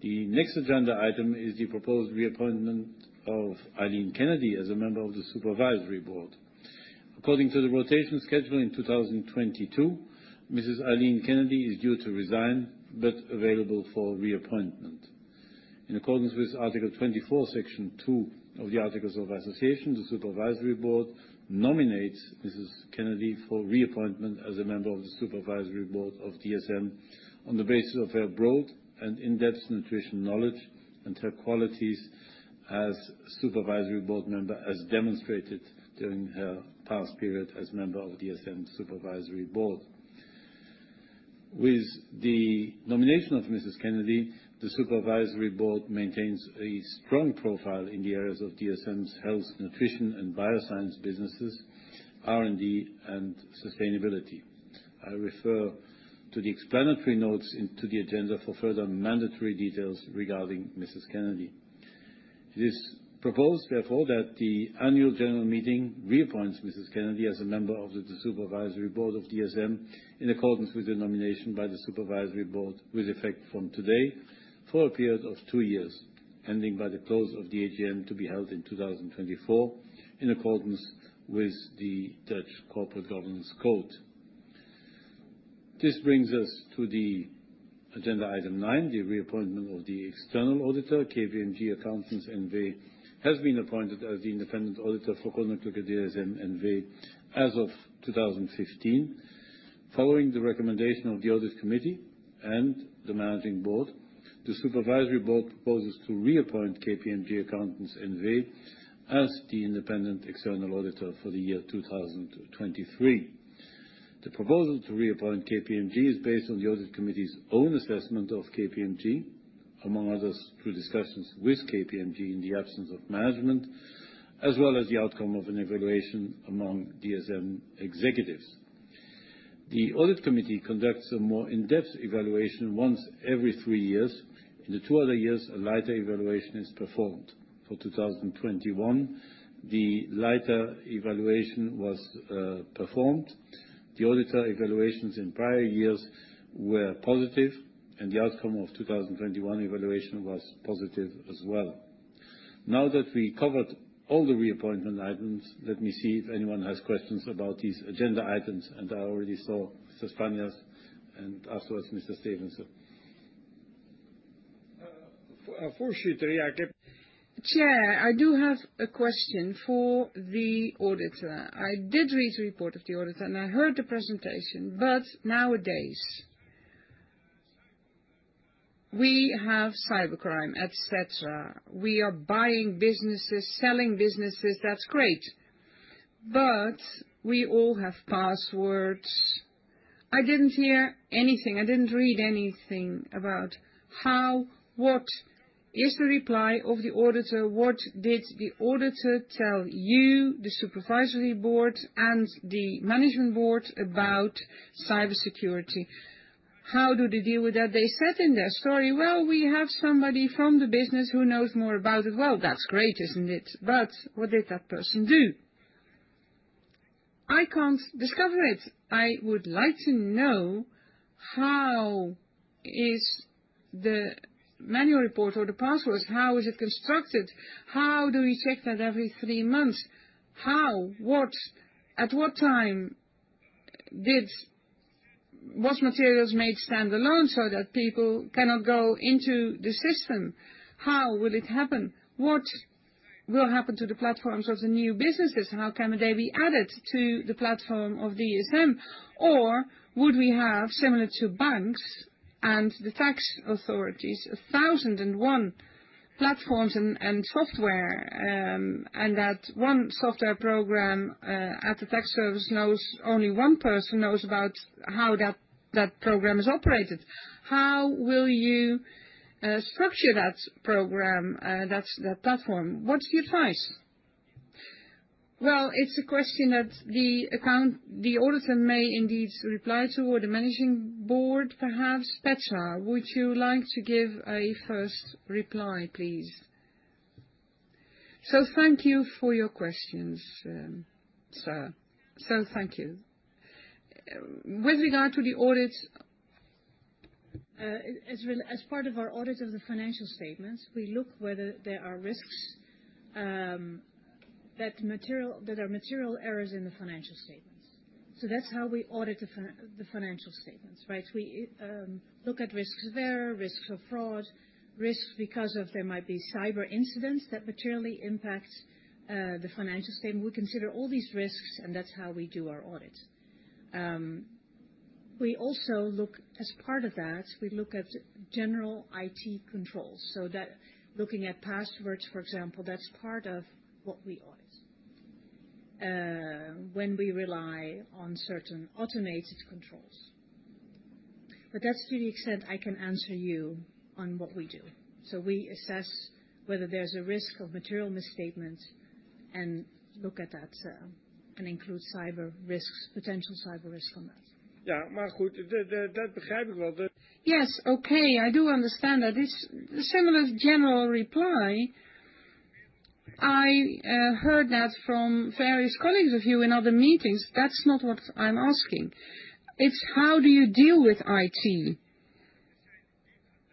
A: The next agenda item is the proposed reappointment of Eileen Kennedy as a member of the Supervisory Board. According to the rotation schedule in 2022, Mrs. Eileen Kennedy is due to resign, but available for reappointment. In accordance with Article 24, Section 2 of the Articles of Association, the Supervisory Board nominates Mrs. Kennedy for reappointment as a member of the Supervisory Board of DSM on the basis of her broad and in-depth nutrition knowledge and her qualities as Supervisory Board member, as demonstrated during her past period as member of the DSM Supervisory Board. With the nomination of Mrs. Kennedy, the Supervisory Board maintains a strong profile in the areas of DSM's health, nutrition and bioscience businesses, R&D, and sustainability. I refer to the explanatory notes into the agenda for further mandatory details regarding Mrs. Kennedy. It is proposed, therefore, that the annual general meeting reappoints Mrs. Kennedy as a member of the Supervisory Board of DSM in accordance with the nomination by the Supervisory Board, with effect from today, for a period of two years, ending by the close of the AGM to be held in 2024, in accordance with the Dutch Corporate Governance Code. This brings us to the agenda item nine, the reappointment of the external auditor. KPMG Accountants N.V. has been appointed as the independent auditor for Koninklijke DSM N.V. as of 2015. Following the recommendation of the Audit Committee and the Managing Board, the Supervisory Board proposes to reappoint KPMG Accountants N.V. as the independent external auditor for the year 2023. The proposal to reappoint KPMG is based on the Audit Committee's own assessment of KPMG, among others, through discussions with KPMG in the absence of management, as well as the outcome of an evaluation among DSM executives. The Audit Committee conducts a more in-depth evaluation once every three years. In the two other years, a lighter evaluation is performed. For 2021, the lighter evaluation was performed. The auditor evaluations in prior years were positive, and the outcome of 2021 evaluation was positive as well. Now that we covered all the reappointment items, let me see if anyone has questions about these agenda items. I already saw Mr. Van Es. Afterwards, Mr. Stevense.
B: Chair, I do have a question for the auditor. I did read the report of the auditor, and I heard the presentation. Nowadays, we have cybercrime, et cetera. We are buying businesses, selling businesses. That's great. We all have passwords. I didn't hear anything. I didn't read anything about how, what is the reply of the auditor? What did the auditor tell you, the Supervisory Board, and the Managing Board about cybersecurity? How do they deal with that? They said in their story, "Well, we have somebody from the business who knows more about it." Well, that's great, isn't it? What did that person do? I can't discover it. I would like to know how is the manual report or the passwords, how is it constructed? How do we check that every three months? Are materials made standalone so that people cannot go into the system? How will it happen? What will happen to the platforms of the new businesses? How can they be added to the platform of DSM? Or would we have, similar to banks and the tax authorities, a thousand and one platforms and software, and that one software program at the tax service, only one person knows about how that program is operated. How will you structure that program, that platform? What's the advice? Well, it's a question that the auditor may indeed reply to, or the Managing Board, perhaps. Petra, would you like to give a first reply, please?
H: Thank you for your questions, thank you. With regard to the audit, as part of our audit of the financial statements, we look whether there are risks of material errors in the financial statements. That's how we audit the financial statements, right? We look at risks there, risks of fraud, risks because there might be cyber incidents that materially impact the financial statements. We consider all these risks, and that's how we do our audit. We also look, as part of that, at general IT controls. Looking at passwords, for example, that's part of what we audit. When we rely on certain automated controls. That's really the extent I can answer you on what we do. We assess whether there's a risk of material misstatement and look at that, and include cyber risks, potential cyber risks on that.
B: Yeah. Yes. Okay, I do understand that. It's a similar general reply. I heard that from various colleagues of you in other meetings. That's not what I'm asking. It's how do you deal with IT?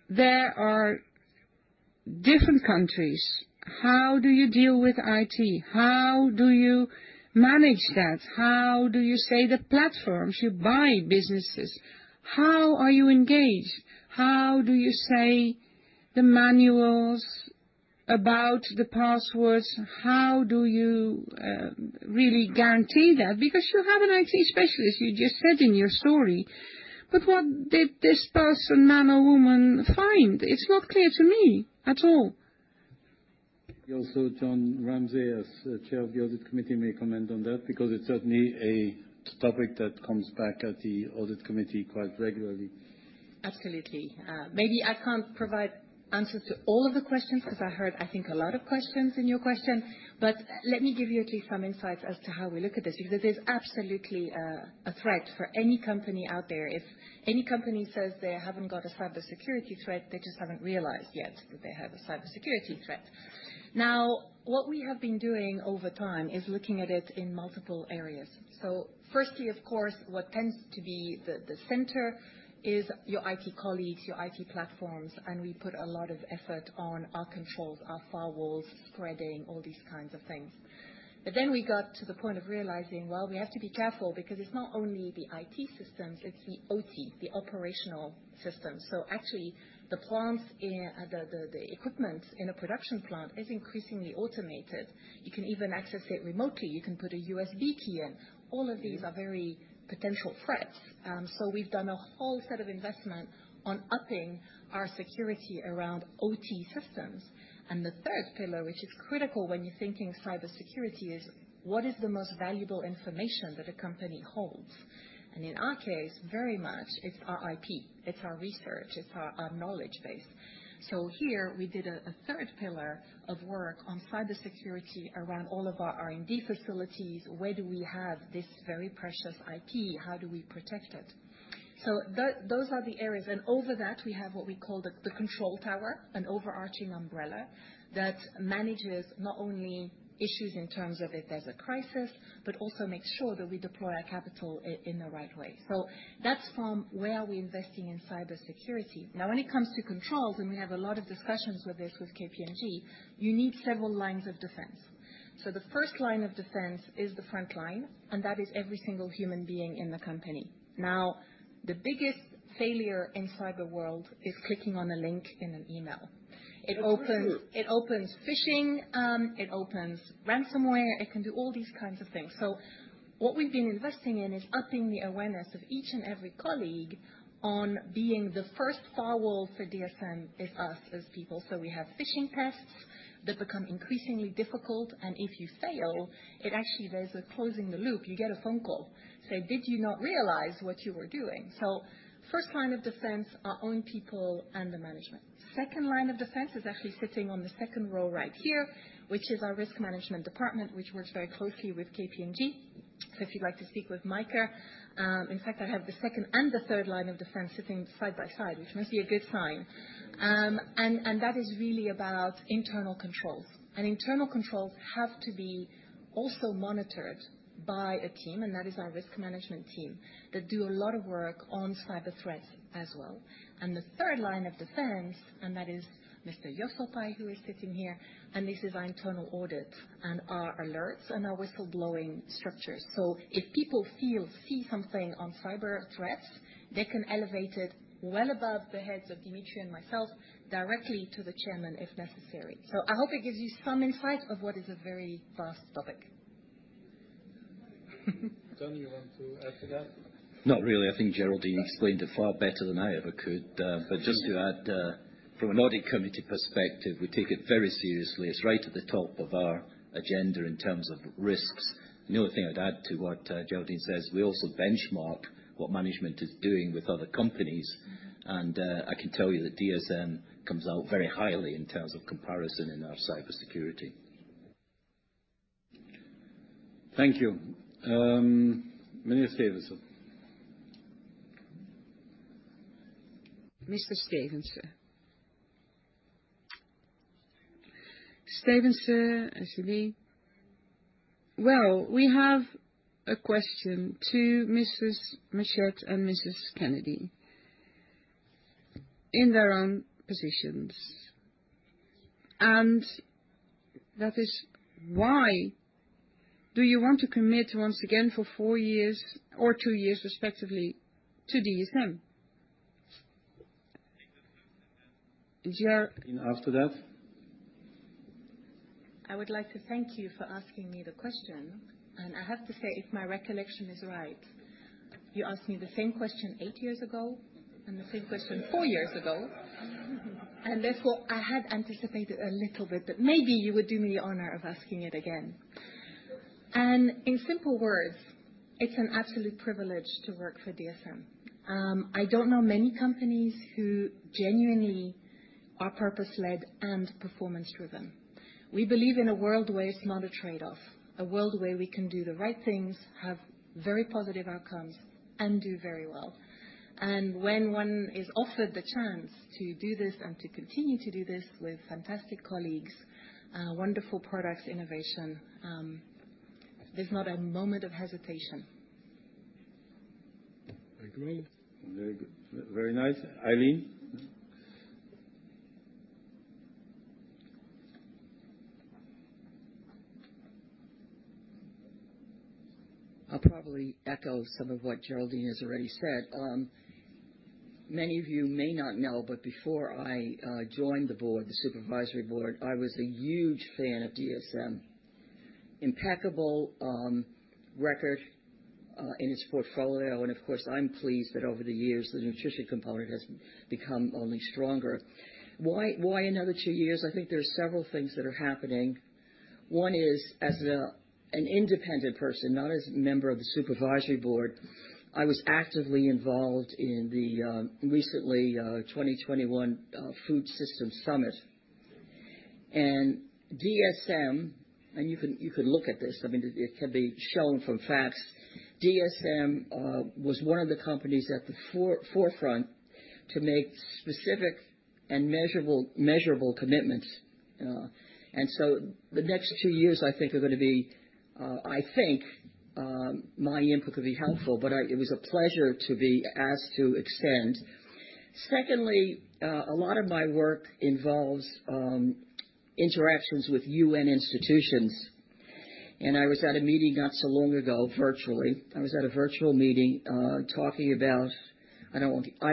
B: There are different countries. How do you deal with IT? How do you manage that? How do you say the platforms you buy businesses, how are you engaged? How do you say the manuals about the passwords, how do you really guarantee that? Because you have an IT specialist, you just said in your story. But what did this person, man or woman, find? It's not clear to me at all.
A: Also, John Ramsay, as Chair of the Audit Committee, may comment on that because it's certainly a topic that comes back at the Audit Committee quite regularly.
F: Absolutely. Maybe I can't provide answers to all of the questions, 'cause I heard, I think, a lot of questions in your question. Let me give you at least some insights as to how we look at this, because there's absolutely a threat for any company out there. If any company says they haven't got a cybersecurity threat, they just haven't realized yet that they have a cybersecurity threat. Now, what we have been doing over time is looking at it in multiple areas. Firstly, of course, what tends to be the center is your IT colleagues, your IT platforms, and we put a lot of effort on our controls, our firewalls, spreading, all these kinds of things. We got to the point of realizing, well, we have to be careful because it's not only the IT systems, it's the OT, the operational systems. Actually the plants, the equipment in a production plant is increasingly automated. You can even access it remotely. You can put a USB key in. All of these are very potential threats. We've done a whole set of investment on upping our security around OT systems. The third pillar, which is critical when you're thinking cybersecurity, is what is the most valuable information that a company holds? In our case, very much it's our IP, it's our research, it's our knowledge base. Here we did a third pillar of work on cybersecurity around all of our R&D facilities. Where do we have this very precious IP? How do we protect it? Those are the areas. Over that we have what we call the control tower, an overarching umbrella that manages not only issues in terms of if there's a crisis, but also makes sure that we deploy our capital in the right way. That's where we are investing in cybersecurity. Now, when it comes to controls, we have a lot of discussions with KPMG. You need several lines of defense. The first line of defense is the front line, and that is every single human being in the company. Now, the biggest failure in cyber world is clicking on a link in an email. It opens phishing. It opens ransomware. It can do all these kinds of things. What we've been investing in is upping the awareness of each and every colleague on being the first firewall for DSM is us as people. We have phishing tests that become increasingly difficult, and if you fail, it actually closes the loop. You get a phone call, say, "Did you not realize what you were doing?" First line of defense, our own people and the management. Second line of defense is actually sitting on the second row right here, which is our risk management department, which works very closely with KPMG. If you'd like to speak with Micah, in fact I have the second and the third line of defense sitting side by side, which must be a good sign. That is really about internal controls. Internal controls have to be also monitored by a team, and that is our risk management team that do a lot of work on cyber threats as well. The third line of defense, and that is Mr. Josaphat who is sitting here, and this is our internal audit and our alerts and our whistleblowing structures. If people feel, see something on cyber threats, they can elevate it well above the heads of Dimitri and myself directly to the chairman if necessary. I hope it gives you some insight of what is a very vast topic.
A: John, you want to add to that?
O: Not really. I think Geraldine explained it far better than I ever could. Just to add, from an audit committee perspective, we take it very seriously. It's right at the top of our agenda in terms of risks. The only thing I'd add to what Geraldine says, we also benchmark what management is doing with other companies. I can tell you that DSM comes out very highly in terms of comparison in our cybersecurity.
A: Thank you. Mr. Stevense.
B: Well, we have a question to Mrs. Matchett and Mrs. Kennedy in their own positions, and that is why do you want to commit once again for four years or two years respectively to DSM? Is your-
A: After that.
F: I would like to thank you for asking me the question. I have to say, if my recollection is right, you asked me the same question eight years ago, and the same question four years ago. That's what I had anticipated a little bit, but maybe you would do me the honor of asking it again. In simple words, it's an absolute privilege to work for DSM. I don't know many companies who genuinely are purpose-led and performance-driven. We believe in a world where it's not a trade-off, a world where we can do the right things, have very positive outcomes, and do very well. When one is offered the chance to do this and to continue to do this with fantastic colleagues, wonderful products, innovation, there's not a moment of hesitation.
B: Thank you.
A: Very nice. Eileen?
P: I'll probably echo some of what Geraldine has already said. Many of you may not know, but before I joined the board, the supervisory board, I was a huge fan of DSM. Impeccable record in its portfolio, and of course, I'm pleased that over the years the nutrition component has become only stronger. Why another two years? I think there's several things that are happening. One is, as an independent person, not as a member of the supervisory board, I was actively involved in the recently 2021 Food Systems Summit. DSM, and you can look at this, I mean, it can be shown from facts. DSM was one of the companies at the forefront to make specific and measurable commitments, and the next 2 years, I think, my input could be helpful, but I. It was a pleasure to be asked to extend. Secondly, a lot of my work involves interactions with UN institutions. I was at a virtual meeting not so long ago, talking about, I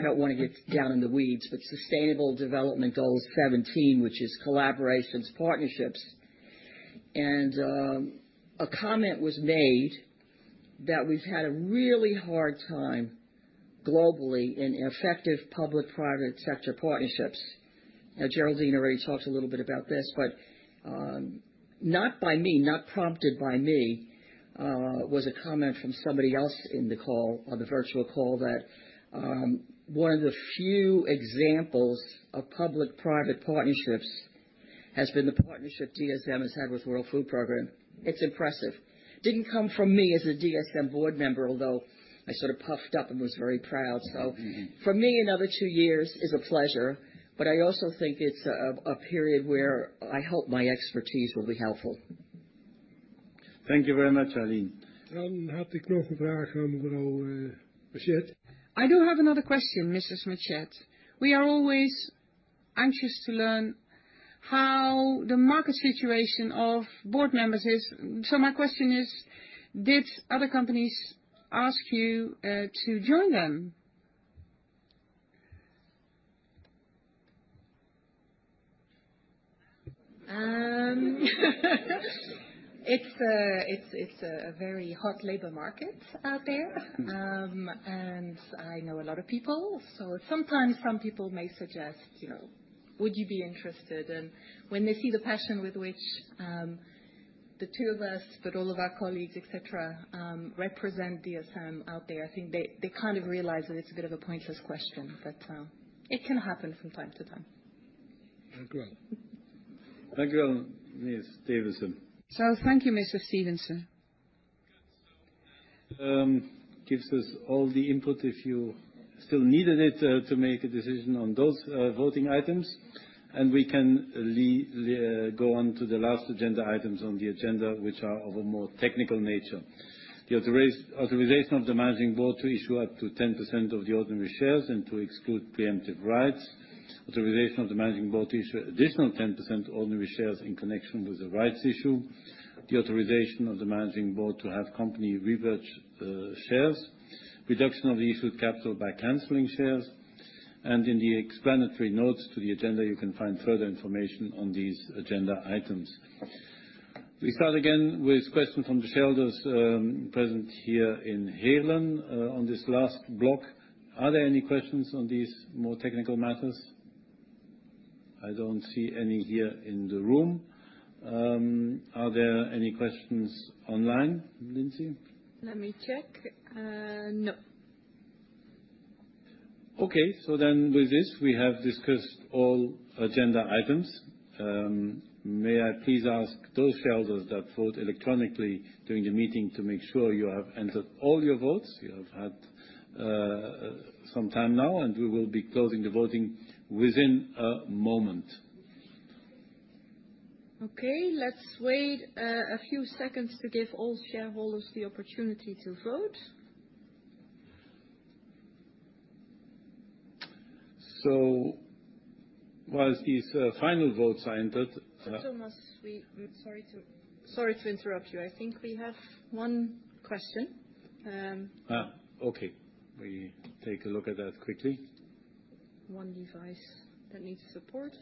P: don't want to get down in the weeds, but Sustainable Development Goal 17, which is collaborations, partnerships. A comment was made that we've had a really hard time globally in effective public-private sector partnerships. Geraldine already talked a little bit about this, but not by me, not prompted by me, was a comment from somebody else in the call, on the virtual call that one of the few examples of public-private partnerships has been the partnership DSM has had with World Food Programme. It's impressive. Didn't come from me as a DSM board member, although I sort of puffed up and was very proud. For me, another two years is a pleasure, but I also think it's a period where I hope my expertise will be helpful.
A: Thank you very much, Eileen.
B: I do have another question, Mrs. Matchett. We are always anxious to learn how the market situation of board members is. My question is, did other companies ask you to join them?
F: It's a very hot labor market out there. I know a lot of people. Sometimes some people may suggest, you know, "Would you be interested?" When they see the passion with which the two of us, but all of our colleagues, et cetera, represent DSM out there, I think they kind of realize that it's a bit of a pointless question, but it can happen from time to time.
B: Thank you.
A: Thank you, Mr. Stevense.
P: Thank you, Mr. Stevense.
A: Gives us all the input if you still needed it to make a decision on those voting items, and we can go on to the last agenda items on the agenda, which are of a more technical nature. The authorization of the managing board to issue up to 10% of the ordinary shares and to exclude preemptive rights. Authorization of the managing board to issue additional 10% ordinary shares in connection with the rights issue. The authorization of the managing board to have company repurchase shares. Reduction of the issued capital by canceling shares. In the explanatory notes to the agenda, you can find further information on these agenda items. We start again with questions from the shareholders present here in Heerlen on this last block. Are there any questions on these more technical matters? I don't see any here in the room. Are there any questions online, Lindsy?
Q: Let me check. No.
A: Okay. With this, we have discussed all agenda items. May I please ask those shareholders that vote electronically during the meeting to make sure you have entered all your votes. You have had some time now, and we will be closing the voting within a moment.
F: Okay, let's wait a few seconds to give all shareholders the opportunity to vote.
A: While these final votes are entered.
F: Thomas, sorry to interrupt you. I think we have one question.
A: Okay. We take a look at that quickly.
F: One device that needs support.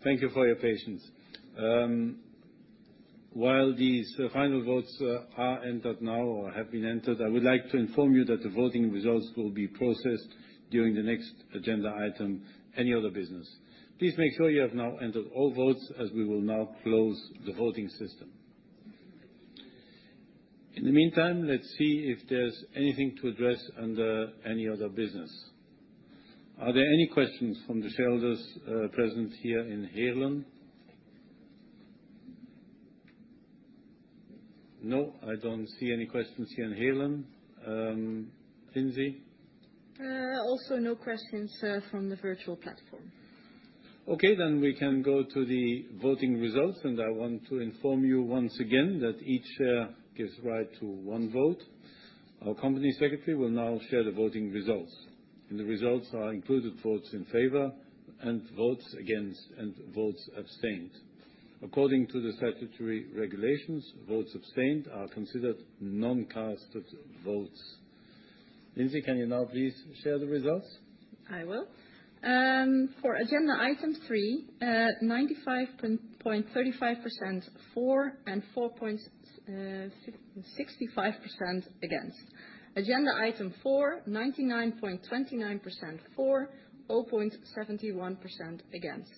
A: Okay. Thank you for your patience. While these final votes are entered now or have been entered, I would like to inform you that the voting results will be processed during the next agenda item, any other business. Please make sure you have now entered all votes as we will now close the voting system. In the meantime, let's see if there's anything to address under any other business. Are there any questions from the shareholders, present here in Heerlen? No, I don't see any questions here in Heerlen. Lindsy?
C: Also no questions from the virtual platform.
A: Okay, we can go to the voting results. I want to inform you once again that each share gives right to one vote. Our company secretary will now share the voting results. The results include votes in favor and votes against, and votes abstained. According to the statutory regulations, votes abstained are considered non-casted votes. Lindsy, can you now please share the results?
C: I will. For agenda item three, 95.35% for, and 4.65% against. Agenda item four, 99.29% for, 0.71% against.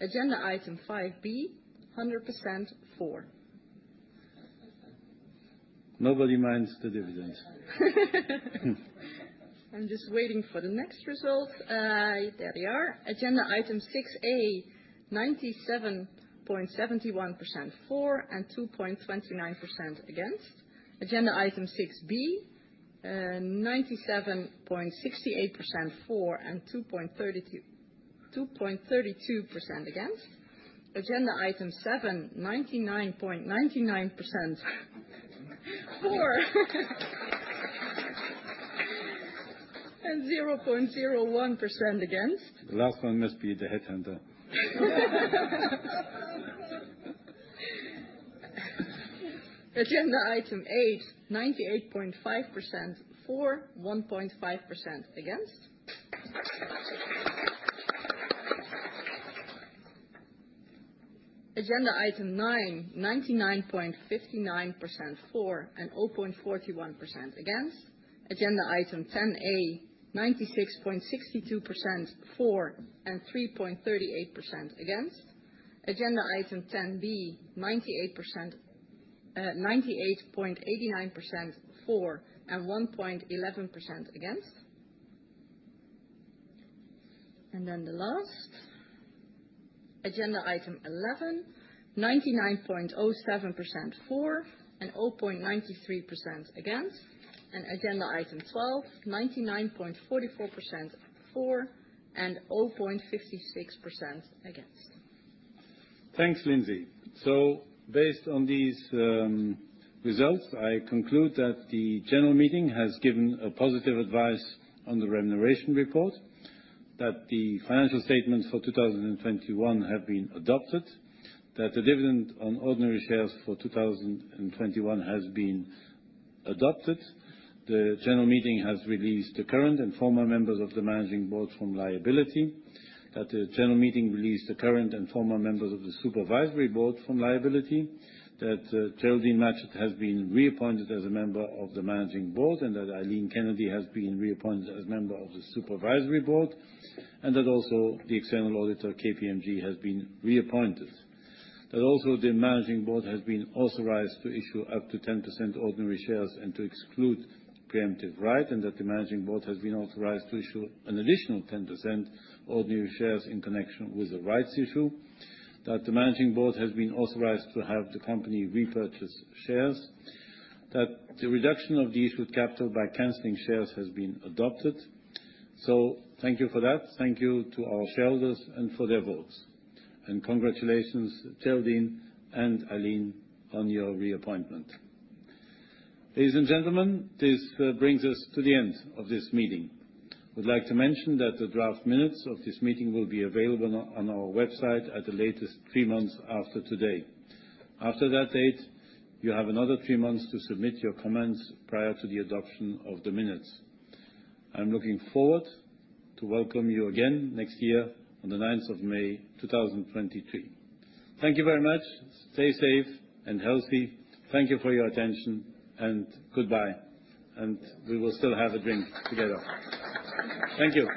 C: Agenda item 5-B, 100% for.
A: Nobody minds the dividends.
C: I'm just waiting for the next result. There they are. Agenda item six-A, 97.71% for, and 2.29% against. Agenda item 6-B, 97.68% for, and 2.32% against. Agenda item 7, 99.99% for. 0.01% against.
A: The last one must be the headhunter.
C: Agenda item 8, 98.5% for, 1.5% against. Agenda item 9, 99.59% for, 0.41% against. Agenda item 10-A, 96.62% for, 3.38% against. Agenda item 10-B, 98.89% for, 1.11% against. The last, agenda item 11, 99.07% for, 0.93% against. Agenda item 12, 99.44% for, 0.56% against.
A: Thanks, Lindsy. Based on these results, I conclude that the general meeting has given a positive advice on the remuneration report. That the financial statements for 2021 have been adopted. That the dividend on ordinary shares for 2021 has been adopted. The general meeting has released the current and former members of the managing board from liability. That the general meeting released the current and former members of the supervisory board from liability. That Geraldine Matchett has been reappointed as a member of the managing board, and that Eileen Kennedy has been reappointed as member of the supervisory board. That also the external auditor, KPMG, has been reappointed. That also the managing board has been authorized to issue up to 10% ordinary shares and to exclude preemptive right. That the managing board has been authorized to issue an additional 10% ordinary shares in connection with the rights issue. That the managing board has been authorized to have the company repurchase shares. That the reduction of the issued capital by canceling shares has been adopted. Thank you for that. Thank you to our shareholders and for their votes. Congratulations, Geraldine and Eileen, on your reappointment. Ladies and gentlemen, this brings us to the end of this meeting. Would like to mention that the draft minutes of this meeting will be available on our website at the latest 3 months after today. After that date, you have another three months to submit your comments prior to the adoption of the minutes. I'm looking forward to welcome you again next year on the 9th of May, 2023. Thank you very much. Stay safe and healthy. Thank you for your attention, and goodbye. We will still have a drink together. Thank you.